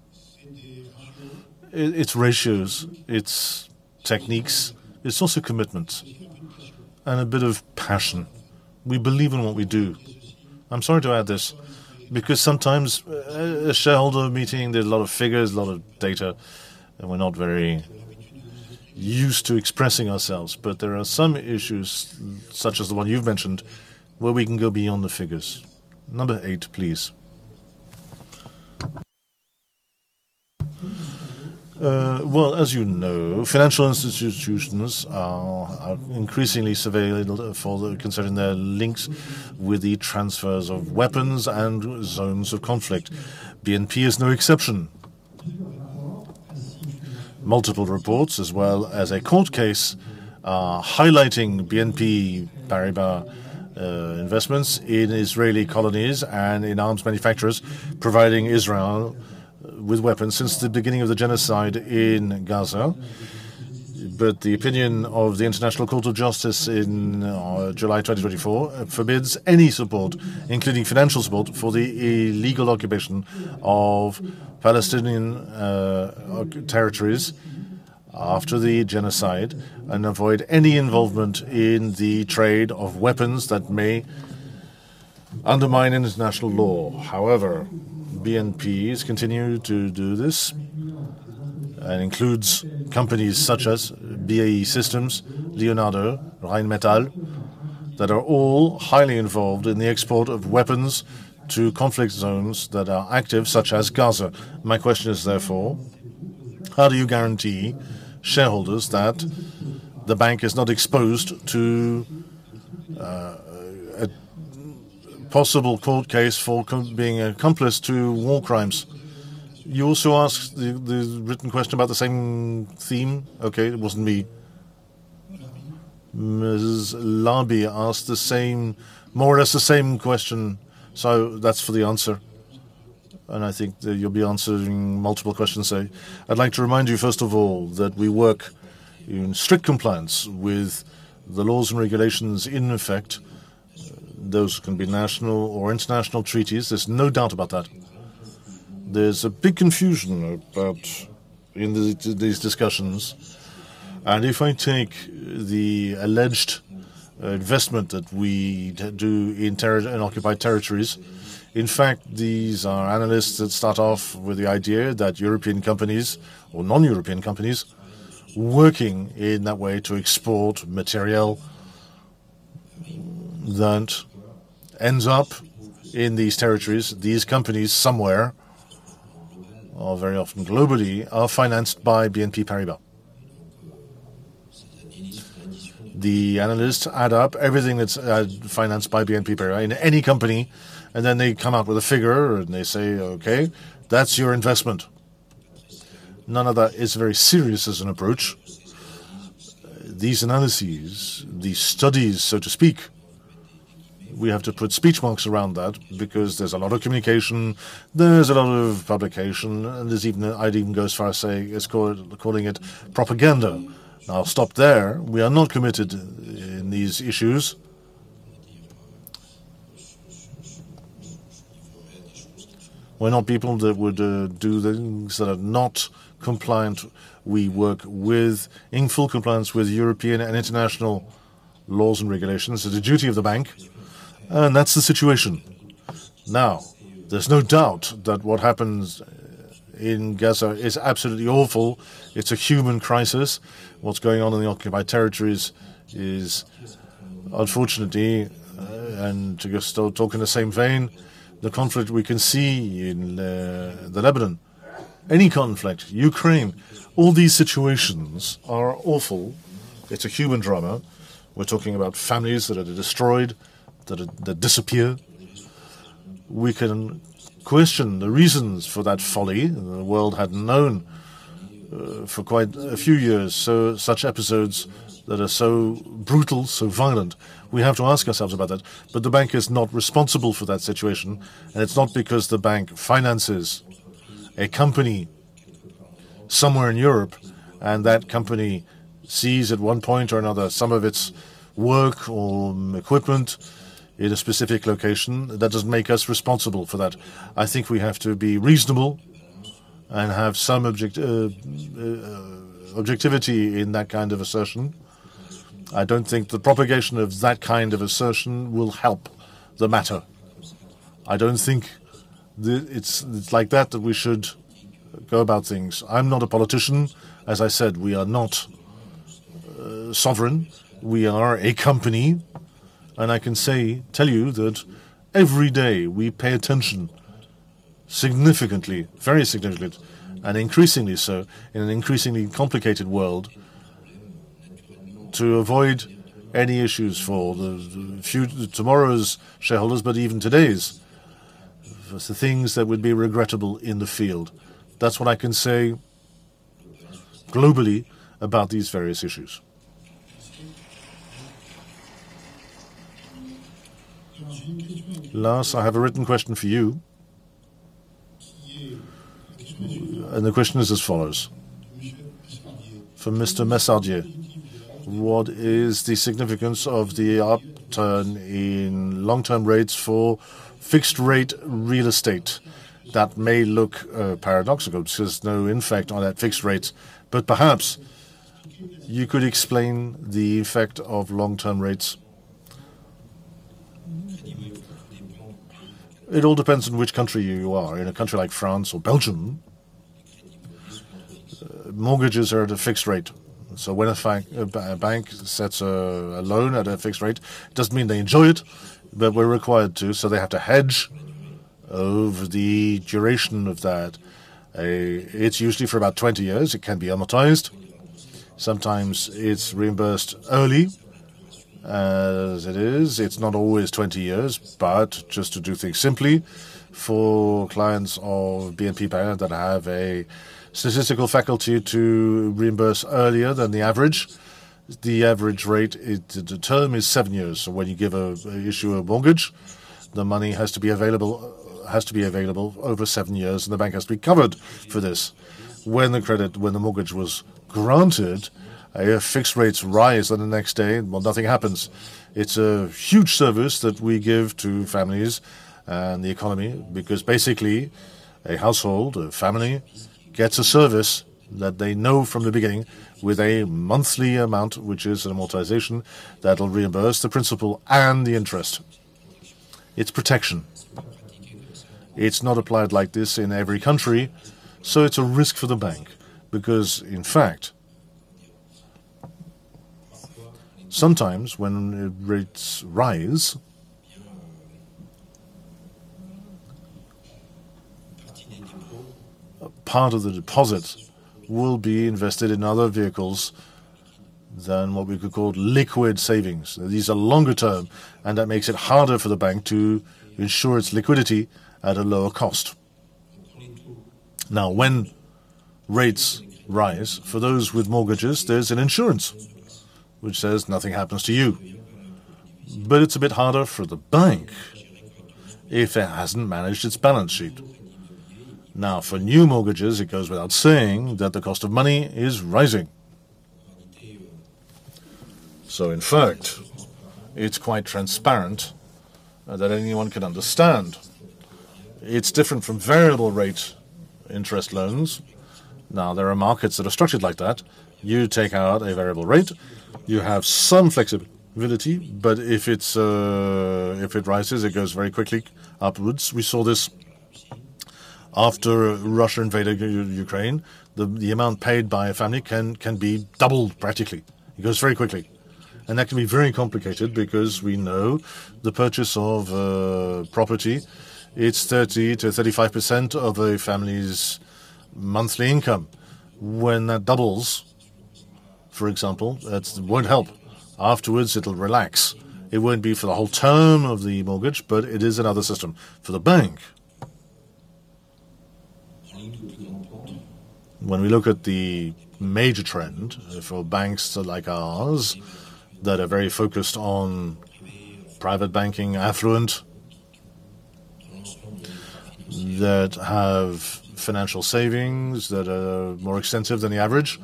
It's ratios. It's techniques. It's also commitment and a bit of passion. We believe in what we do. I'm sorry to add this because sometimes a shareholder meeting, there's a lot of figures, a lot of data, and we're not very used to expressing ourselves. There are some issues, such as the one you've mentioned, where we can go beyond the figures. Number eight, please. Well, as you know, financial institutions are increasingly surveilled for considering their links with the transfers of weapons and zones of conflict. BNP is no exception. Multiple reports, as well as a court case, are highlighting BNP Paribas investments in Israeli colonies and in arms manufacturers, providing Israel with weapons since the beginning of the genocide in Gaza. The opinion of the International Court of Justice in July 2024 forbids any support, including financial support, for the illegal occupation of Palestinian territories after the genocide and avoid any involvement in the trade of weapons that may undermine international law. BNP Paribas has continued to do this and includes companies such as BAE Systems, Leonardo, Rheinmetall, that are all highly involved in the export of weapons to conflict zones that are active, such as Gaza. My question is, therefore, how do you guarantee shareholders that the bank is not exposed to a possible court case for being accomplice to war crimes? You also asked the written question about the same theme. Okay, it wasn't me. Mrs. Labi asked the same, more or less the same question. That's for the answer. I think that you'll be answering multiple questions, so I'd like to remind you, first of all, that we work in strict compliance with the laws and regulations in effect. Those can be national or international treaties. There's no doubt about that. There's a big confusion about in these discussions. If I take the alleged investment that we do in occupied territories, in fact, these are analysts that start off with the idea that European companies or non-European companies working in that way to export material that ends up in these territories, these companies somewhere, or very often globally, are financed by BNP Paribas. The analysts add up everything that's financed by BNP Paribas in any company, and then they come out with a figure, and they say, "Okay, that's your investment." None of that is very serious as an approach. These analyses, these studies, so to speak, we have to put speech marks around that because there's a lot of communication, there's a lot of publication, and I'd even go as far as saying, calling it propaganda. Now I'll stop there. We are not committed in these issues. We're not people that would do things that are not compliant. We work in full compliance with European and international laws and regulations, as a duty of the bank, and that's the situation. Now, there's no doubt that what happens in Gaza is absolutely awful. It's a human crisis. What's going on in the occupied territories is unfortunately, and still talk in the same vein, the conflict we can see in the Lebanon. Any conflict, Ukraine, all these situations are awful. It's a human drama. We're talking about families that are destroyed, that disappear. We can question the reasons for that folly. The world hadn't known for quite a few years such episodes that are so brutal, so violent. We have to ask ourselves about that. The bank is not responsible for that situation, it's not because the bank finances a company somewhere in Europe, and that company sees at one point or another some of its work or equipment in a specific location, that doesn't make us responsible for that. I think we have to be reasonable and have some objectivity in that kind of assertion. I don't think the propagation of that kind of assertion will help the matter. I don't think it's like that we should go about things. I'm not a politician. As I said, we are not sovereign. We are a company, and I can say, tell you that every day we pay attention significantly, very significantly, and increasingly so, in an increasingly complicated world, to avoid any issues for tomorrow's shareholders, but even today's, for the things that would be regrettable in the field. That's what I can say globally about these various issues. Lars, I have a written question for you. The question is as follows: "For Mr. Machenil, what is the significance of the upturn in long-term rates for fixed-rate real estate?" That may look paradoxical. Perhaps you could explain the effect of long-term rates. It all depends on which country you are. In a country like France or Belgium, mortgages are at a fixed rate. When a bank sets a loan at a fixed rate, it doesn't mean they enjoy it, but we're required to. They have to hedge over the duration of that. It's usually for about 20 years. It can be amortized. Sometimes it's reimbursed early, as it is. It's not always 20 years. Just to do things simply, for clients of BNP Paribas that have a statistical faculty to reimburse earlier than the average, the average rate, the term is seven years. When you give an issuer a mortgage, the money has to be available, has to be available over seven years, and the bank has to be covered for this. When the credit, when the mortgage was granted, if fixed rates rise on the next day, nothing happens. It's a huge service that we give to families and the economy, basically, a household, a family, gets a service that they know from the beginning with a monthly amount, which is an amortization, that'll reimburse the principal and the interest. It's protection. It's not applied like this in every country, it's a risk for the bank. In fact, sometimes when rates rise, part of the deposit will be invested in other vehicles than what we could call liquid savings. These are longer term, that makes it harder for the bank to ensure its liquidity at a lower cost. When rates rise, for those with mortgages, there's an insurance which says, "Nothing happens to you." It's a bit harder for the bank if it hasn't managed its balance sheet. For new mortgages, it goes without saying that the cost of money is rising. In fact, it's quite transparent that anyone can understand. It's different from variable rate interest loans. Now, there are markets that are structured like that. You take out a variable rate, you have some flexibility, but if it rises, it goes very quickly upwards. We saw this after Russia invaded Ukraine. The amount paid by a family can be doubled practically. It goes very quickly. That can be very complicated because we know the purchase of property, it's 30%-35% of a family's monthly income. When that doubles-For example, that won't help. Afterwards, it'll relax. It won't be for the whole term of the mortgage, but it is another system. For the bank, when we look at the major trend for banks like ours that are very focused on private banking affluent, that have financial savings that are more extensive than the average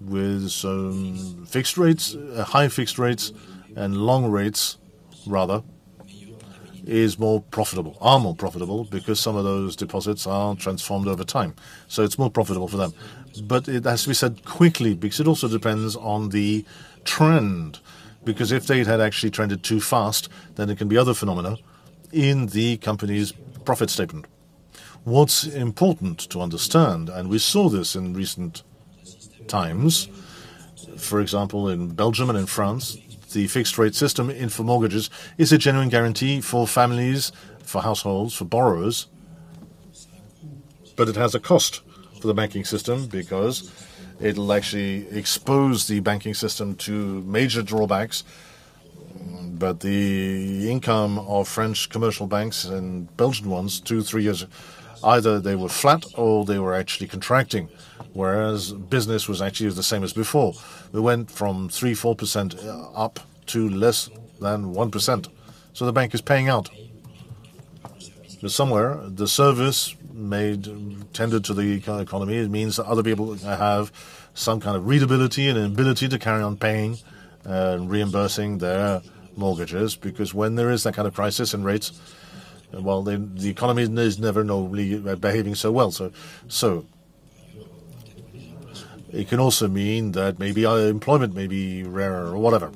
with some fixed rates, high fixed rates and long rates rather, are more profitable because some of those deposits are transformed over time. It's more profitable for them. It has to be said quickly because it also depends on the trend, because if they had actually trended too fast, then it can be other phenomena in the company's profit statement. What's important to understand, and we saw this in recent times, for example, in Belgium and in France, the fixed rate system for mortgages is a genuine guarantee for families, for households, for borrowers. It has a cost for the banking system because it will actually expose the banking system to major drawbacks. The income of French commercial banks and Belgian ones,, two, three years, either they were flat or they were actually contracting, whereas business was actually the same as before. We went from 3%, 4% up to less than 1%. The bank is paying out. Somewhere, the service tendered to the economy, it means that other people have some kind of readability and ability to carry on paying, reimbursing their mortgages, because when there is that kind of crisis in rates, well, the economy is never normally behaving so well, so it can also mean that maybe employment may be rarer or whatever.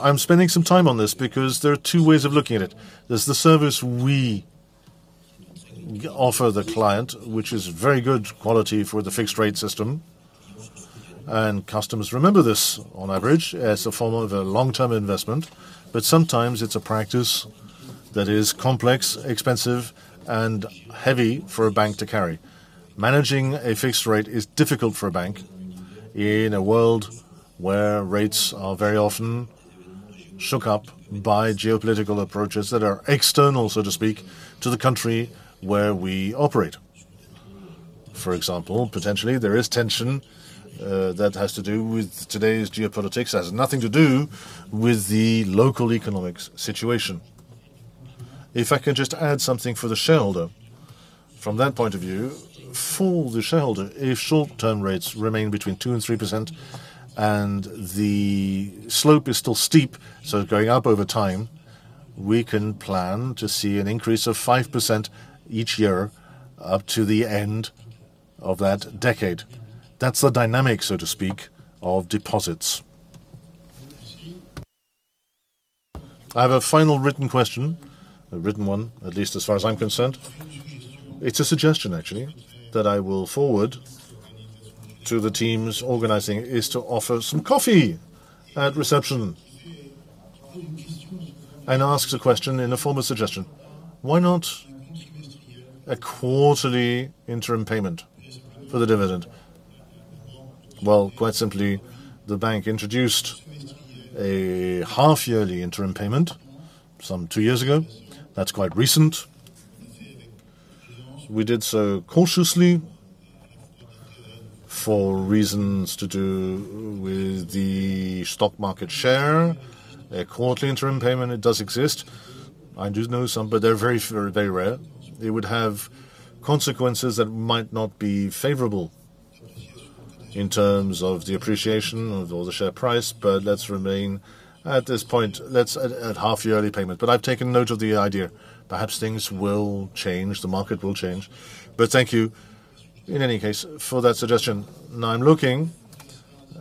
I'm spending some time on this because there are two ways of looking at it. There's the service we offer the client, which is very good quality for the fixed rate system. Customers remember this on average as a form of a long-term investment. Sometimes it's a practice that is complex, expensive, and heavy for a bank to carry. Managing a fixed rate is difficult for a bank in a world where rates are very often shook up by geopolitical approaches that are external, so to speak, to the country where we operate. For example, potentially, there is tension that has to do with today's geopolitics. It has nothing to do with the local economics situation. If I can just add something for the shareholder, from that point of view, for the shareholder, if short-term rates remain between 2% and 3% and the slope is still steep, so going up over time, we can plan to see an increase of 5% each year up to the end of that decade. That's the dynamic, so to speak, of deposits. I have a final written question, a written one, at least as far as I'm concerned. It's a suggestion, actually, that I will forward to the teams organizing, is to offer some coffee at reception. Asks a question in the form of suggestion. Why not a quarterly interim payment for the dividend? Well, quite simply, the bank introduced a half-yearly interim payment some two years ago. That's quite recent. We did so cautiously for reasons to do with the stock market share. A quarterly interim payment, it does exist. I do know some, but they're very rare. It would have consequences that might not be favorable in terms of the appreciation of all the share price, but let's remain at this point. Let's at half-yearly payment. I've taken note of the idea. Perhaps things will change, the market will change. Thank you in any case for that suggestion. I'm looking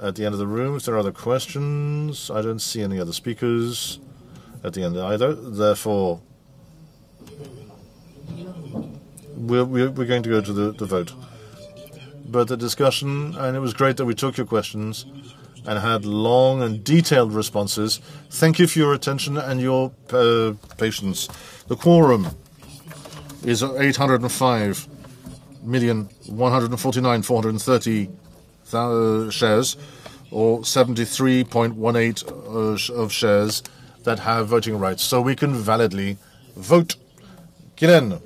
at the end of the room. If there are other questions, I don't see any other speakers at the end either. Therefore, we're going to go to the vote. The discussion, and it was great that we took your questions and had long and detailed responses. Thank you for your attention and your patience. The quorum is 805,149,430 shares, or 73.18 of shares that have voting rights, so we can validly vote. Karen,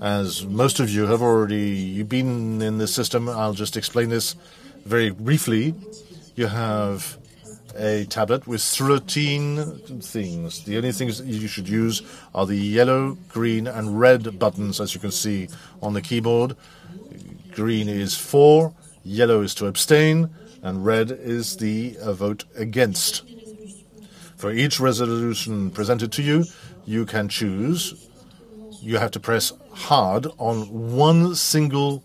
as most of you have already been in this system, I'll just explain this very briefly. You have a tablet with 13 things. The only things you should use are the yellow, green, and red buttons, as you can see on the keyboard. Green is for, yellow is to abstain, and red is the vote against. For each resolution presented to you can choose. You have to press hard on one single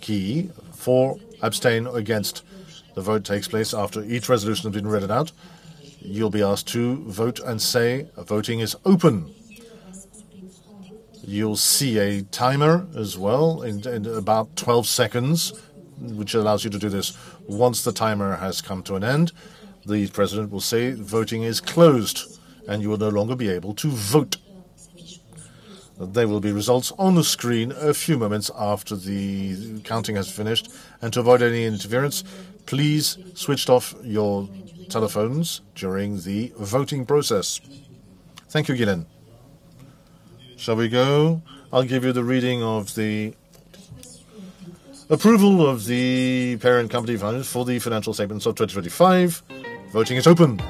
key for abstain or against. The vote takes place after each resolution has been read it out. You'll be asked to vote and say, "Voting is open." You'll see a timer as well in about 12 seconds, which allows you to do this. Once the timer has come to an end, the President will say, "Voting is closed," and you will no longer be able to vote. There will be results on the screen a few moments after the counting has finished. To avoid any interference, please switch off your telephones during the voting process. Thank you again. Shall we go? I'll give you the reading of the approval of the parent company voters for the financial statements of 2025. Voting is open.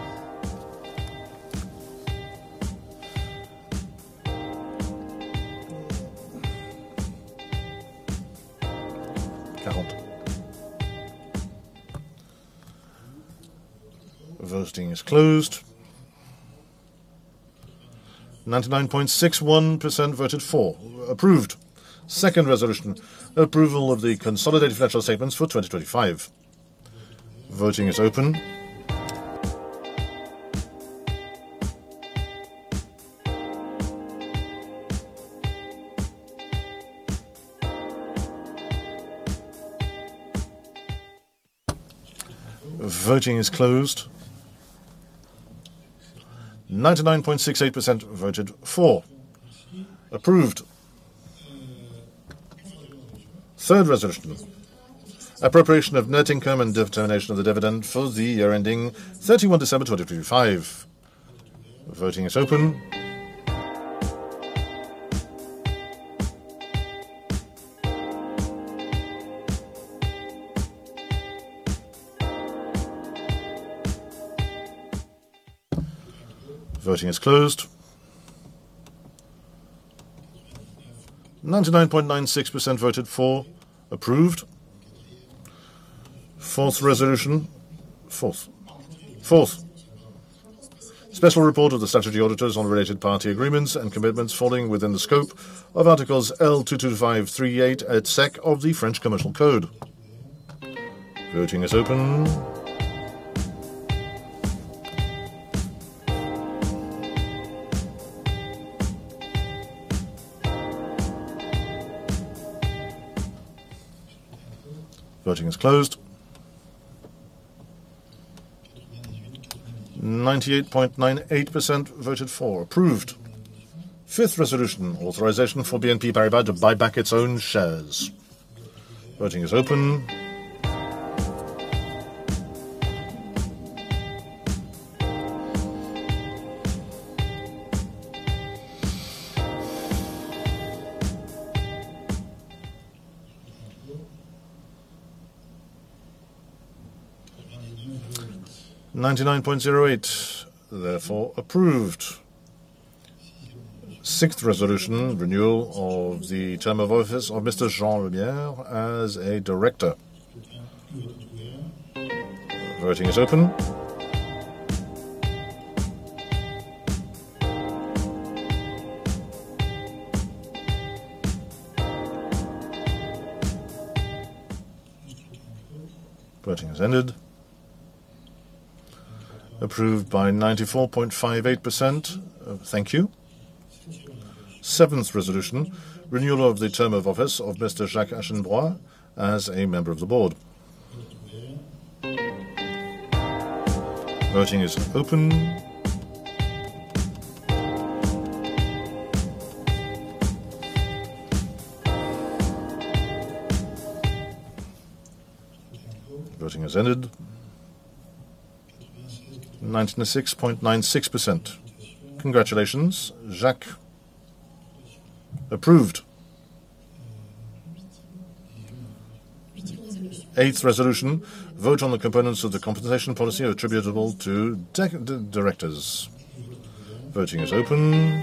Voting is closed. 99.61% voted for. Approved. Second resolution, approval of the consolidated financial statements for 2025. Voting is open. Voting is closed. 99.68% voted for. Approved. Third resolution, appropriation of net income and determination of the dividend for the year ending 31 December 2025. Voting is open. Voting is closed. 99.96% voted for. Approved. Fourth resolution. Fourth, special report of the Statutory Auditors on related party agreements and commitments falling within the scope of articles L225-38 et seq. of the French Commercial Code. Voting is open. Voting is closed. 98.98% voted for. Approved. 5th resolution, authorization for BNP Paribas to buy back its own shares. Voting is open. 99.08% therefore approved. 6th resolution, renewal of the term of office of Mr. Jean Lemierre as a Director. Voting is open. Voting has ended. Approved by 94.58%. Thank you. 7th resolution, renewal of the term of office of Mr. Jacques Aschenbroich as a Member of the Board. Voting is open. Voting has ended. 96.96%. Congratulations, Jacques. Approved. 8th resolution, vote on the components of the compensation policy attributable to tech directors. Voting is open.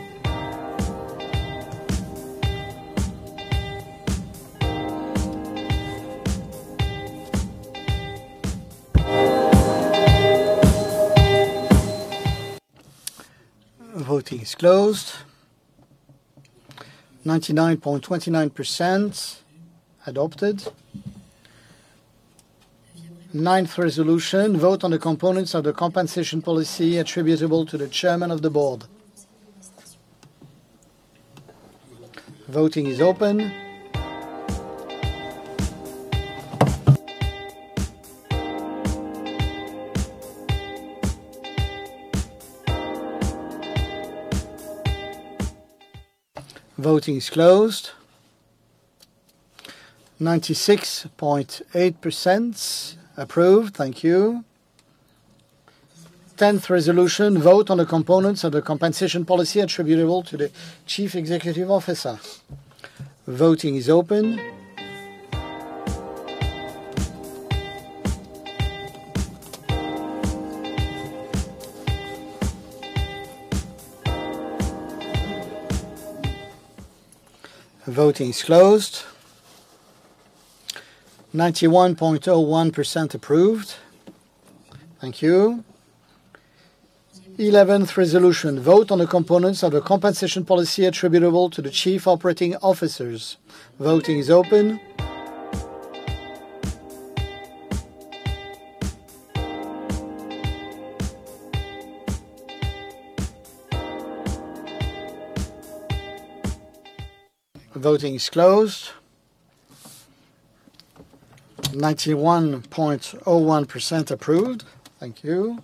Voting is closed. 99.29% adopted. 9th resolution, vote on the components of the compensation policy attributable to the Chairman of the Board. Voting is open. Voting is closed. 96.8% approved. Thank you. 10th resolution, vote on the components of the compensation policy attributable to the Chief Executive Officer. Voting is open. Voting is closed. 91.01% approved. Thank you. 11th resolution, vote on the components of the compensation policy attributable to the Chief Operating Officers. Voting is open. Voting is closed. 91.01% approved. Thank you.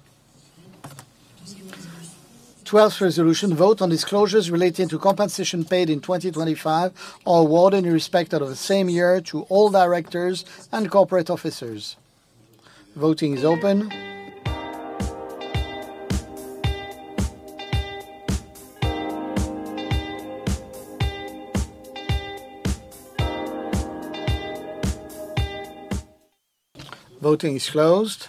12th resolution, vote on disclosures relating to compensation paid in 2025 or awarded in respect of the same year to all directors and corporate officers. Voting is open. Voting is closed.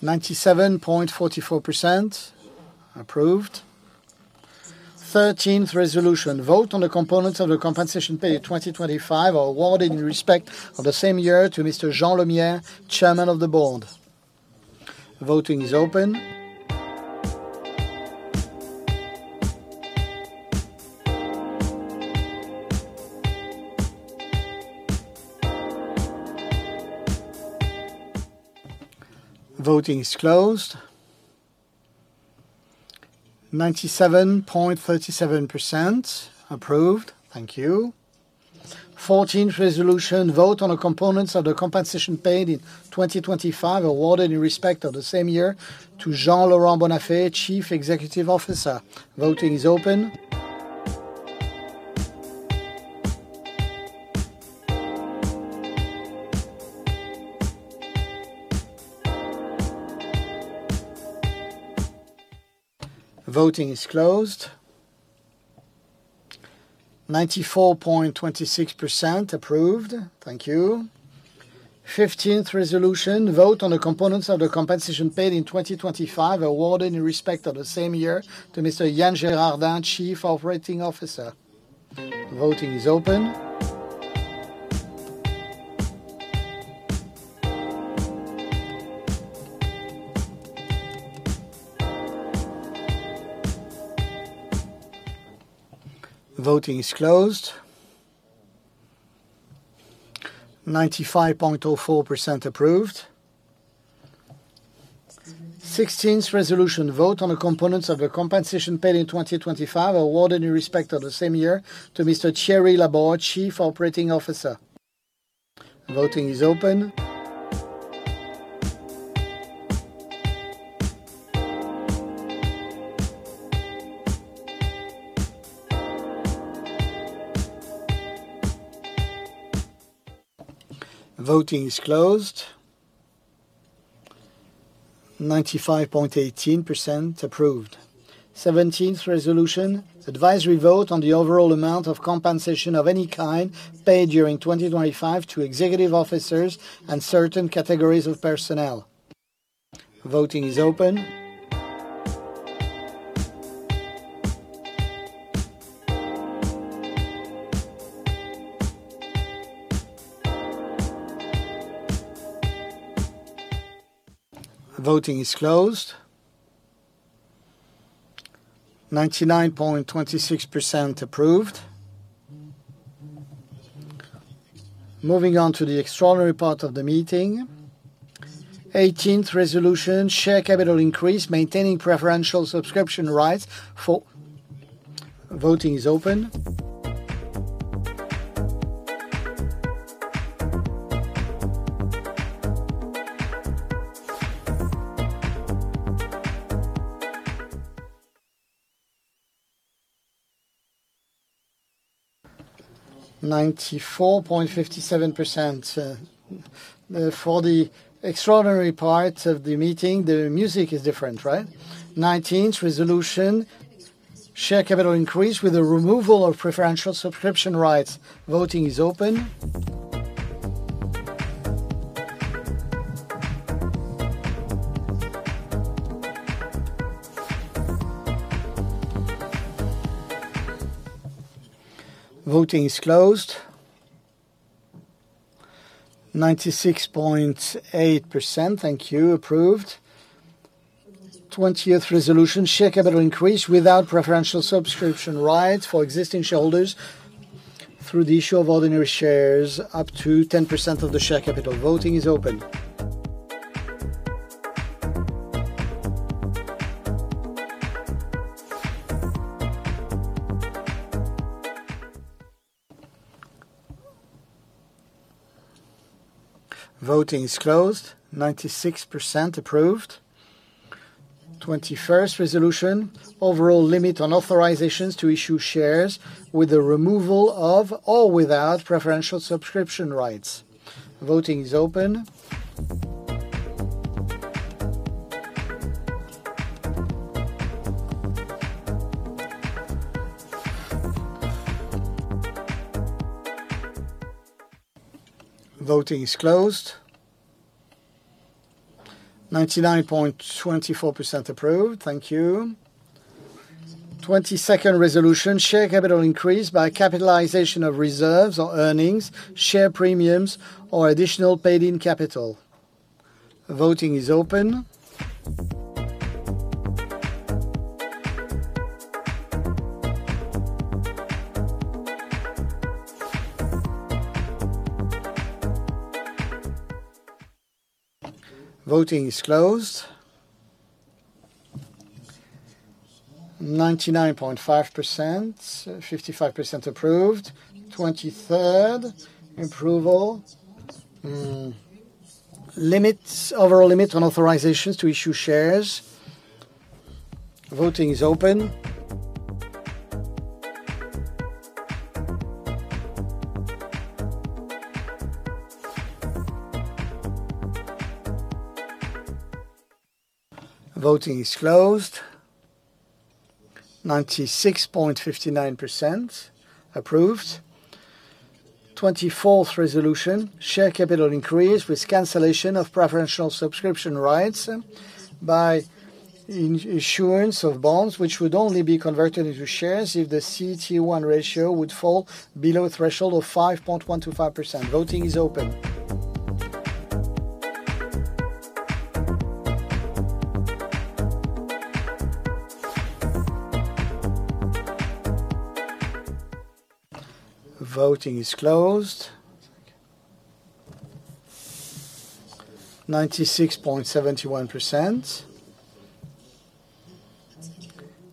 97.44% approved. 13th resolution, vote on the components of the compensation paid in 2025 or awarded in respect of the same year to Mr. Jean Lemierre, Chairman of the Board. Voting is open. Voting is closed. 97.37% approved. Thank you. 14th resolution, vote on the components of the compensation paid in 2025 awarded in respect of the same year to Jean-Laurent Bonnafé, Chief Executive Officer. Voting is open. Voting is closed. 94.26% approved. Thank you. 15th resolution, vote on the components of the compensation paid in 2025 awarded in respect of the same year to Mr. Yann Gérardin, Chief Operating Officer. Voting is open. Voting is closed. 95.04% approved. 16th resolution, vote on the components of the compensation paid in 2025 awarded in respect of the same year to Mr. Thierry Laborde, Chief Operating Officer. Voting is open. Voting is closed. 95.18% approved. 17th resolution, advisory vote on the overall amount of compensation of any kind paid during 2025 to executive officers and certain categories of personnel. Voting is open. Voting is closed. 99.26% approved. Moving on to the extraordinary part of the meeting. 18th resolution, share capital increase, maintaining preferential subscription rights for Voting is open. 94.57%. For the extraordinary parts of the meeting, the music is different, right? 19th resolution, share capital increase with a removal of preferential subscription rights. Voting is open. Voting is closed. 96.8%, thank you, approved. 20th resolution, share capital increase without preferential subscription rights for existing shareholders through the issue of ordinary shares up to 10% of the share capital. Voting is open. Voting is closed. 96% approved. 21st resolution, overall limit on authorizations to issue shares with the removal of, or without preferential subscription rights. Voting is open. Voting is closed. 99.24% approved. Thank you. 22nd resolution, share capital increase by capitalization of reserves or earnings, share premiums or additional paid-in capital. Voting is open. Voting is closed. 99.55% approved. 23rd approval. Overall limits on authorizations to issue shares. Voting is open. Voting is closed. 96.59% approved. 24th resolution, share capital increase with cancellation of preferential subscription rights by issuance of bonds, which would only be converted into shares if the CET1 ratio would fall below a threshold of 5.125%. Voting is open. Voting is closed. 96.71%.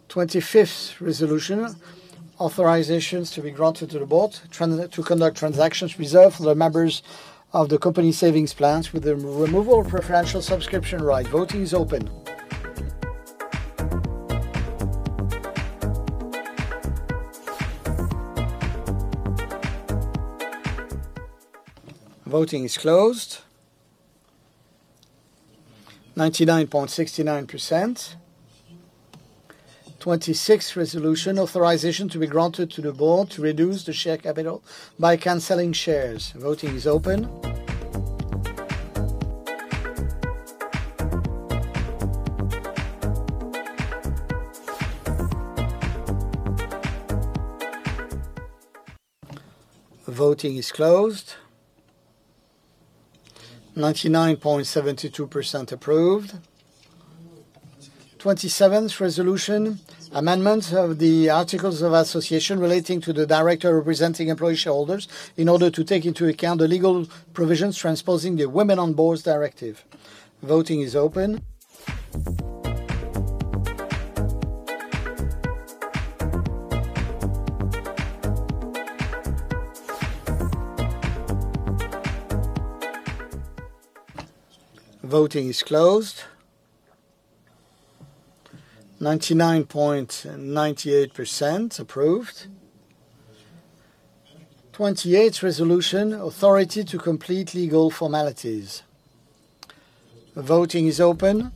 25th resolution, authorizations to be granted to the board to conduct transactions reserved for the members of the company savings plans with the removal of preferential subscription rights. Voting is open. Voting is closed. 99.69%. 26th resolution, authorization to be granted to the board to reduce the share capital by canceling shares. Voting is open. Voting is closed. 99.72% approved. 27th resolution, amendment of the articles of association relating to the director representing employee shareholders in order to take into account the legal provisions transposing the Women on Boards directive. Voting is open. Voting is closed. 99.98% approved. 28th resolution, authority to complete legal formalities. Voting is open.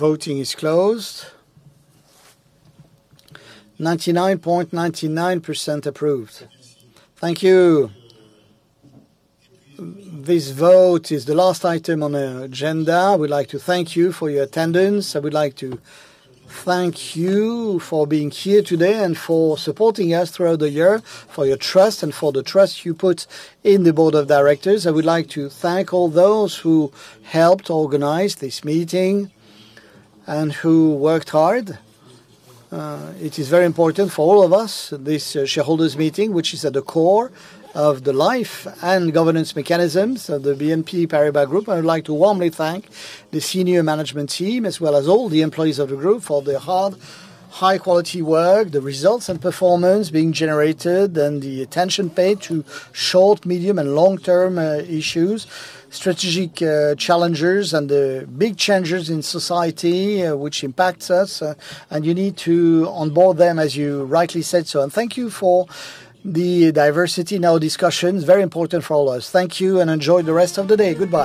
Voting is closed. 99.99% approved. Thank you. This vote is the last item on our agenda. We'd like to thank you for your attendance. I would like to thank you for being here today and for supporting us throughout the year, for your trust, and for the trust you put in the Board of Directors. I would like to thank all those who helped organize this meeting and who worked hard. It is very important for all of us, this shareholders meeting, which is at the core of the life and governance mechanisms of the BNP Paribas Group. I would like to warmly thank the Senior Management Team, as well as all the employees of the group for their hard, high-quality work, the results and performance being generated, and the attention paid to short, medium, and long-term issues, strategic challenges, and the big changes in society, which impacts us. You need to onboard them, as you rightly said so. Thank you for the diversity in our discussions. Very important for all of us. Thank you, and enjoy the rest of the day. Goodbye